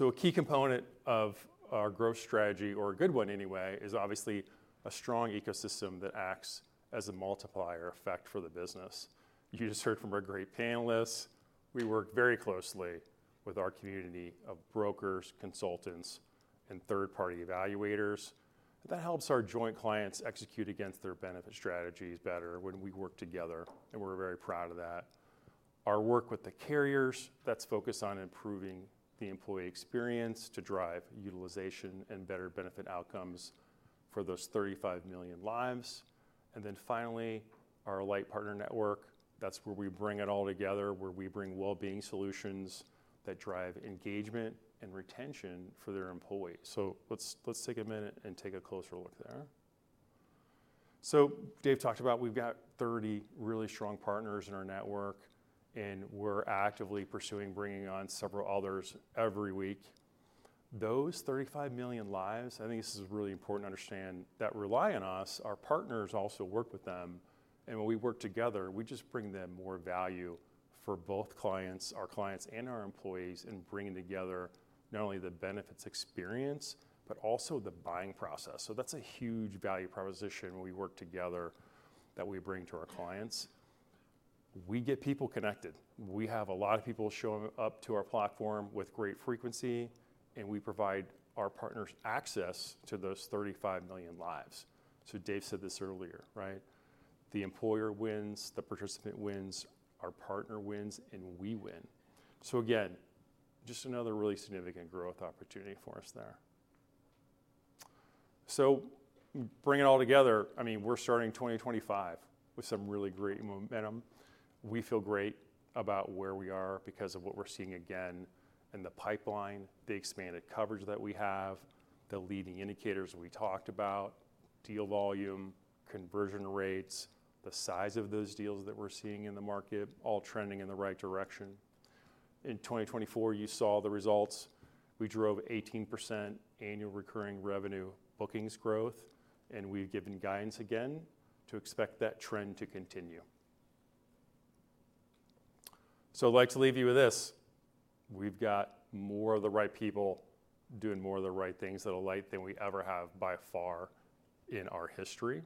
A key component of our growth strategy, or a good one anyway, is obviously a strong ecosystem that acts as a multiplier effect for the business. You just heard from our great panelists. We work very closely with our community of brokers, consultants, and third-party evaluators. That helps our joint clients execute against their benefit strategies better when we work together, and we're very proud of that. Our work with the carriers that's focused on improving the employee experience to drive utilization and better benefit outcomes for those 35 million lives. Finally, our Alight partner network. That's where we bring it all together, where we bring well-being solutions that drive engagement and retention for their employees. Let's take a minute and take a closer look there. Dave talked about we've got 30 really strong partners in our network, and we're actively pursuing bringing on several others every week. Those 35 million lives, I think this is really important to understand, that rely on us. Our partners also work with them. When we work together, we just bring them more value for both clients, our clients and our employees, in bringing together not only the benefits experience, but also the buying process. That's a huge value proposition when we work together that we bring to our clients. We get people connected. We have a lot of people showing up to our platform with great frequency, and we provide our partners access to those 35 million lives. Dave said this earlier, right? The employer wins, the participant wins, our partner wins, and we win. Again, just another really significant growth opportunity for us there. Bringing it all together, I mean, we're starting 2025 with some really great momentum. We feel great about where we are because of what we're seeing again in the pipeline, the expanded coverage that we have, the leading indicators we talked about, deal volume, conversion rates, the size of those deals that we're seeing in the market, all trending in the right direction. In 2024, you saw the results. We drove 18% annual recurring revenue bookings growth, and we've given guidance again to expect that trend to continue. I'd like to leave you with this. We've got more of the right people doing more of the right things at Alight than we ever have by far in our history.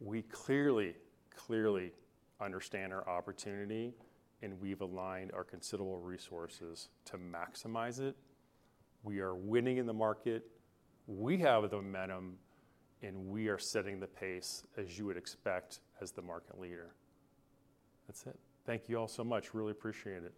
We clearly, clearly understand our opportunity, and we've aligned our considerable resources to maximize it. We are winning in the market. We have the momentum, and we are setting the pace, as you would expect, as the market leader. That's it. Thank you all so much. Really appreciate it.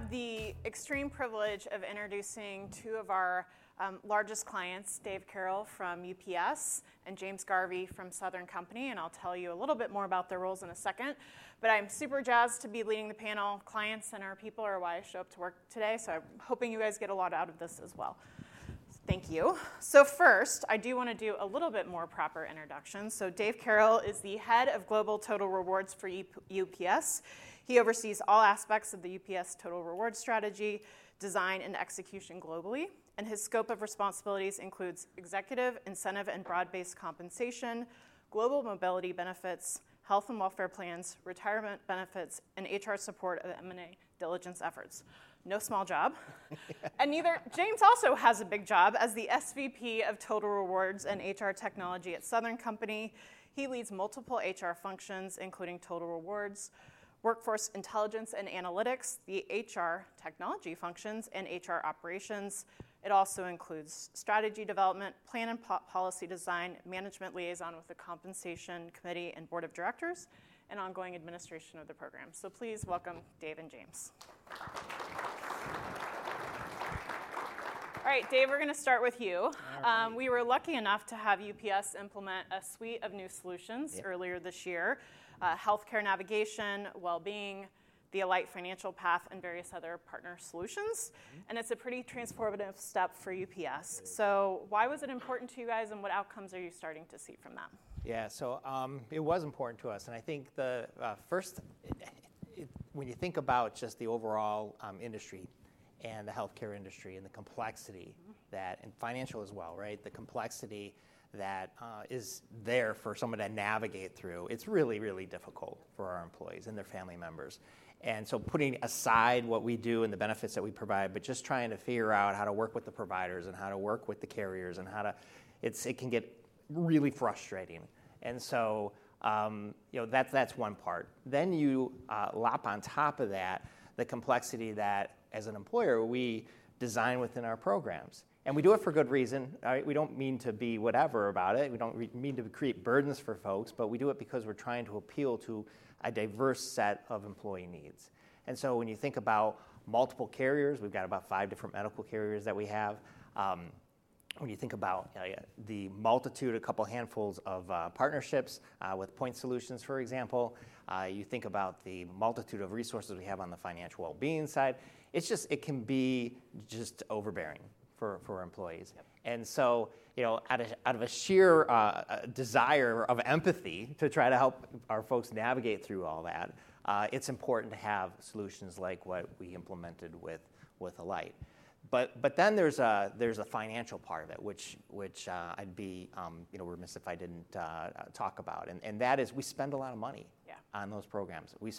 All right. I have the extreme privilege of introducing two of our largest clients, Dave Carroll from UPS and James Garvey from Southern Company. I'll tell you a little bit more about their roles in a second. I'm super jazzed to be leading the panel. Clients and our people are why I show up to work today. I'm hoping you guys get a lot out of this as well. Thank you. First, I do want to do a little bit more proper introduction. Dave Carroll is the Head of Global Total Rewards for UPS. He oversees all aspects of the UPS total reward strategy, design, and execution globally. His scope of responsibilities includes executive, incentive, and broad-based compensation, global mobility benefits, health and welfare plans, retirement benefits, and HR support of M&A diligence efforts. No small job. James also has a big job as the SVP of Total Rewards and HR Technology at Southern Company. He leads multiple HR functions, including Total Rewards, workforce intelligence and analytics, the HR technology functions, and HR operations. It also includes strategy development, plan and policy design, management liaison with the compensation committee and board of directors, and ongoing administration of the program. Please welcome Dave and James. All right, Dave, we're going to start with you. We were lucky enough to have UPS implement a suite of new solutions earlier this year: healthcare navigation, well-being, the Alight Financial Path, and various other partner solutions. It's a pretty transformative step for UPS. Why was it important to you guys, and what outcomes are you starting to see from that? Yeah, so it was important to us. I think the first, when you think about just the overall industry and the healthcare industry and the complexity that, and financial as well, right, the complexity that is there for someone to navigate through, it's really, really difficult for our employees and their family members. Putting aside what we do and the benefits that we provide, just trying to figure out how to work with the providers and how to work with the carriers and how to, it can get really frustrating. That is one part. Then you lap on top of that the complexity that, as an employer, we design within our programs. We do it for good reason. We don't mean to be whatever about it. We do not mean to create burdens for folks, but we do it because we are trying to appeal to a diverse set of employee needs. When you think about multiple carriers, we have about five different medical carriers that we have. When you think about the multitude, a couple of handfuls of partnerships with Point Solutions, for example, you think about the multitude of resources we have on the financial well-being side. It can be just overbearing for employees. Out of a sheer desire of empathy to try to help our folks navigate through all that, it is important to have solutions like what we implemented with Alight. There is a financial part of it, which I would be remiss if I did not talk about. That is we spend a lot of money on those programs. We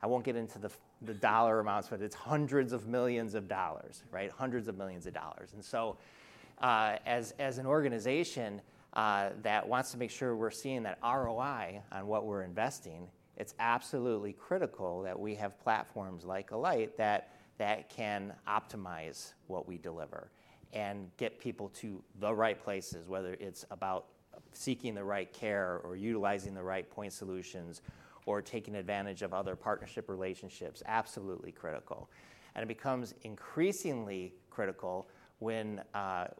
spend, I won't get into the dollar amounts, but it's hundreds of millions of dollars, right? Hundreds of millions of dollars. As an organization that wants to make sure we're seeing that ROI on what we're investing, it's absolutely critical that we have platforms like Alight that can optimize what we deliver and get people to the right places, whether it's about seeking the right care or utilizing the right Point Solutions or taking advantage of other partnership relationships, absolutely critical. It becomes increasingly critical when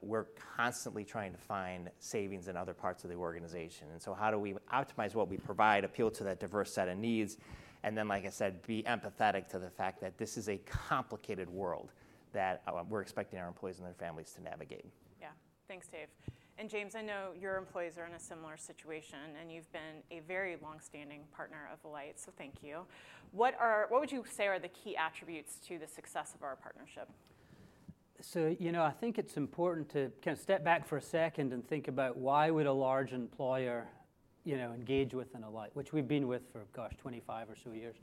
we're constantly trying to find savings in other parts of the organization. How do we optimize what we provide, appeal to that diverse set of needs, and then, like I said, be empathetic to the fact that this is a complicated world that we're expecting our employees and their families to navigate? Yeah. Thanks, Dave. James, I know your employees are in a similar situation, and you've been a very long-standing partner of Alight, so thank you. What would you say are the key attributes to the success of our partnership? I think it's important to kind of step back for a second and think about why would a large employer engage with an Alight, which we've been with for, gosh, 25 or so years.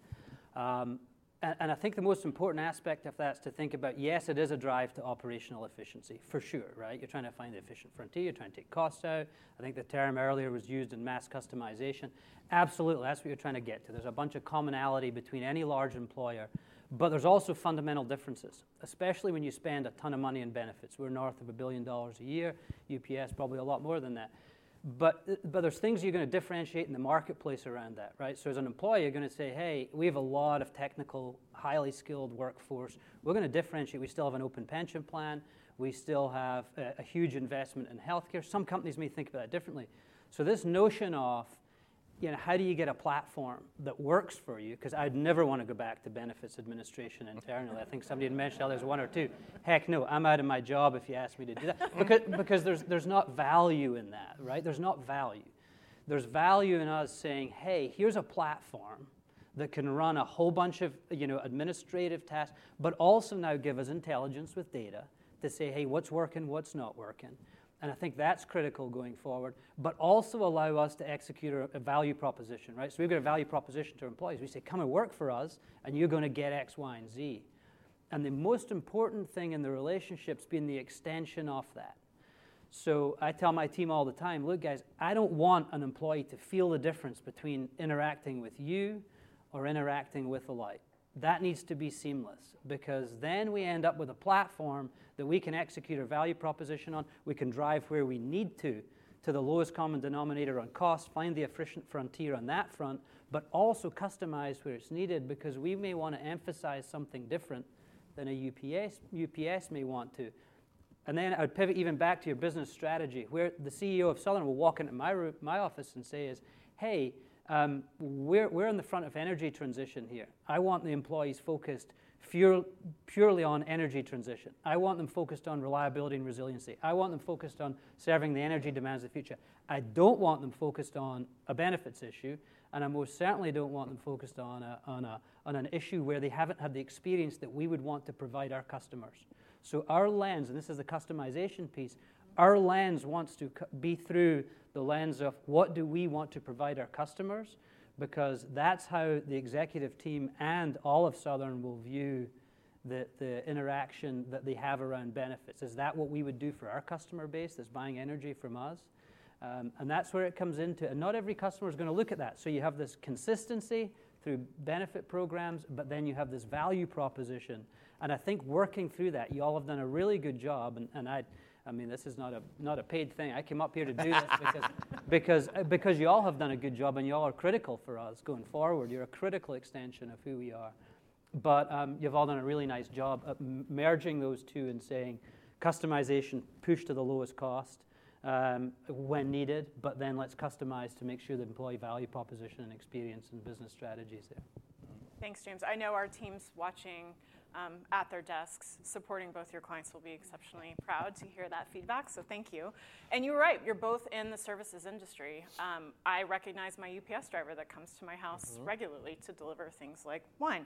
I think the most important aspect of that is to think about, yes, it is a drive to operational efficiency, for sure, right? You're trying to find the efficient frontier. You're trying to take costs out. I think the term earlier was used in mass customization. Absolutely, that's what you're trying to get to. There's a bunch of commonality between any large employer, but there's also fundamental differences, especially when you spend a ton of money in benefits. We're north of $1 billion a year. UPS, probably a lot more than that. There's things you're going to differentiate in the marketplace around that, right? As an employee, you're going to say, "Hey, we have a lot of technical, highly skilled workforce. We're going to differentiate. We still have an open pension plan. We still have a huge investment in healthcare." Some companies may think about it differently. This notion of how do you get a platform that works for you? Because I'd never want to go back to benefits administration internally. I think somebody had mentioned there's one or two. Heck, no, I'm out of my job if you ask me to do that. Because there's not value in that, right? There's not value. There's value in us saying, "Hey, here's a platform that can run a whole bunch of administrative tasks, but also now give us intelligence with data to say, 'Hey, what's working, what's not working?'" I think that's critical going forward, but also allow us to execute a value proposition, right? We've got a value proposition to employees. We say, "Come and work for us, and you're going to get X, Y, and Z." The most important thing in the relationships being the extension off that. I tell my team all the time, "Look, guys, I don't want an employee to feel the difference between interacting with you or interacting with Alight." That needs to be seamless because then we end up with a platform that we can execute a value proposition on. We can drive where we need to, to the lowest common denominator on cost, find the efficient frontier on that front, but also customize where it's needed because we may want to emphasize something different than a UPS may want to. I would pivot even back to your business strategy. The CEO of Southern will walk into my office and say, "Hey, we're in the front of energy transition here. I want the employees focused purely on energy transition. I want them focused on reliability and resiliency. I want them focused on serving the energy demands of the future. I don't want them focused on a benefits issue, and I most certainly don't want them focused on an issue where they haven't had the experience that we would want to provide our customers. Our lens, and this is the customization piece, our lens wants to be through the lens of what do we want to provide our customers because that's how the executive team and all of Southern will view the interaction that they have around benefits. Is that what we would do for our customer base that's buying energy from us? That is where it comes into it. Not every customer is going to look at that. You have this consistency through benefit programs, but then you have this value proposition. I think working through that, you all have done a really good job. I mean, this is not a paid thing. I came up here to do this because you all have done a good job, and you all are critical for us going forward. You are a critical extension of who we are. You have all done a really nice job merging those two and saying, "Customization, push to the lowest cost when needed, but then let's customize to make sure the employee value proposition and experience and business strategy is there. Thanks, James. I know our teams watching at their desks supporting both your clients will be exceptionally proud to hear that feedback. Thank you. You're right. You're both in the services industry. I recognize my UPS driver that comes to my house regularly to deliver things like wine.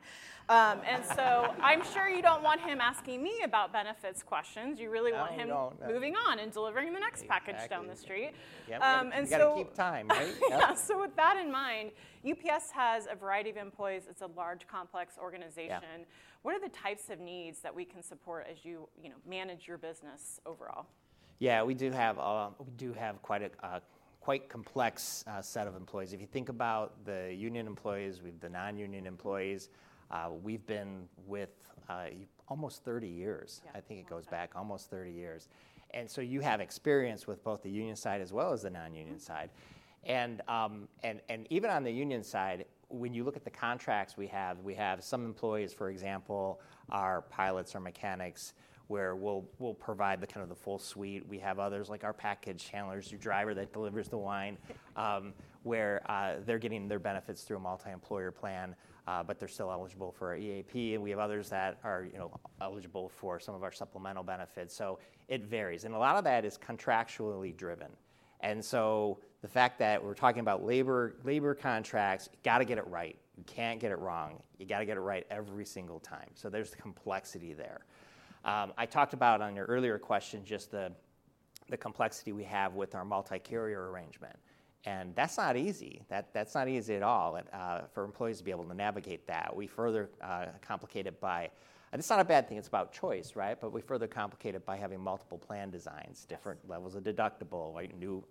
I'm sure you don't want him asking me about benefits questions. You really want him moving on and delivering the next package down the street. Yeah, we've got to keep time, right? Yeah. With that in mind, UPS has a variety of employees. It's a large, complex organization. What are the types of needs that we can support as you manage your business overall? Yeah, we do have quite a complex set of employees. If you think about the union employees, we have the non-union employees. We've been with almost 30 years. I think it goes back almost 30 years. You have experience with both the union side as well as the non-union side. Even on the union side, when you look at the contracts we have, we have some employees, for example, our pilots or mechanics, where we'll provide kind of the full suite. We have others like our package handlers, your driver that delivers the wine, where they're getting their benefits through a multi-employer plan, but they're still eligible for our EAP. We have others that are eligible for some of our supplemental benefits. It varies. A lot of that is contractually driven. The fact that we're talking about labor contracts, you got to get it right. You can't get it wrong. You got to get it right every single time. There's the complexity there. I talked about on your earlier question just the complexity we have with our multi-carrier arrangement. That's not easy. That's not easy at all for employees to be able to navigate that. We further complicate it by, and it's not a bad thing. It's about choice, right? We further complicate it by having multiple plan designs, different levels of deductible,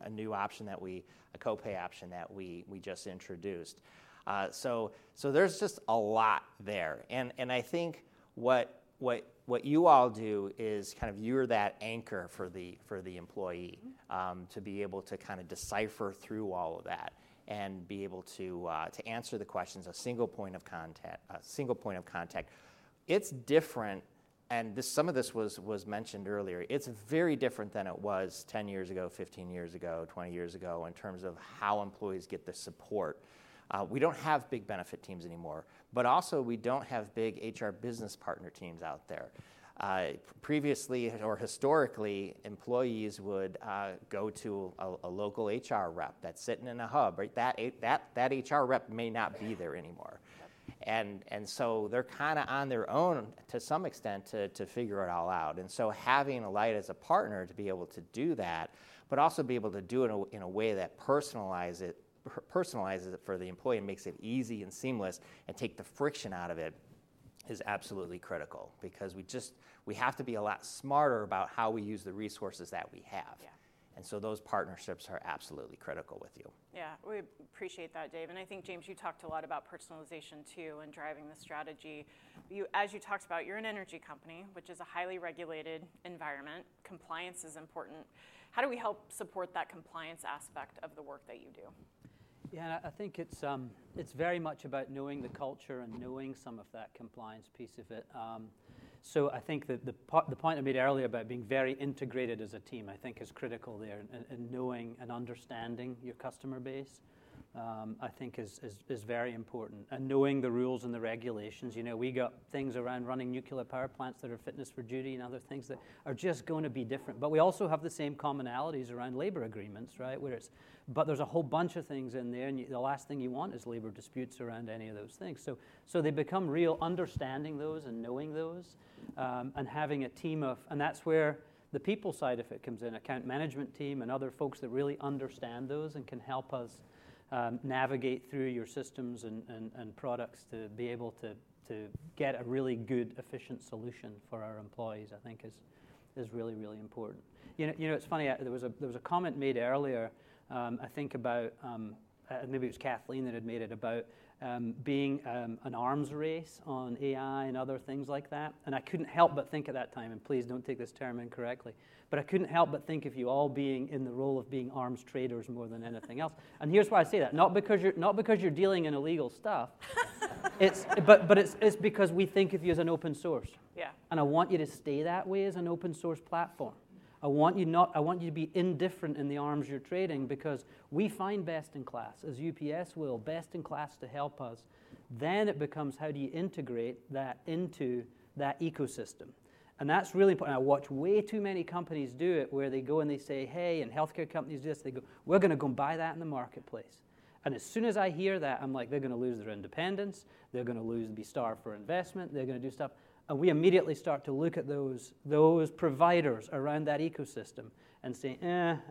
a new option that we, a copay option that we just introduced. There's just a lot there. I think what you all do is kind of you're that anchor for the employee to be able to kind of decipher through all of that and be able to answer the questions of single point of contact, a single point of contact. It's different, and some of this was mentioned earlier. It's very different than it was 10 years ago, 15 years ago, 20 years ago in terms of how employees get the support. We don't have big benefit teams anymore, but also we don't have big HR business partner teams out there. Previously, or historically, employees would go to a local HR rep that's sitting in a hub. That HR rep may not be there anymore. They are kind of on their own to some extent to figure it all out. Having Alight as a partner to be able to do that, but also be able to do it in a way that personalizes it for the employee and makes it easy and seamless and takes the friction out of it is absolutely critical because we have to be a lot smarter about how we use the resources that we have. Those partnerships are absolutely critical with you. Yeah, we appreciate that, Dave. I think, James, you talked a lot about personalization too and driving the strategy. As you talked about, you're an energy company, which is a highly regulated environment. Compliance is important. How do we help support that compliance aspect of the work that you do? Yeah, I think it's very much about knowing the culture and knowing some of that compliance piece of it. I think the point I made earlier about being very integrated as a team, I think, is critical there. Knowing and understanding your customer base, I think, is very important. Knowing the rules and the regulations. We got things around running nuclear power plants that are Fitness for Duty and other things that are just going to be different. We also have the same commonalities around labor agreements, right? There's a whole bunch of things in there, and the last thing you want is labor disputes around any of those things. They become real, understanding those and knowing those and having a team of, and that's where the people side of it comes in, account management team and other folks that really understand those and can help us navigate through your systems and products to be able to get a really good, efficient solution for our employees, I think, is really, really important. You know, it's funny, there was a comment made earlier, I think, about, and maybe it was Kathleen that had made it, about being an arms race on AI and other things like that. I couldn't help but think at that time, and please don't take this term incorrectly, but I couldn't help but think of you all being in the role of being arms traders more than anything else. Here's why I say that. Not because you're dealing in illegal stuff, but it's because we think of you as an open source. I want you to stay that way as an open source platform. I want you to be indifferent in the arms you're trading because we find best in class, as UPS will, best in class to help us. It becomes how do you integrate that into that ecosystem? That's really important. I watch way too many companies do it where they go and they say, "Hey," and healthcare companies do this. They go, "We're going to go and buy that in the marketplace." As soon as I hear that, I'm like, "They're going to lose their independence. They're going to lose and be starved for investment. They're going to do stuff. We immediately start to look at those providers around that ecosystem and say,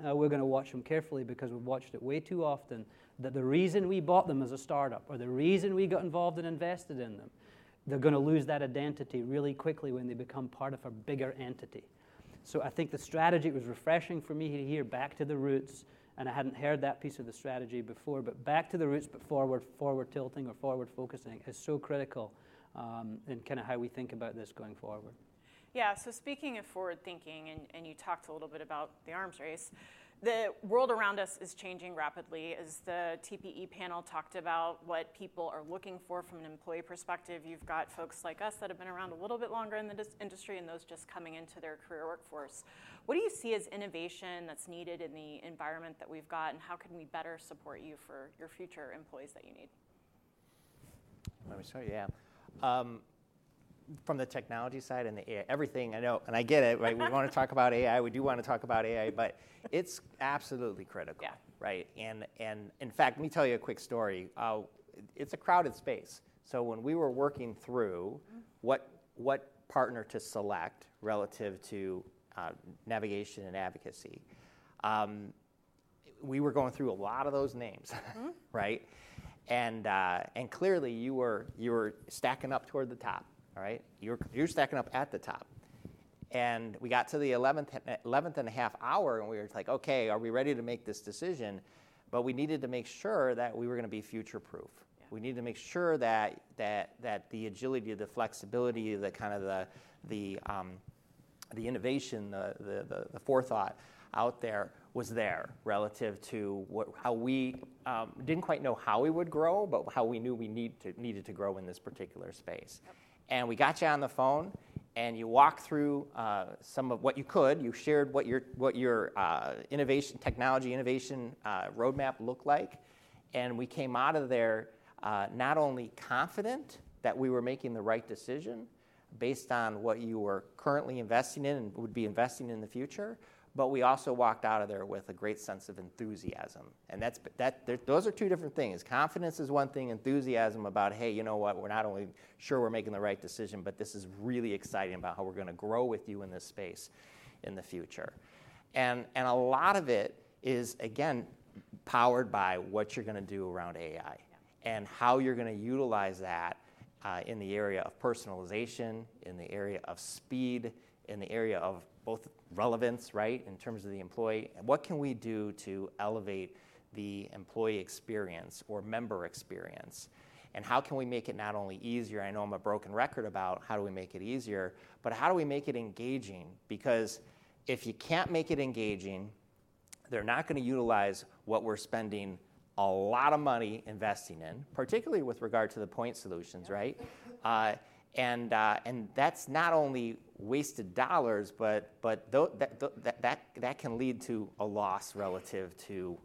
we're going to watch them carefully because we've watched it way too often that the reason we bought them as a startup or the reason we got involved and invested in them, they're going to lose that identity really quickly when they become part of a bigger entity. I think the strategy was refreshing for me to hear back to the roots, and I hadn't heard that piece of the strategy before, but back to the roots, but forward tilting or forward focusing is so critical in kind of how we think about this going forward. Yeah, speaking of forward thinking, and you talked a little bit about the arms race, the world around us is changing rapidly. As the TPE panel talked about what people are looking for from an employee perspective, you've got folks like us that have been around a little bit longer in the industry and those just coming into their career workforce. What do you see as innovation that's needed in the environment that we've got, and how can we better support you for your future employees that you need? I'm sorry, yeah. From the technology side and the AI, everything, I know, and I get it, right? We want to talk about AI. We do want to talk about AI, but it's absolutely critical, right? In fact, let me tell you a quick story. It's a crowded space. When we were working through what partner to select relative to navigation and advocacy, we were going through a lot of those names, right? Clearly, you were stacking up toward the top, right? You're stacking up at the top. We got to the 11th and a half hour, and we were like, "Okay, are we ready to make this decision?" We needed to make sure that we were going to be future proof. We needed to make sure that the agility, the flexibility, the kind of the innovation, the forethought out there was there relative to how we didn't quite know how we would grow, but how we knew we needed to grow in this particular space. We got you on the phone, and you walked through some of what you could. You shared what your technology innovation roadmap looked like. We came out of there not only confident that we were making the right decision based on what you were currently investing in and would be investing in the future, but we also walked out of there with a great sense of enthusiasm. Those are two different things. Confidence is one thing. Enthusiasm about, "Hey, you know what? We're not only sure we're making the right decision, but this is really exciting about how we're going to grow with you in this space in the future. A lot of it is, again, powered by what you're going to do around AI and how you're going to utilize that in the area of personalization, in the area of speed, in the area of both relevance, right, in terms of the employee. What can we do to elevate the employee experience or member experience? How can we make it not only easier? I know I'm a broken record about how do we make it easier, but how do we make it engaging? Because if you can't make it engaging, they're not going to utilize what we're spending a lot of money investing in, particularly with regard to the point solutions, right? That's not only wasted dollars, but that can lead to a loss relative to,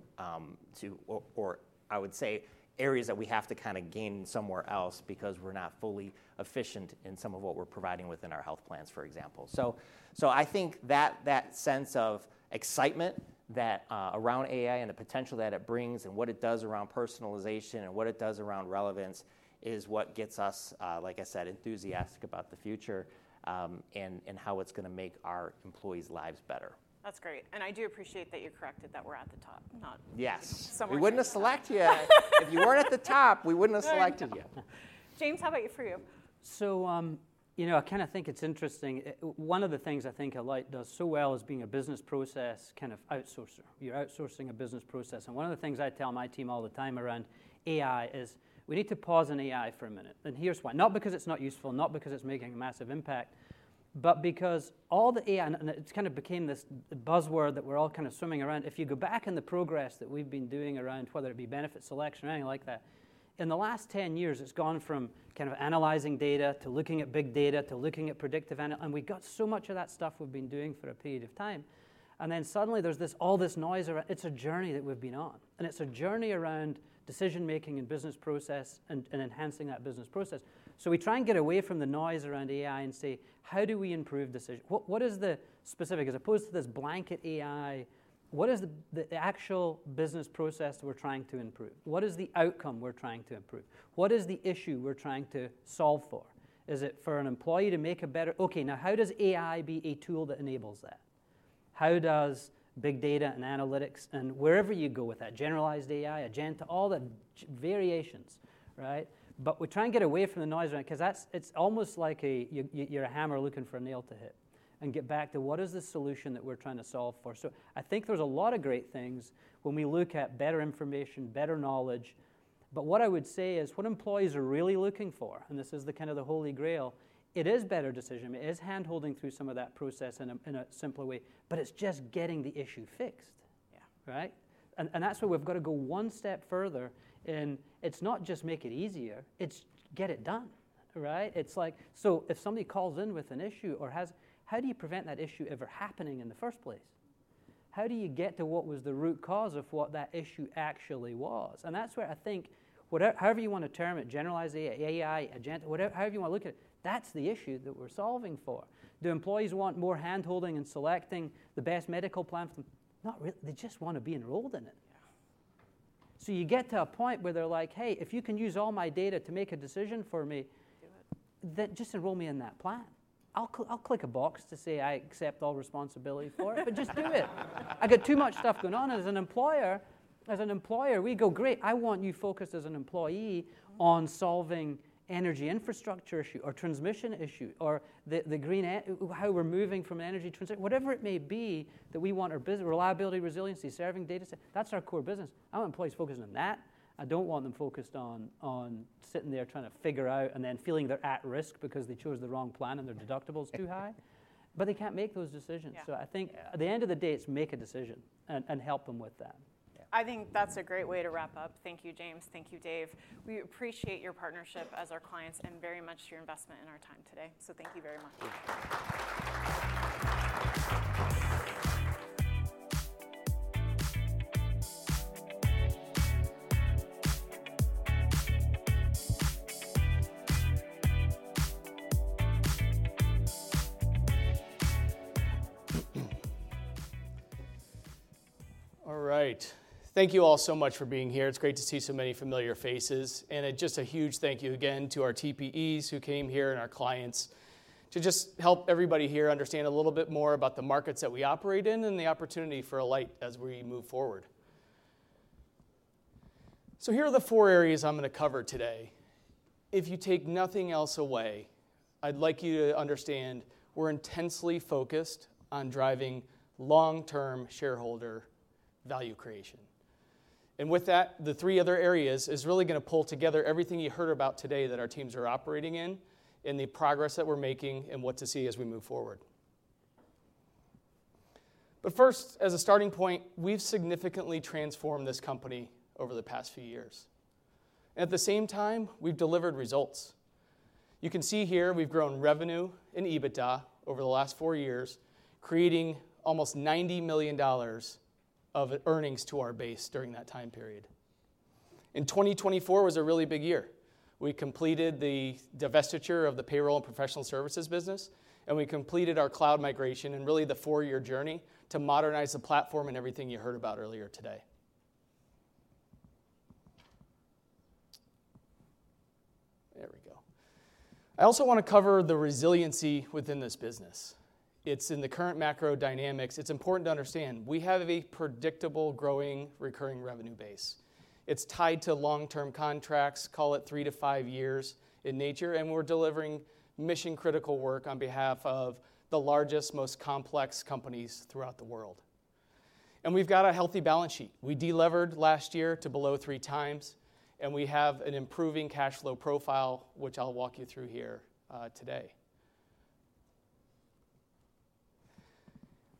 or I would say, areas that we have to kind of gain somewhere else because we're not fully efficient in some of what we're providing within our health plans, for example. I think that sense of excitement around AI and the potential that it brings and what it does around personalization and what it does around relevance is what gets us, like I said, enthusiastic about the future and how it's going to make our employees' lives better. That's great. I do appreciate that you corrected that we're at the top, not somewhere else. Yes. We wouldn't have selected you. If you weren't at the top, we wouldn't have selected you. James, how about you? You know, I kind of think it's interesting. One of the things I think Alight does so well is being a business process kind of outsourcer. You're outsourcing a business process. One of the things I tell my team all the time around AI is we need to pause on AI for a minute. Here's why. Not because it's not useful, not because it's making a massive impact, but because all the AI, and it kind of became this buzzword that we're all kind of swimming around. If you go back in the progress that we've been doing around whether it be benefit selection or anything like that, in the last 10 years, it's gone from kind of analyzing data to looking at big data to looking at predictive analysis. We've got so much of that stuff we've been doing for a period of time. Suddenly there's all this noise around. It's a journey that we've been on. It's a journey around decision making and business process and enhancing that business process. We try and get away from the noise around AI and say, how do we improve decision? What is the specific, as opposed to this blanket AI, what is the actual business process we're trying to improve? What is the outcome we're trying to improve? What is the issue we're trying to solve for? Is it for an employee to make a better? Okay, now how does AI be a tool that enables that? How does big data and analytics and wherever you go with that, generalized AI, agentic, all the variations, right? We try and get away from the noise around it because it's almost like you're a hammer looking for a nail to hit and get back to what is the solution that we're trying to solve for? I think there's a lot of great things when we look at better information, better knowledge. What I would say is what employees are really looking for, and this is kind of the Holy Grail, it is better decision. It is handholding through some of that process in a simpler way, but it's just getting the issue fixed, right? That's where we've got to go one step further in. It's not just make it easier. It's get it done, right? It's like, if somebody calls in with an issue or has, how do you prevent that issue ever happening in the first place? How do you get to what was the root cause of what that issue actually was? That's where I think, however you want to term it, generalized AI, agenta, however you want to look at it, that's the issue that we're solving for. Do employees want more handholding in selecting the best medical plan? Not really. They just want to be enrolled in it. You get to a point where they're like, "Hey, if you can use all my data to make a decision for me, then just enroll me in that plan." I'll click a box to say I accept all responsibility for it, but just do it. I got too much stuff going on. As an employer, we go, "Great. I want you focused as an employee on solving energy infrastructure issue or transmission issue or how we're moving from energy transition, whatever it may be that we want our business reliability, resiliency, serving data set. That's our core business. I want employees focused on that. I don't want them focused on sitting there trying to figure out and then feeling they're at risk because they chose the wrong plan and their deductible is too high. They can't make those decisions. I think at the end of the day, it's make a decision and help them with that. I think that's a great way to wrap up. Thank you, James. Thank you, Dave. We appreciate your partnership as our clients and very much your investment in our time today. Thank you very much. All right. Thank you all so much for being here. It's great to see so many familiar faces. Just a huge thank you again to our TPEs who came here and our clients to just help everybody here understand a little bit more about the markets that we operate in and the opportunity for Alight as we move forward. Here are the four areas I'm going to cover today. If you take nothing else away, I'd like you to understand we're intensely focused on driving long-term shareholder value creation. With that, the three other areas are really going to pull together everything you heard about today that our teams are operating in and the progress that we're making and what to see as we move forward. First, as a starting point, we've significantly transformed this company over the past few years. At the same time, we've delivered results. You can see here we've grown revenue and EBITDA over the last four years, creating almost $90 million of earnings to our base during that time period. In 2024 was a really big year. We completed the divestiture of the payroll and professional services business, and we completed our cloud migration and really the four-year journey to modernize the platform and everything you heard about earlier today. There we go. I also want to cover the resiliency within this business. It's in the current macro dynamics. It's important to understand we have a predictable, growing, recurring revenue base. It's tied to long-term contracts, call it three to five years in nature, and we're delivering mission-critical work on behalf of the largest, most complex companies throughout the world. We've got a healthy balance sheet. We delivered last year to below three times, and we have an improving cash flow profile, which I'll walk you through here today.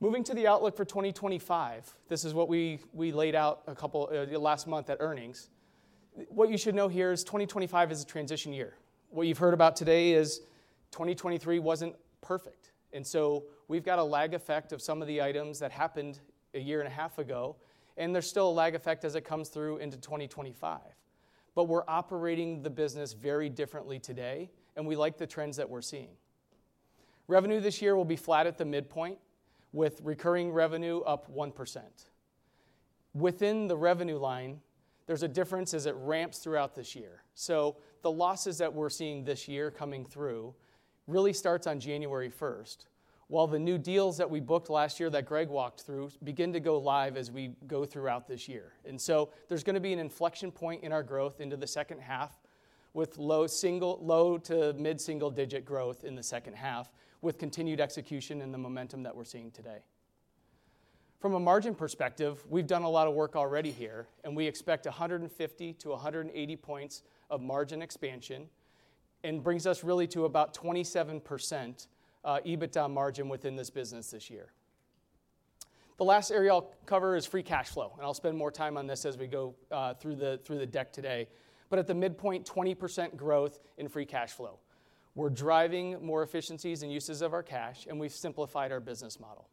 Moving to the outlook for 2025, this is what we laid out a couple of last month at earnings. What you should know here is 2025 is a transition year. What you've heard about today is 2023 wasn't perfect. We have a lag effect of some of the items that happened a year and a half ago, and there's still a lag effect as it comes through into 2025. We are operating the business very differently today, and we like the trends that we're seeing. Revenue this year will be flat at the midpoint with recurring revenue up 1%. Within the revenue line, there's a difference as it ramps throughout this year. The losses that we're seeing this year coming through really starts on January 1, while the new deals that we booked last year that Greg walked through begin to go live as we go throughout this year. There is going to be an inflection point in our growth into the second half with low to mid-single digit growth in the second half with continued execution and the momentum that we're seeing today. From a margin perspective, we've done a lot of work already here, and we expect 150-180 basis points of margin expansion and brings us really to about 27% EBITDA margin within this business this year. The last area I'll cover is free cash flow, and I'll spend more time on this as we go through the deck today. At the midpoint, 20% growth in free cash flow. We're driving more efficiencies and uses of our cash, and we've simplified our business model.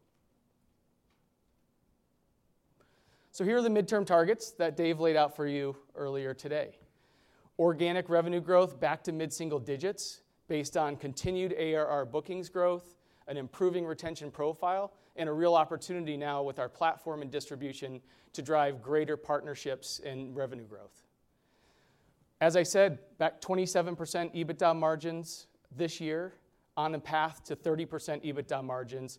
Here are the midterm targets that Dave laid out for you earlier today. Organic revenue growth back to mid-single digits based on continued ARR bookings growth, an improving retention profile, and a real opportunity now with our platform and distribution to drive greater partnerships and revenue growth. As I said, back 27% EBITDA margins this year on a path to 30% EBITDA margins,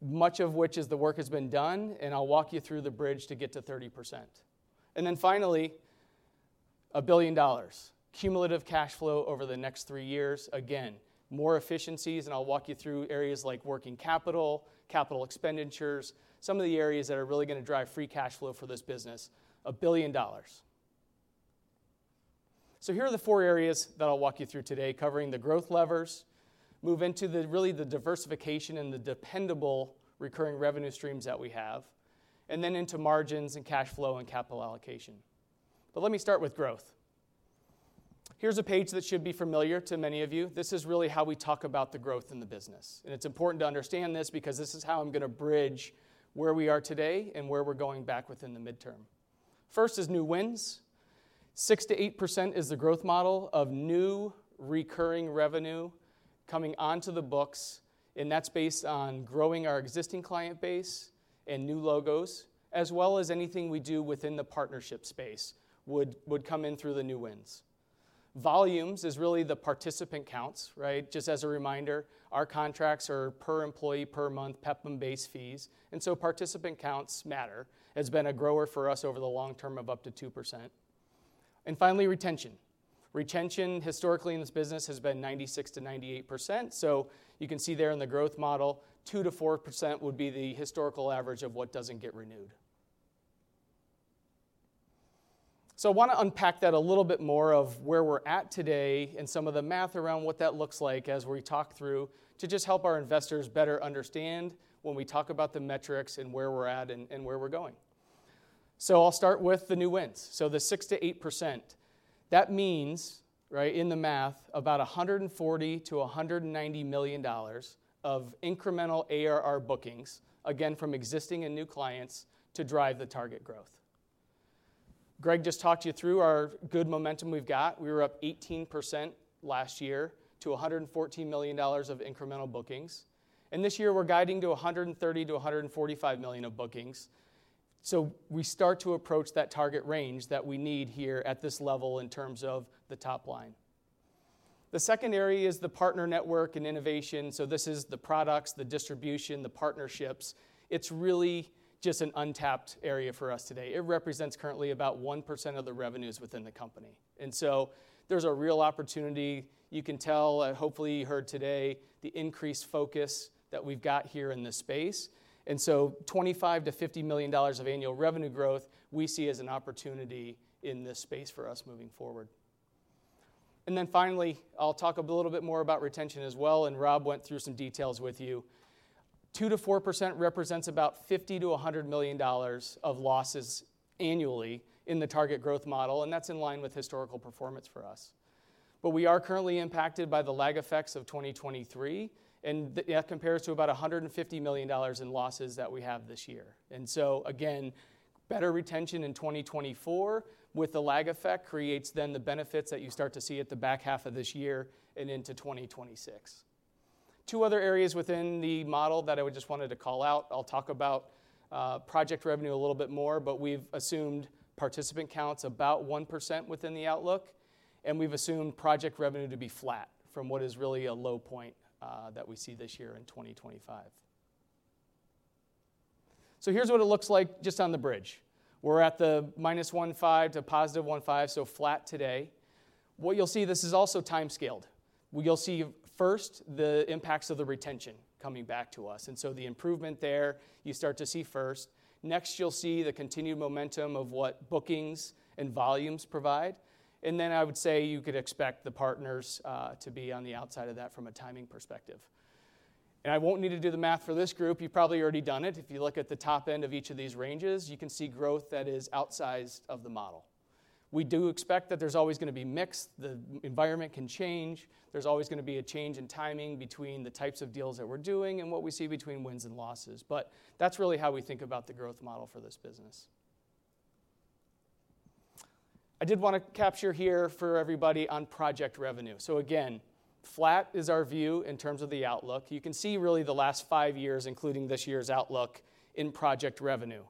much of which is the work has been done, and I'll walk you through the bridge to get to 30%. Finally, a billion dollars cumulative cash flow over the next three years. Again, more efficiencies, and I'll walk you through areas like working capital, capital expenditures, some of the areas that are really going to drive free cash flow for this business, a billion dollars. Here are the four areas that I'll walk you through today covering the growth levers, move into really the diversification and the dependable recurring revenue streams that we have, and then into margins and cash flow and capital allocation. Let me start with growth. Here's a page that should be familiar to many of you. This is really how we talk about the growth in the business. It's important to understand this because this is how I'm going to bridge where we are today and where we're going back within the midterm. First is new wins. 6-8% is the growth model of new recurring revenue coming onto the books. That's based on growing our existing client base and new logos, as well as anything we do within the partnership space would come in through the new wins. Volumes is really the participant counts, right? Just as a reminder, our contracts are per employee, per month, PEPM-based fees. Participant counts matter. It's been a grower for us over the long term of up to 2%. Finally, retention. Retention historically in this business has been 96-98%. You can see there in the growth model, 2-4% would be the historical average of what doesn't get renewed. I want to unpack that a little bit more of where we're at today and some of the math around what that looks like as we talk through to just help our investors better understand when we talk about the metrics and where we're at and where we're going. I'll start with the new wins. The 6-8%. That means, right, in the math, about $140 million-$190 million of incremental ARR bookings, again, from existing and new clients to drive the target growth. Greg just talked you through our good momentum we've got. We were up 18% last year to $114 million of incremental bookings. This year we're guiding to $130 million-$145 million of bookings. We start to approach that target range that we need here at this level in terms of the top line. The second area is the partner network and innovation. This is the products, the distribution, the partnerships. It's really just an untapped area for us today. It represents currently about 1% of the revenues within the company. There's a real opportunity. You can tell, hopefully you heard today, the increased focus that we've got here in this space. Twenty-five to fifty million dollars of annual revenue growth we see as an opportunity in this space for us moving forward. Finally, I'll talk a little bit more about retention as well. Rob went through some details with you. Two to four % represents about $50 million-$100 million of losses annually in the target growth model. That's in line with historical performance for us. We are currently impacted by the lag effects of 2023, and that compares to about $150 million in losses that we have this year. Better retention in 2024 with the lag effect creates then the benefits that you start to see at the back half of this year and into 2026. Two other areas within the model that I just wanted to call out. I'll talk about project revenue a little bit more, but we've assumed participant counts about 1% within the outlook. We've assumed project revenue to be flat from what is really a low point that we see this year in 2025. Here's what it looks like just on the bridge. We're at the minus 1.5% to positive 1.5%, so flat today. What you'll see, this is also time scaled. You'll see first the impacts of the retention coming back to us. The improvement there, you start to see first. Next, you'll see the continued momentum of what bookings and volumes provide. I would say you could expect the partners to be on the outside of that from a timing perspective. I won't need to do the math for this group. You've probably already done it. If you look at the top end of each of these ranges, you can see growth that is outsized of the model. We do expect that there's always going to be mix. The environment can change. There's always going to be a change in timing between the types of deals that we're doing and what we see between wins and losses. That is really how we think about the growth model for this business. I did want to capture here for everybody on project revenue. Again, flat is our view in terms of the outlook. You can see really the last five years, including this year's outlook in project revenue.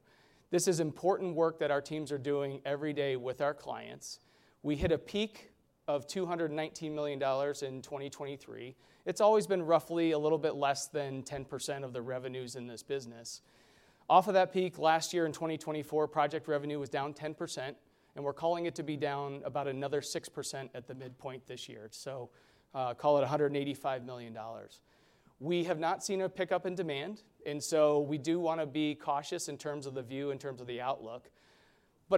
This is important work that our teams are doing every day with our clients. We hit a peak of $219 million in 2023. It's always been roughly a little bit less than 10% of the revenues in this business. Off of that peak last year in 2024, project revenue was down 10%, and we're calling it to be down about another 6% at the midpoint this year. Call it $185 million. We have not seen a pickup in demand, and we do want to be cautious in terms of the view in terms of the outlook.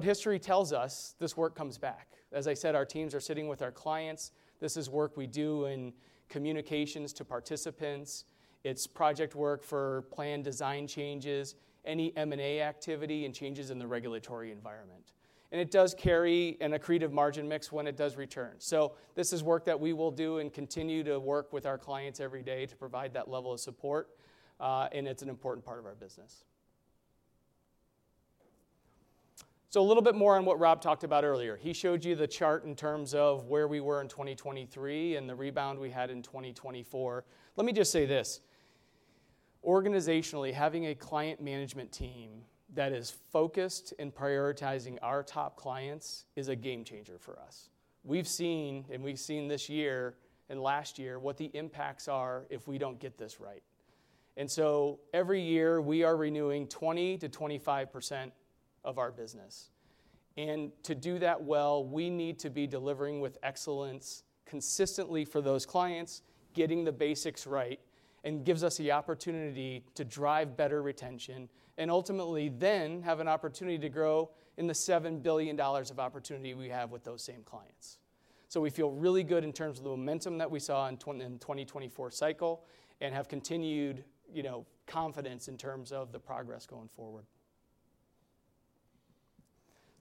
History tells us this work comes back. As I said, our teams are sitting with our clients. This is work we do in communications to participants. It's project work for plan design changes, any M&A activity, and changes in the regulatory environment. It does carry an accretive margin mix when it does return. This is work that we will do and continue to work with our clients every day to provide that level of support, and it's an important part of our business. A little bit more on what Rob talked about earlier. He showed you the chart in terms of where we were in 2023 and the rebound we had in 2024. Let me just say this. Organizationally, having a client management team that is focused and prioritizing our top clients is a game changer for us. We've seen, and we've seen this year and last year what the impacts are if we don't get this right. Every year we are renewing 20%-25% of our business. To do that well, we need to be delivering with excellence consistently for those clients, getting the basics right, and it gives us the opportunity to drive better retention and ultimately then have an opportunity to grow in the $7 billion of opportunity we have with those same clients. We feel really good in terms of the momentum that we saw in the 2024 cycle and have continued confidence in terms of the progress going forward.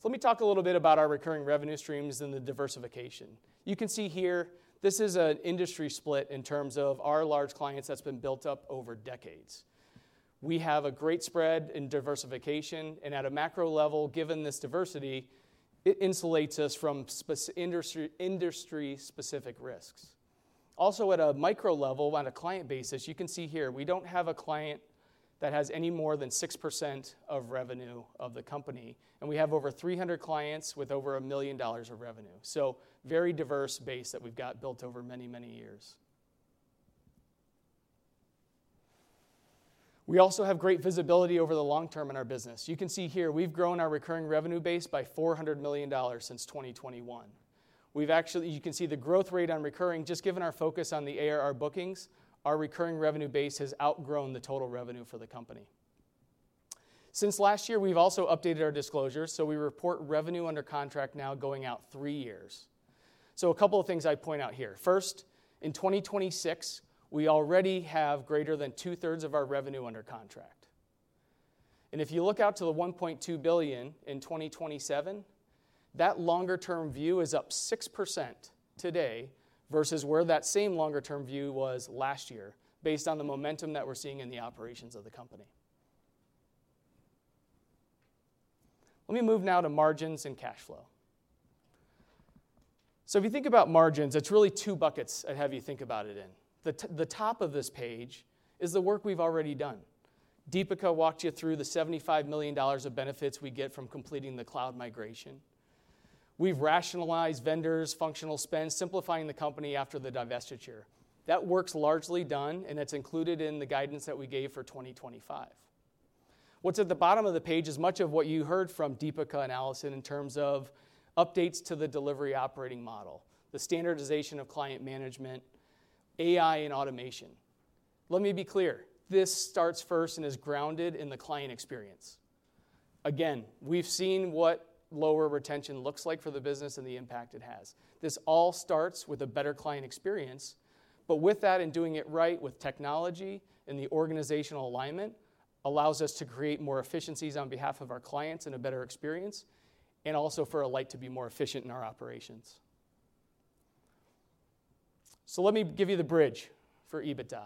Let me talk a little bit about our recurring revenue streams and the diversification. You can see here, this is an industry split in terms of our large clients that's been built up over decades. We have a great spread in diversification, and at a macro level, given this diversity, it insulates us from industry-specific risks. Also at a micro level, on a client basis, you can see here, we don't have a client that has any more than 6% of revenue of the company, and we have over 300 clients with over $1 million of revenue. So very diverse base that we've got built over many, many years. We also have great visibility over the long term in our business. You can see here, we've grown our recurring revenue base by $400 million since 2021. You can see the growth rate on recurring, just given our focus on the ARR bookings, our recurring revenue base has outgrown the total revenue for the company. Since last year, we've also updated our disclosures, so we report revenue under contract now going out three years. So a couple of things I'd point out here. First, in 2026, we already have greater than two-thirds of our revenue under contract. If you look out to the $1.2 billion in 2027, that longer-term view is up 6% today versus where that same longer-term view was last year based on the momentum that we're seeing in the operations of the company. Let me move now to margins and cash flow. If you think about margins, it's really two buckets I'd have you think about it in. The top of this page is the work we've already done. Deepika walked you through the $75 million of benefits we get from completing the cloud migration. We've rationalized vendors, functional spend, simplifying the company after the divestiture. That work's largely done, and it's included in the guidance that we gave for 2025. What's at the bottom of the page is much of what you heard from Deepika and A1lison in terms of updates to the delivery operating model, the standardization of client management, AI, and automation. Let me be clear. This starts first and is grounded in the client experience. Again, we've seen what lower retention looks like for the business and the impact it has. This all starts with a better client experience, but with that and doing it right with technology and the organizational alignment allows us to create more efficiencies on behalf of our clients and a better experience and also for Alight to be more efficient in our operations. Let me give you the bridge for EBITDA.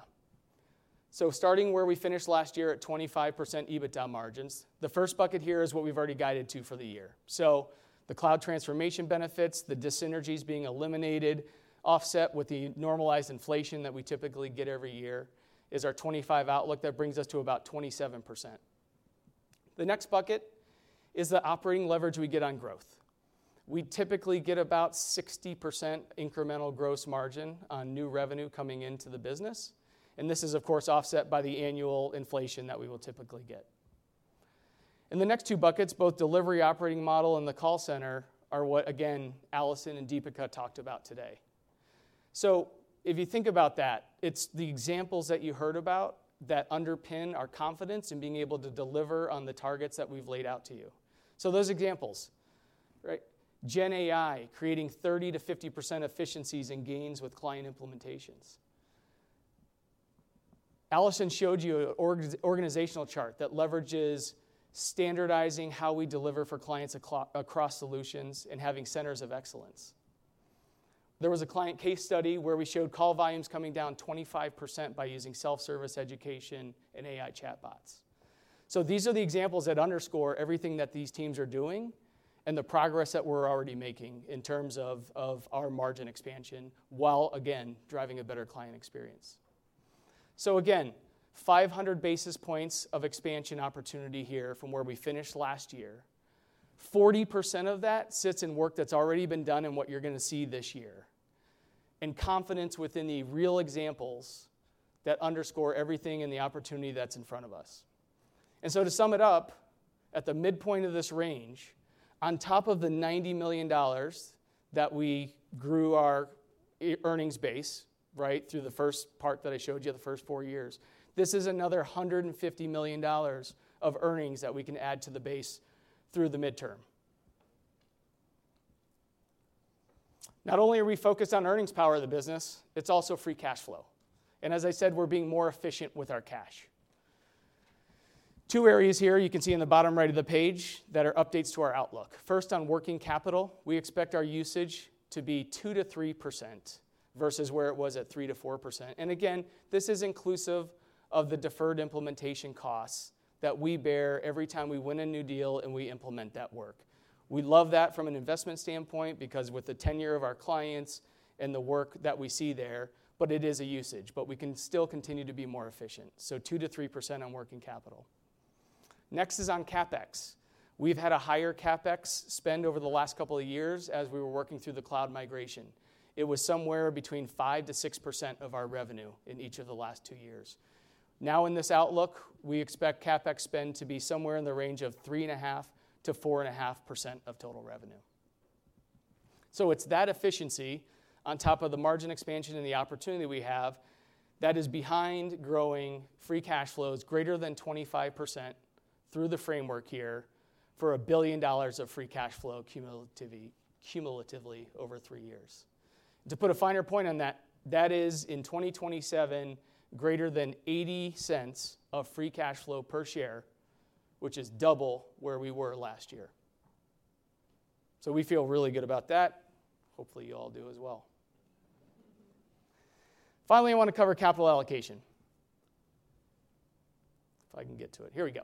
Starting where we finished last year at 25% EBITDA margins, the first bucket here is what we've already guided to for the year. The cloud transformation benefits, the de-synergies being eliminated, offset with the normalized inflation that we typically get every year is our 2025 outlook that brings us to about 27%. The next bucket is the operating leverage we get on growth. We typically get about 60% incremental gross margin on new revenue coming into the business. This is, of course, offset by the annual inflation that we will typically get. In the next two buckets, both delivery operating model and the call center are what, again, Aliison and Deepika talked about today. If you think about that, it's the examples that you heard about that underpin our confidence in being able to deliver on the targets that we've laid out to you. Those examples, right? GenAI creating 30-50% efficiencies and gains with client implementations. Alison showed you an organizational chart that leverages standardizing how we deliver for clients across solutions and having centers of excellence. There was a client case study where we showed call volumes coming down 25% by using self-service education and AI chatbots. These are the examples that underscore everything that these teams are doing and the progress that we're already making in terms of our margin expansion while, again, driving a better client experience. Again, 500 basis points of expansion opportunity here from where we finished last year. 40% of that sits in work that's already been done and what you're going to see this year. Confidence within the real examples that underscore everything and the opportunity that's in front of us. To sum it up, at the midpoint of this range, on top of the $90 million that we grew our earnings base, right, through the first part that I showed you the first four years, this is another $150 million of earnings that we can add to the base through the midterm. Not only are we focused on earnings power of the business, it's also free cash flow. As I said, we're being more efficient with our cash. Two areas here you can see in the bottom right of the page that are updates to our outlook. First, on working capital, we expect our usage to be 2-3% versus where it was at 3-4%. Again, this is inclusive of the deferred implementation costs that we bear every time we win a new deal and we implement that work. We love that from an investment standpoint because with the tenure of our clients and the work that we see there, but it is a usage, but we can still continue to be more efficient. 2-3% on working capital. Next is on CapEx. We've had a higher CapEx spend over the last couple of years as we were working through the cloud migration. It was somewhere between 5-6% of our revenue in each of the last two years. Now in this outlook, we expect CapEx spend to be somewhere in the range of 3.5-4.5% of total revenue. It's that efficiency on top of the margin expansion and the opportunity we have that is behind growing free cash flows greater than 25% through the framework here for $1 billion of free cash flow cumulatively over three years. To put a finer point on that, that is in 2027 greater than $0.80 of free cash flow per share, which is double where we were last year. We feel really good about that. Hopefully, you all do as well. Finally, I want to cover capital allocation. If I can get to it. Here we go.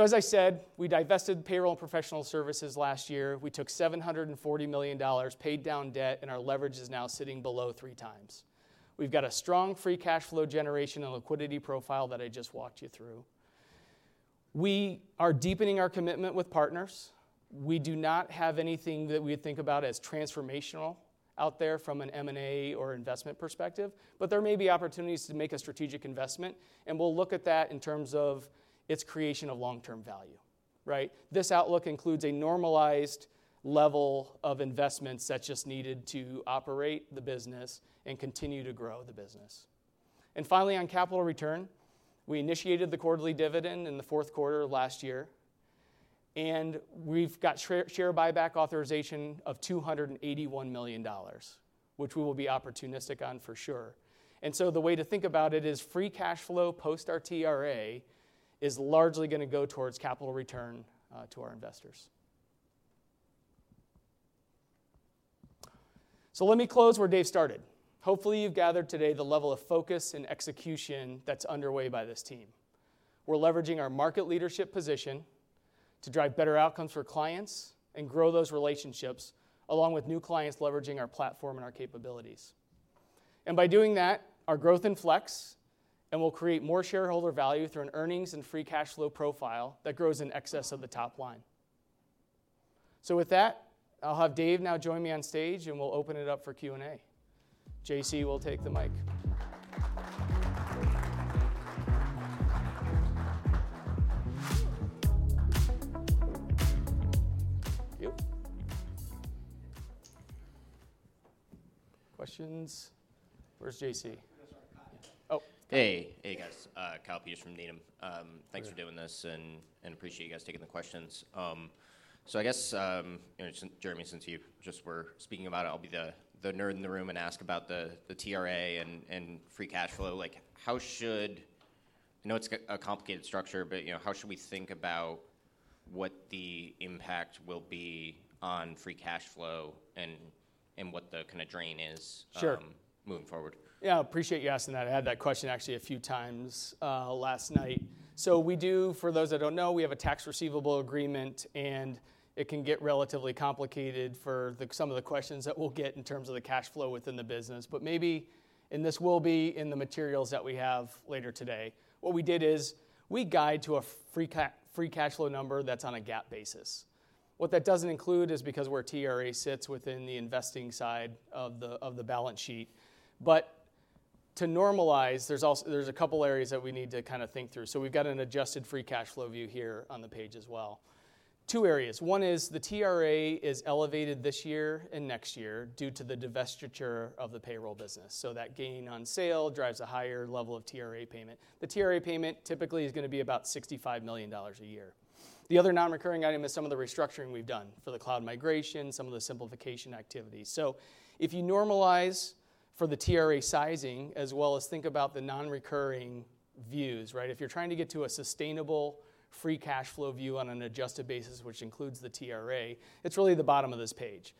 As I said, we divested payroll and professional services last year. We took $740 million, paid down debt, and our leverage is now sitting below three times. We have a strong free cash flow generation and liquidity profile that I just walked you through. We are deepening our commitment with partners. We do not have anything that we think about as transformational out there from an M&A or investment perspective, but there may be opportunities to make a strategic investment, and we'll look at that in terms of its creation of long-term value, right? This outlook includes a normalized level of investments that's just needed to operate the business and continue to grow the business. Finally, on capital return, we initiated the quarterly dividend in the fourth quarter of last year, and we've got share buyback authorization of $281 million, which we will be opportunistic on for sure. The way to think about it is free cash flow post our TRA is largely going to go towards capital return to our investors. Let me close where Dave started. Hopefully, you've gathered today the level of focus and execution that's underway by this team. We're leveraging our market leadership position to drive better outcomes for clients and grow those relationships along with new clients leveraging our platform and our capabilities. By doing that, our growth inflects and will create more shareholder value through an earnings and free cash flow profile that grows in excess of the top line. With that, I'll have Dave now join me on stage and we'll open it up for Q&A. JC, we'll take the mic. Questions? Where's JC? Oh. Hey, hey guys. Kyle Peterson from Needham. Thanks for doing this and appreciate you guys taking the questions. I guess, Jeremy, since you just were speaking about it, I'll be the nerd in the room and ask about the TRA and free cash flow. Like, how should, I know it's a complicated structure, but how should we think about what the impact will be on free cash flow and what the kind of drain is moving forward? Yeah, I appreciate you asking that. I had that question actually a few times last night. We do, for those that don't know, we have a tax receivable agreement and it can get relatively complicated for some of the questions that we'll get in terms of the cash flow within the business. Maybe, and this will be in the materials that we have later today, what we did is we guide to a free cash flow number that's on a GAAP basis. What that doesn't include is because where TRA sits within the investing side of the balance sheet. To normalize, there's a couple areas that we need to kind of think through. We've got an adjusted free cash flow view here on the page as well. Two areas. One is the TRA is elevated this year and next year due to the divestiture of the payroll business. That gain on sale drives a higher level of TRA payment. The TRA payment typically is going to be about $65 million a year. The other non-recurring item is some of the restructuring we've done for the cloud migration, some of the simplification activity. If you normalize for the TRA sizing as well as think about the non-recurring views, right? If you're trying to get to a sustainable free cash flow view on an adjusted basis, which includes the TRA, it's really the bottom of this page.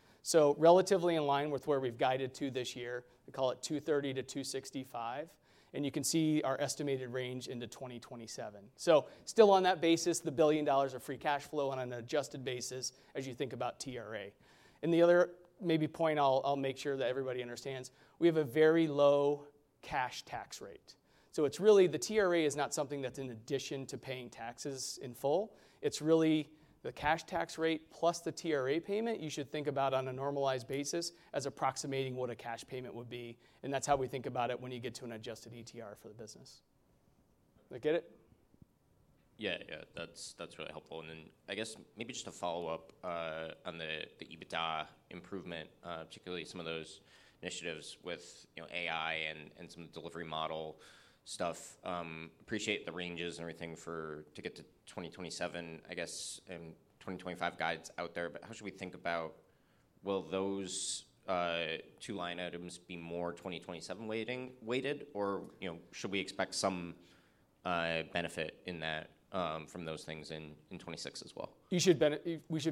Relatively in line with where we've guided to this year, we call it $230 million-$265 million, and you can see our estimated range into 2027. Still on that basis, the $1 billion of free cash flow on an adjusted basis as you think about TRA. The other maybe point I'll make sure that everybody understands, we have a very low cash tax rate. It's really the TRA is not something that's in addition to paying taxes in full. It's really the cash tax rate plus the TRA payment you should think about on a normalized basis as approximating what a cash payment would be. That's how we think about it when you get to an adjusted ETR for the business. I get it? Yeah, yeah. That's really helpful. I guess maybe just to follow up on the EBITDA improvement, particularly some of those initiatives with AI and some delivery model stuff. Appreciate the ranges and everything for to get to 2027, I guess, and 2025 guides out there. How should we think about, will those two line items be more 2027 weighted or should we expect some benefit in that from those things in 26 as well? We should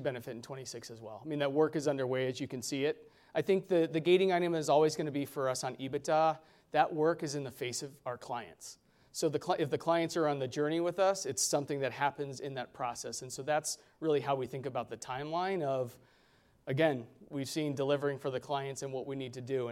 benefit in 26 as well. I mean, that work is underway as you can see it. I think the gating item is always going to be for us on EBITDA. That work is in the face of our clients. If the clients are on the journey with us, it's something that happens in that process. That is really how we think about the timeline of, again, we have seen delivering for the clients and what we need to do.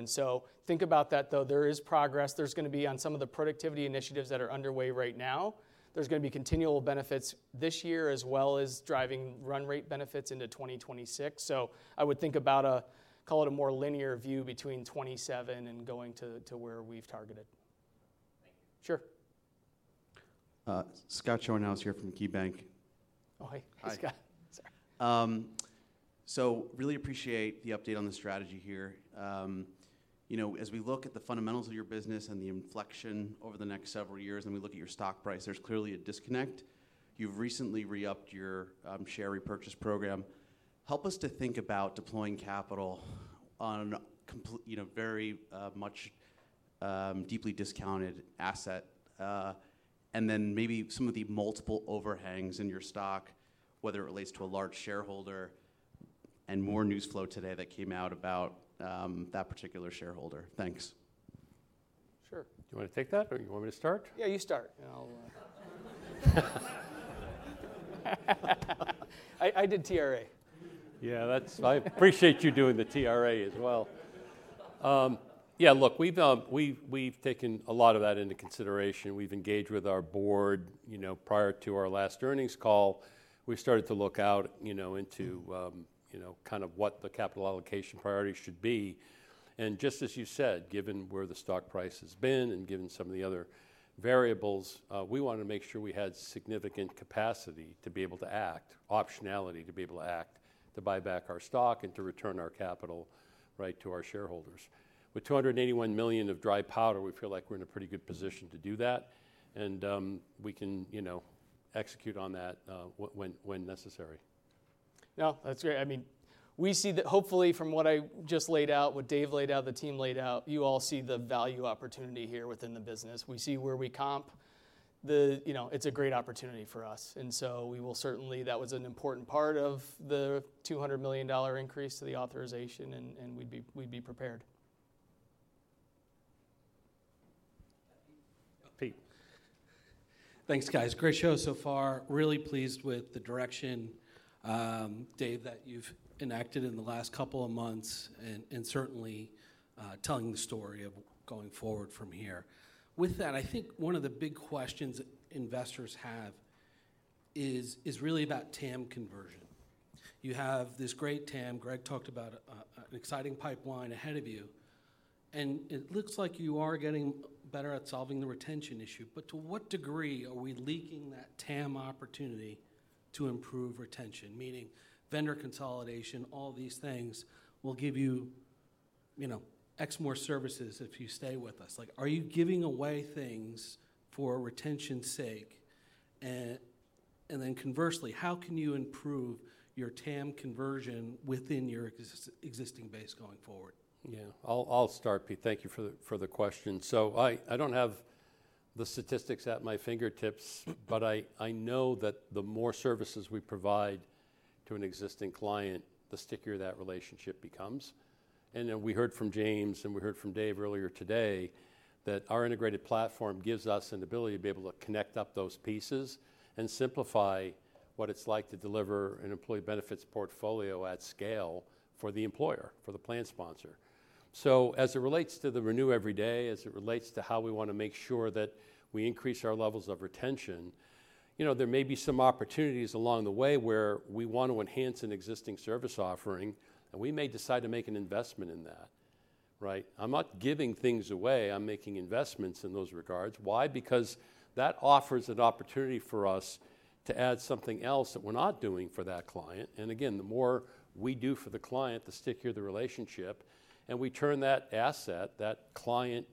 Think about that though. There is progress. There is going to be on some of the productivity initiatives that are underway right now. There is going to be continual benefits this year as well as driving run rate benefits into 2026. I would think about a, call it a more linear view between 2027 and going to where we have targeted. Sure. Scott Schoenhaus here from KeyBank. Oh, hi. Hi, Scott. Sorry. I really appreciate the update on the strategy here. As we look at the fundamentals of your business and the inflection over the next several years, and we look at your stock price, there is clearly a disconnect. You have recently re-upped your share repurchase program. Help us to think about deploying capital on a very much deeply discounted asset and then maybe some of the multiple overhangs in your stock, whether it relates to a large shareholder and more news flow today that came out about that particular shareholder. Thanks. Sure. Do you want to take that or you want me to start? Yeah, you start. I did TRA. Yeah, I appreciate you doing the TRA as well. Yeah, look, we've taken a lot of that into consideration. We've engaged with our board prior to our last earnings call. We started to look out into kind of what the capital allocation priority should be. Just as you said, given where the stock price has been and given some of the other variables, we wanted to make sure we had significant capacity to be able to act, optionality to be able to act to buy back our stock and to return our capital right to our shareholders. With $281 million of dry powder, we feel like we're in a pretty good position to do that. We can execute on that when necessary. Yeah, that's great. I mean, we see that hopefully from what I just laid out, what Dave laid out, the team laid out, you all see the value opportunity here within the business. We see where we comp. It's a great opportunity for us. That was an important part of the $200 million increase to the authorization and we'd be prepared. Pete. Thanks, guys. Great show so far. Really pleased with the direction, Dave, that you've enacted in the last couple of months and certainly telling the story of going forward from here. With that, I think one of the big questions investors have is really about TAM conversion. You have this great TAM. Greg talked about an exciting pipeline ahead of you. It looks like you are getting better at solving the retention issue. To what degree are we leaking that TAM opportunity to improve retention? Meaning vendor consolidation, all these things will give you X more services if you stay with us. Are you giving away things for retention's sake? Conversely, how can you improve your TAM conversion within your existing base going forward? Yeah, I'll start, Pete. Thank you for the question. I don't have the statistics at my fingertips, but I know that the more services we provide to an existing client, the stickier that relationship becomes. We heard from James and we heard from Dave earlier today that our integrated platform gives us an ability to be able to connect up those pieces and simplify what it's like to deliver an employee benefits portfolio at scale for the employer, for the plan sponsor. As it relates to the Renew Every Day, as it relates to how we want to make sure that we increase our levels of retention, there may be some opportunities along the way where we want to enhance an existing service offering and we may decide to make an investment in that, right? I'm not giving things away. I'm making investments in those regards. Why? Because that offers an opportunity for us to add something else that we're not doing for that client. Again, the more we do for the client, the stickier the relationship. We turn that asset, that client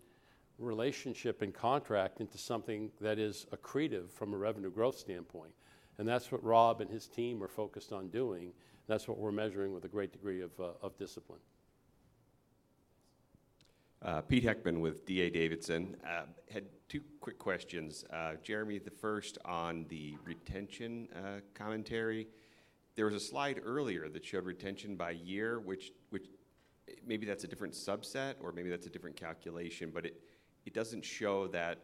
relationship and contract into something that is accretive from a revenue growth standpoint. That is what Rob and his team are focused on doing. That is what we're measuring with a great degree of discipline. Pete Heckman with D.A. Davidson had two quick questions. Jeremy, the first on the retention commentary. There was a slide earlier that showed retention by year, which maybe that is a different subset or maybe that is a different calculation, but it does not show that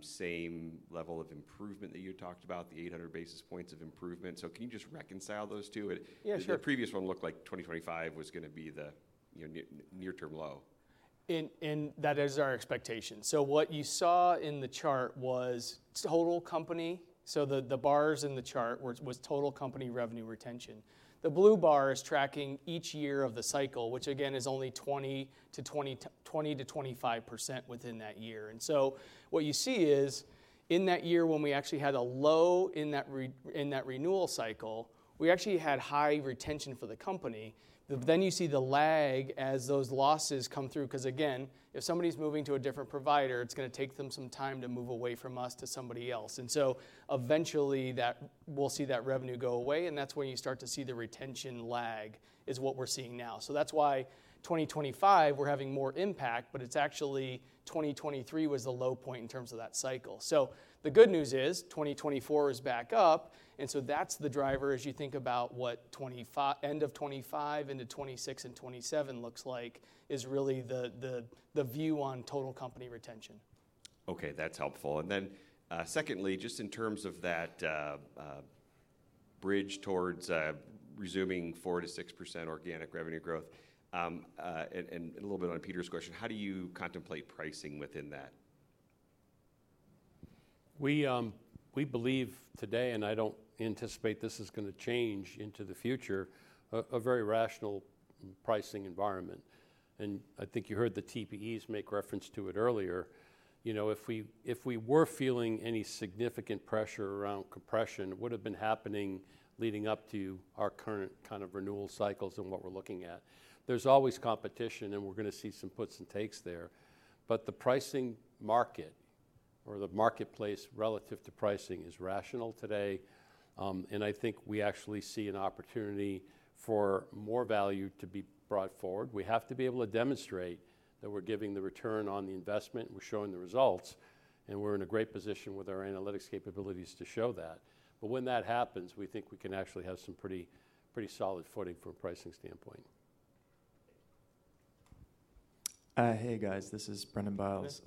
same level of improvement that you talked about, the 800 basis points of improvement. Can you just reconcile those two? Yeah, sure. The previous one looked like 2025 was going to be the near-term low. That is our expectation. What you saw in the chart was total company. The bars in the chart was total company revenue retention. The blue bar is tracking each year of the cycle, which again is only 20-25% within that year. What you see is in that year when we actually had a low in that renewal cycle, we actually had high retention for the company. You see the lag as those losses come through. Because again, if somebody's moving to a different provider, it's going to take them some time to move away from us to somebody else. Eventually we'll see that revenue go away. That's when you start to see the retention lag is what we're seeing now. That is why 2025 we are having more impact, but it is actually 2023 was the low point in terms of that cycle. The good news is 2024 is back up. That is the driver as you think about what end of 2025 into 2026 and 2027 looks like, is really the view on total company retention. Okay, that is helpful. Then secondly, just in terms of that bridge towards resuming 4-6% organic revenue growth and a little bit on Peter's question, how do you contemplate pricing within that? We believe today, and I do not anticipate this is going to change into the future, a very rational pricing environment. I think you heard the TPEs make reference to it earlier. If we were feeling any significant pressure around compression, it would have been happening leading up to our current kind of renewal cycles and what we're looking at. There's always competition and we're going to see some puts and takes there. The pricing market or the marketplace relative to pricing is rational today. I think we actually see an opportunity for more value to be brought forward. We have to be able to demonstrate that we're giving the return on the investment. We're showing the results. We're in a great position with our analytics capabilities to show that. When that happens, we think we can actually have some pretty solid footing from a pricing standpoint. Hey guys, this is Brendan Biles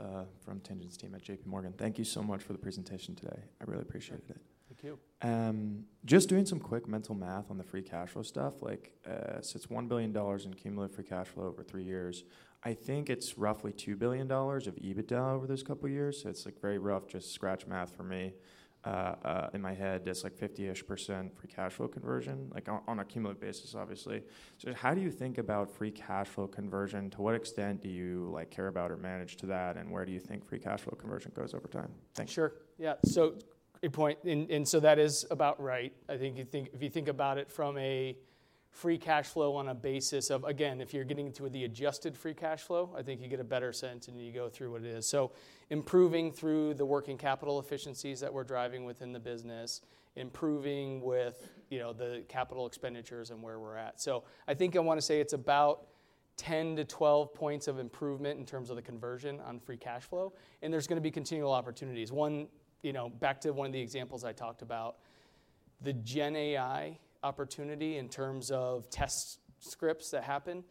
from Tigress team at J.P. Morgan. Thank you so much for the presentation today. I really appreciate it. Thank you. Just doing some quick mental math on the free cash flow stuff. So it's $1 billion in cumulative free cash flow over three years. I think it's roughly $2 billion of EBITDA over those couple of years. So it's very rough, just scratch math for me in my head. It's like 50% free cash flow conversion on a cumulative basis, obviously. How do you think about free cash flow conversion? To what extent do you care about or manage to that? And where do you think free cash flow conversion goes over time? Thanks. Sure. Yeah. Great point. That is about right. I think if you think about it from a free cash flow on a basis of, again, if you're getting to the adjusted free cash flow, I think you get a better sense and you go through what it is. Improving through the working capital efficiencies that we're driving within the business, improving with the capital expenditures and where we're at. I think I want to say it's about 10-12 percentage points of improvement in terms of the conversion on free cash flow. There's going to be continual opportunities. Back to one of the examples I talked about, the GenAI opportunity in terms of test scripts that happen,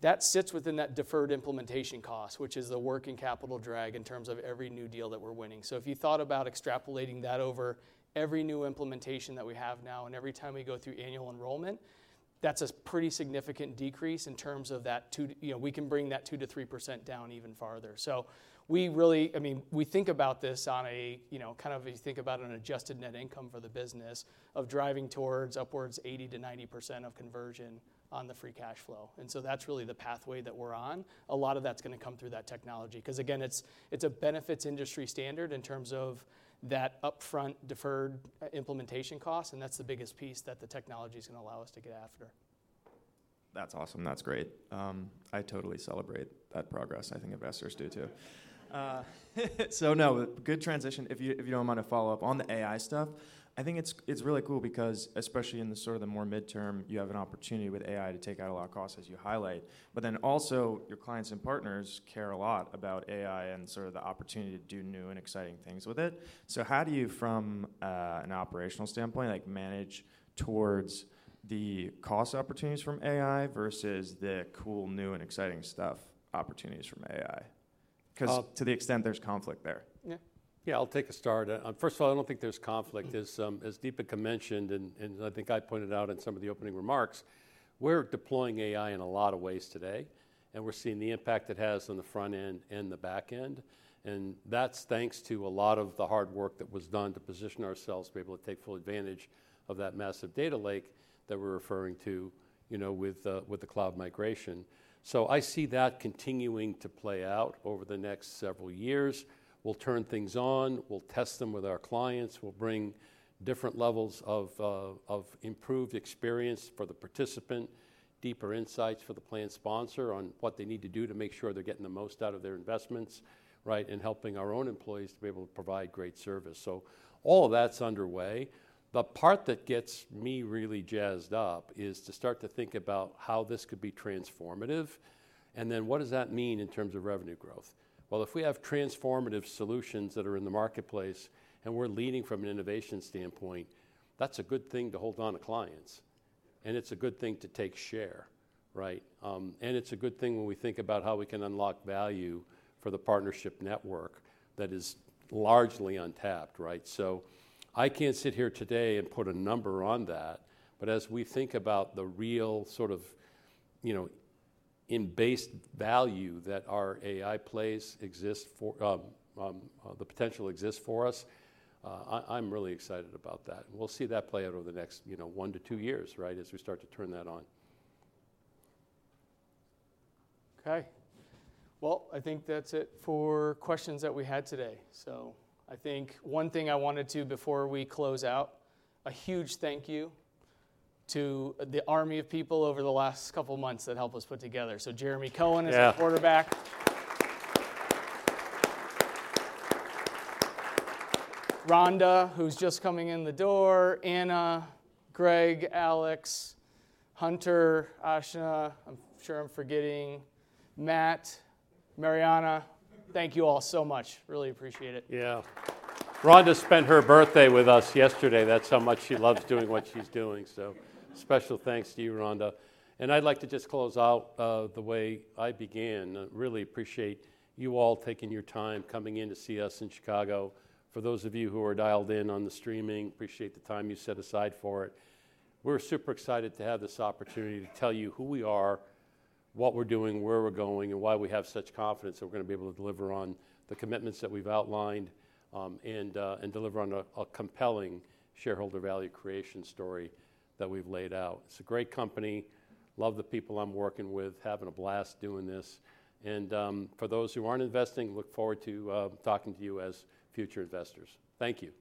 that sits within that deferred implementation cost, which is the working capital drag in terms of every new deal that we're winning. If you thought about extrapolating that over every new implementation that we have now, and every time we go through annual enrollment, that's a pretty significant decrease in terms of that. We can bring that 2-3% down even farther. I mean, we think about this on a kind of, you think about an adjusted net income for the business of driving towards upwards 80-90% of conversion on the free cash flow. That is really the pathway that we are on. A lot of that is going to come through that technology. Because again, it is a benefits industry standard in terms of that upfront deferred implementation cost. That is the biggest piece that the technology is going to allow us to get after. That is awesome. That is great. I totally celebrate that progress. I think investors do too. Good transition. If you do not mind to follow up on the AI stuff, I think it is really cool because especially in the sort of the more midterm, you have an opportunity with AI to take out a lot of costs, as you highlight. Your clients and partners care a lot about AI and sort of the opportunity to do new and exciting things with it. How do you, from an operational standpoint, manage towards the cost opportunities from AI versus the cool new and exciting stuff opportunities from AI? Because to the extent there's conflict there. Yeah, I'll take a start. First of all, I don't think there's conflict. As Deepika mentioned, and I think I pointed out in some of the opening remarks, we're deploying AI in a lot of ways today. We're seeing the impact it has on the front end and the back end. That's thanks to a lot of the hard work that was done to position ourselves to be able to take full advantage of that massive data lake that we're referring to with the cloud migration. I see that continuing to play out over the next several years. We'll turn things on. We'll test them with our clients. We'll bring different levels of improved experience for the participant, deeper insights for the plan sponsor on what they need to do to make sure they're getting the most out of their investments, right, and helping our own employees to be able to provide great service. All of that's underway. The part that gets me really jazzed up is to start to think about how this could be transformative. Then what does that mean in terms of revenue growth? If we have transformative solutions that are in the marketplace and we're leading from an innovation standpoint, that's a good thing to hold on to clients. It's a good thing to take share, right? It is a good thing when we think about how we can unlock value for the partnership network that is largely untapped, right? I cannot sit here today and put a number on that. As we think about the real sort of in-based value that our AI plays exist for, the potential exists for us, I am really excited about that. We will see that play out over the next one to two years, right, as we start to turn that on. I think that is it for questions that we had today. One thing I wanted to mention before we close out, a huge thank you to the army of people over the last couple of months that helped us put this together. Jeremy Cohen as the quarterback. Rhonda, who is just coming in the door. Anna, Greg, Alex, Hunter, Ashna, I am sure I am forgetting. Matt, Mariana, thank you all so much. Really appreciate it. Yeah, Rhonda spent her birthday with us yesterday. That's how much she loves doing what she's doing. Special thanks to you, Rhonda. I would like to just close out the way I began. Really appreciate you all taking your time coming in to see us in Chicago. For those of you who are dialed in on the streaming, appreciate the time you set aside for it. We're super excited to have this opportunity to tell you who we are, what we're doing, where we're going, and why we have such confidence that we're going to be able to deliver on the commitments that we've outlined and deliver on a compelling shareholder value creation story that we've laid out. It's a great company. Love the people I'm working with. Having a blast doing this. For those who aren't investing, look forward to talking to you as future investors. Thank you.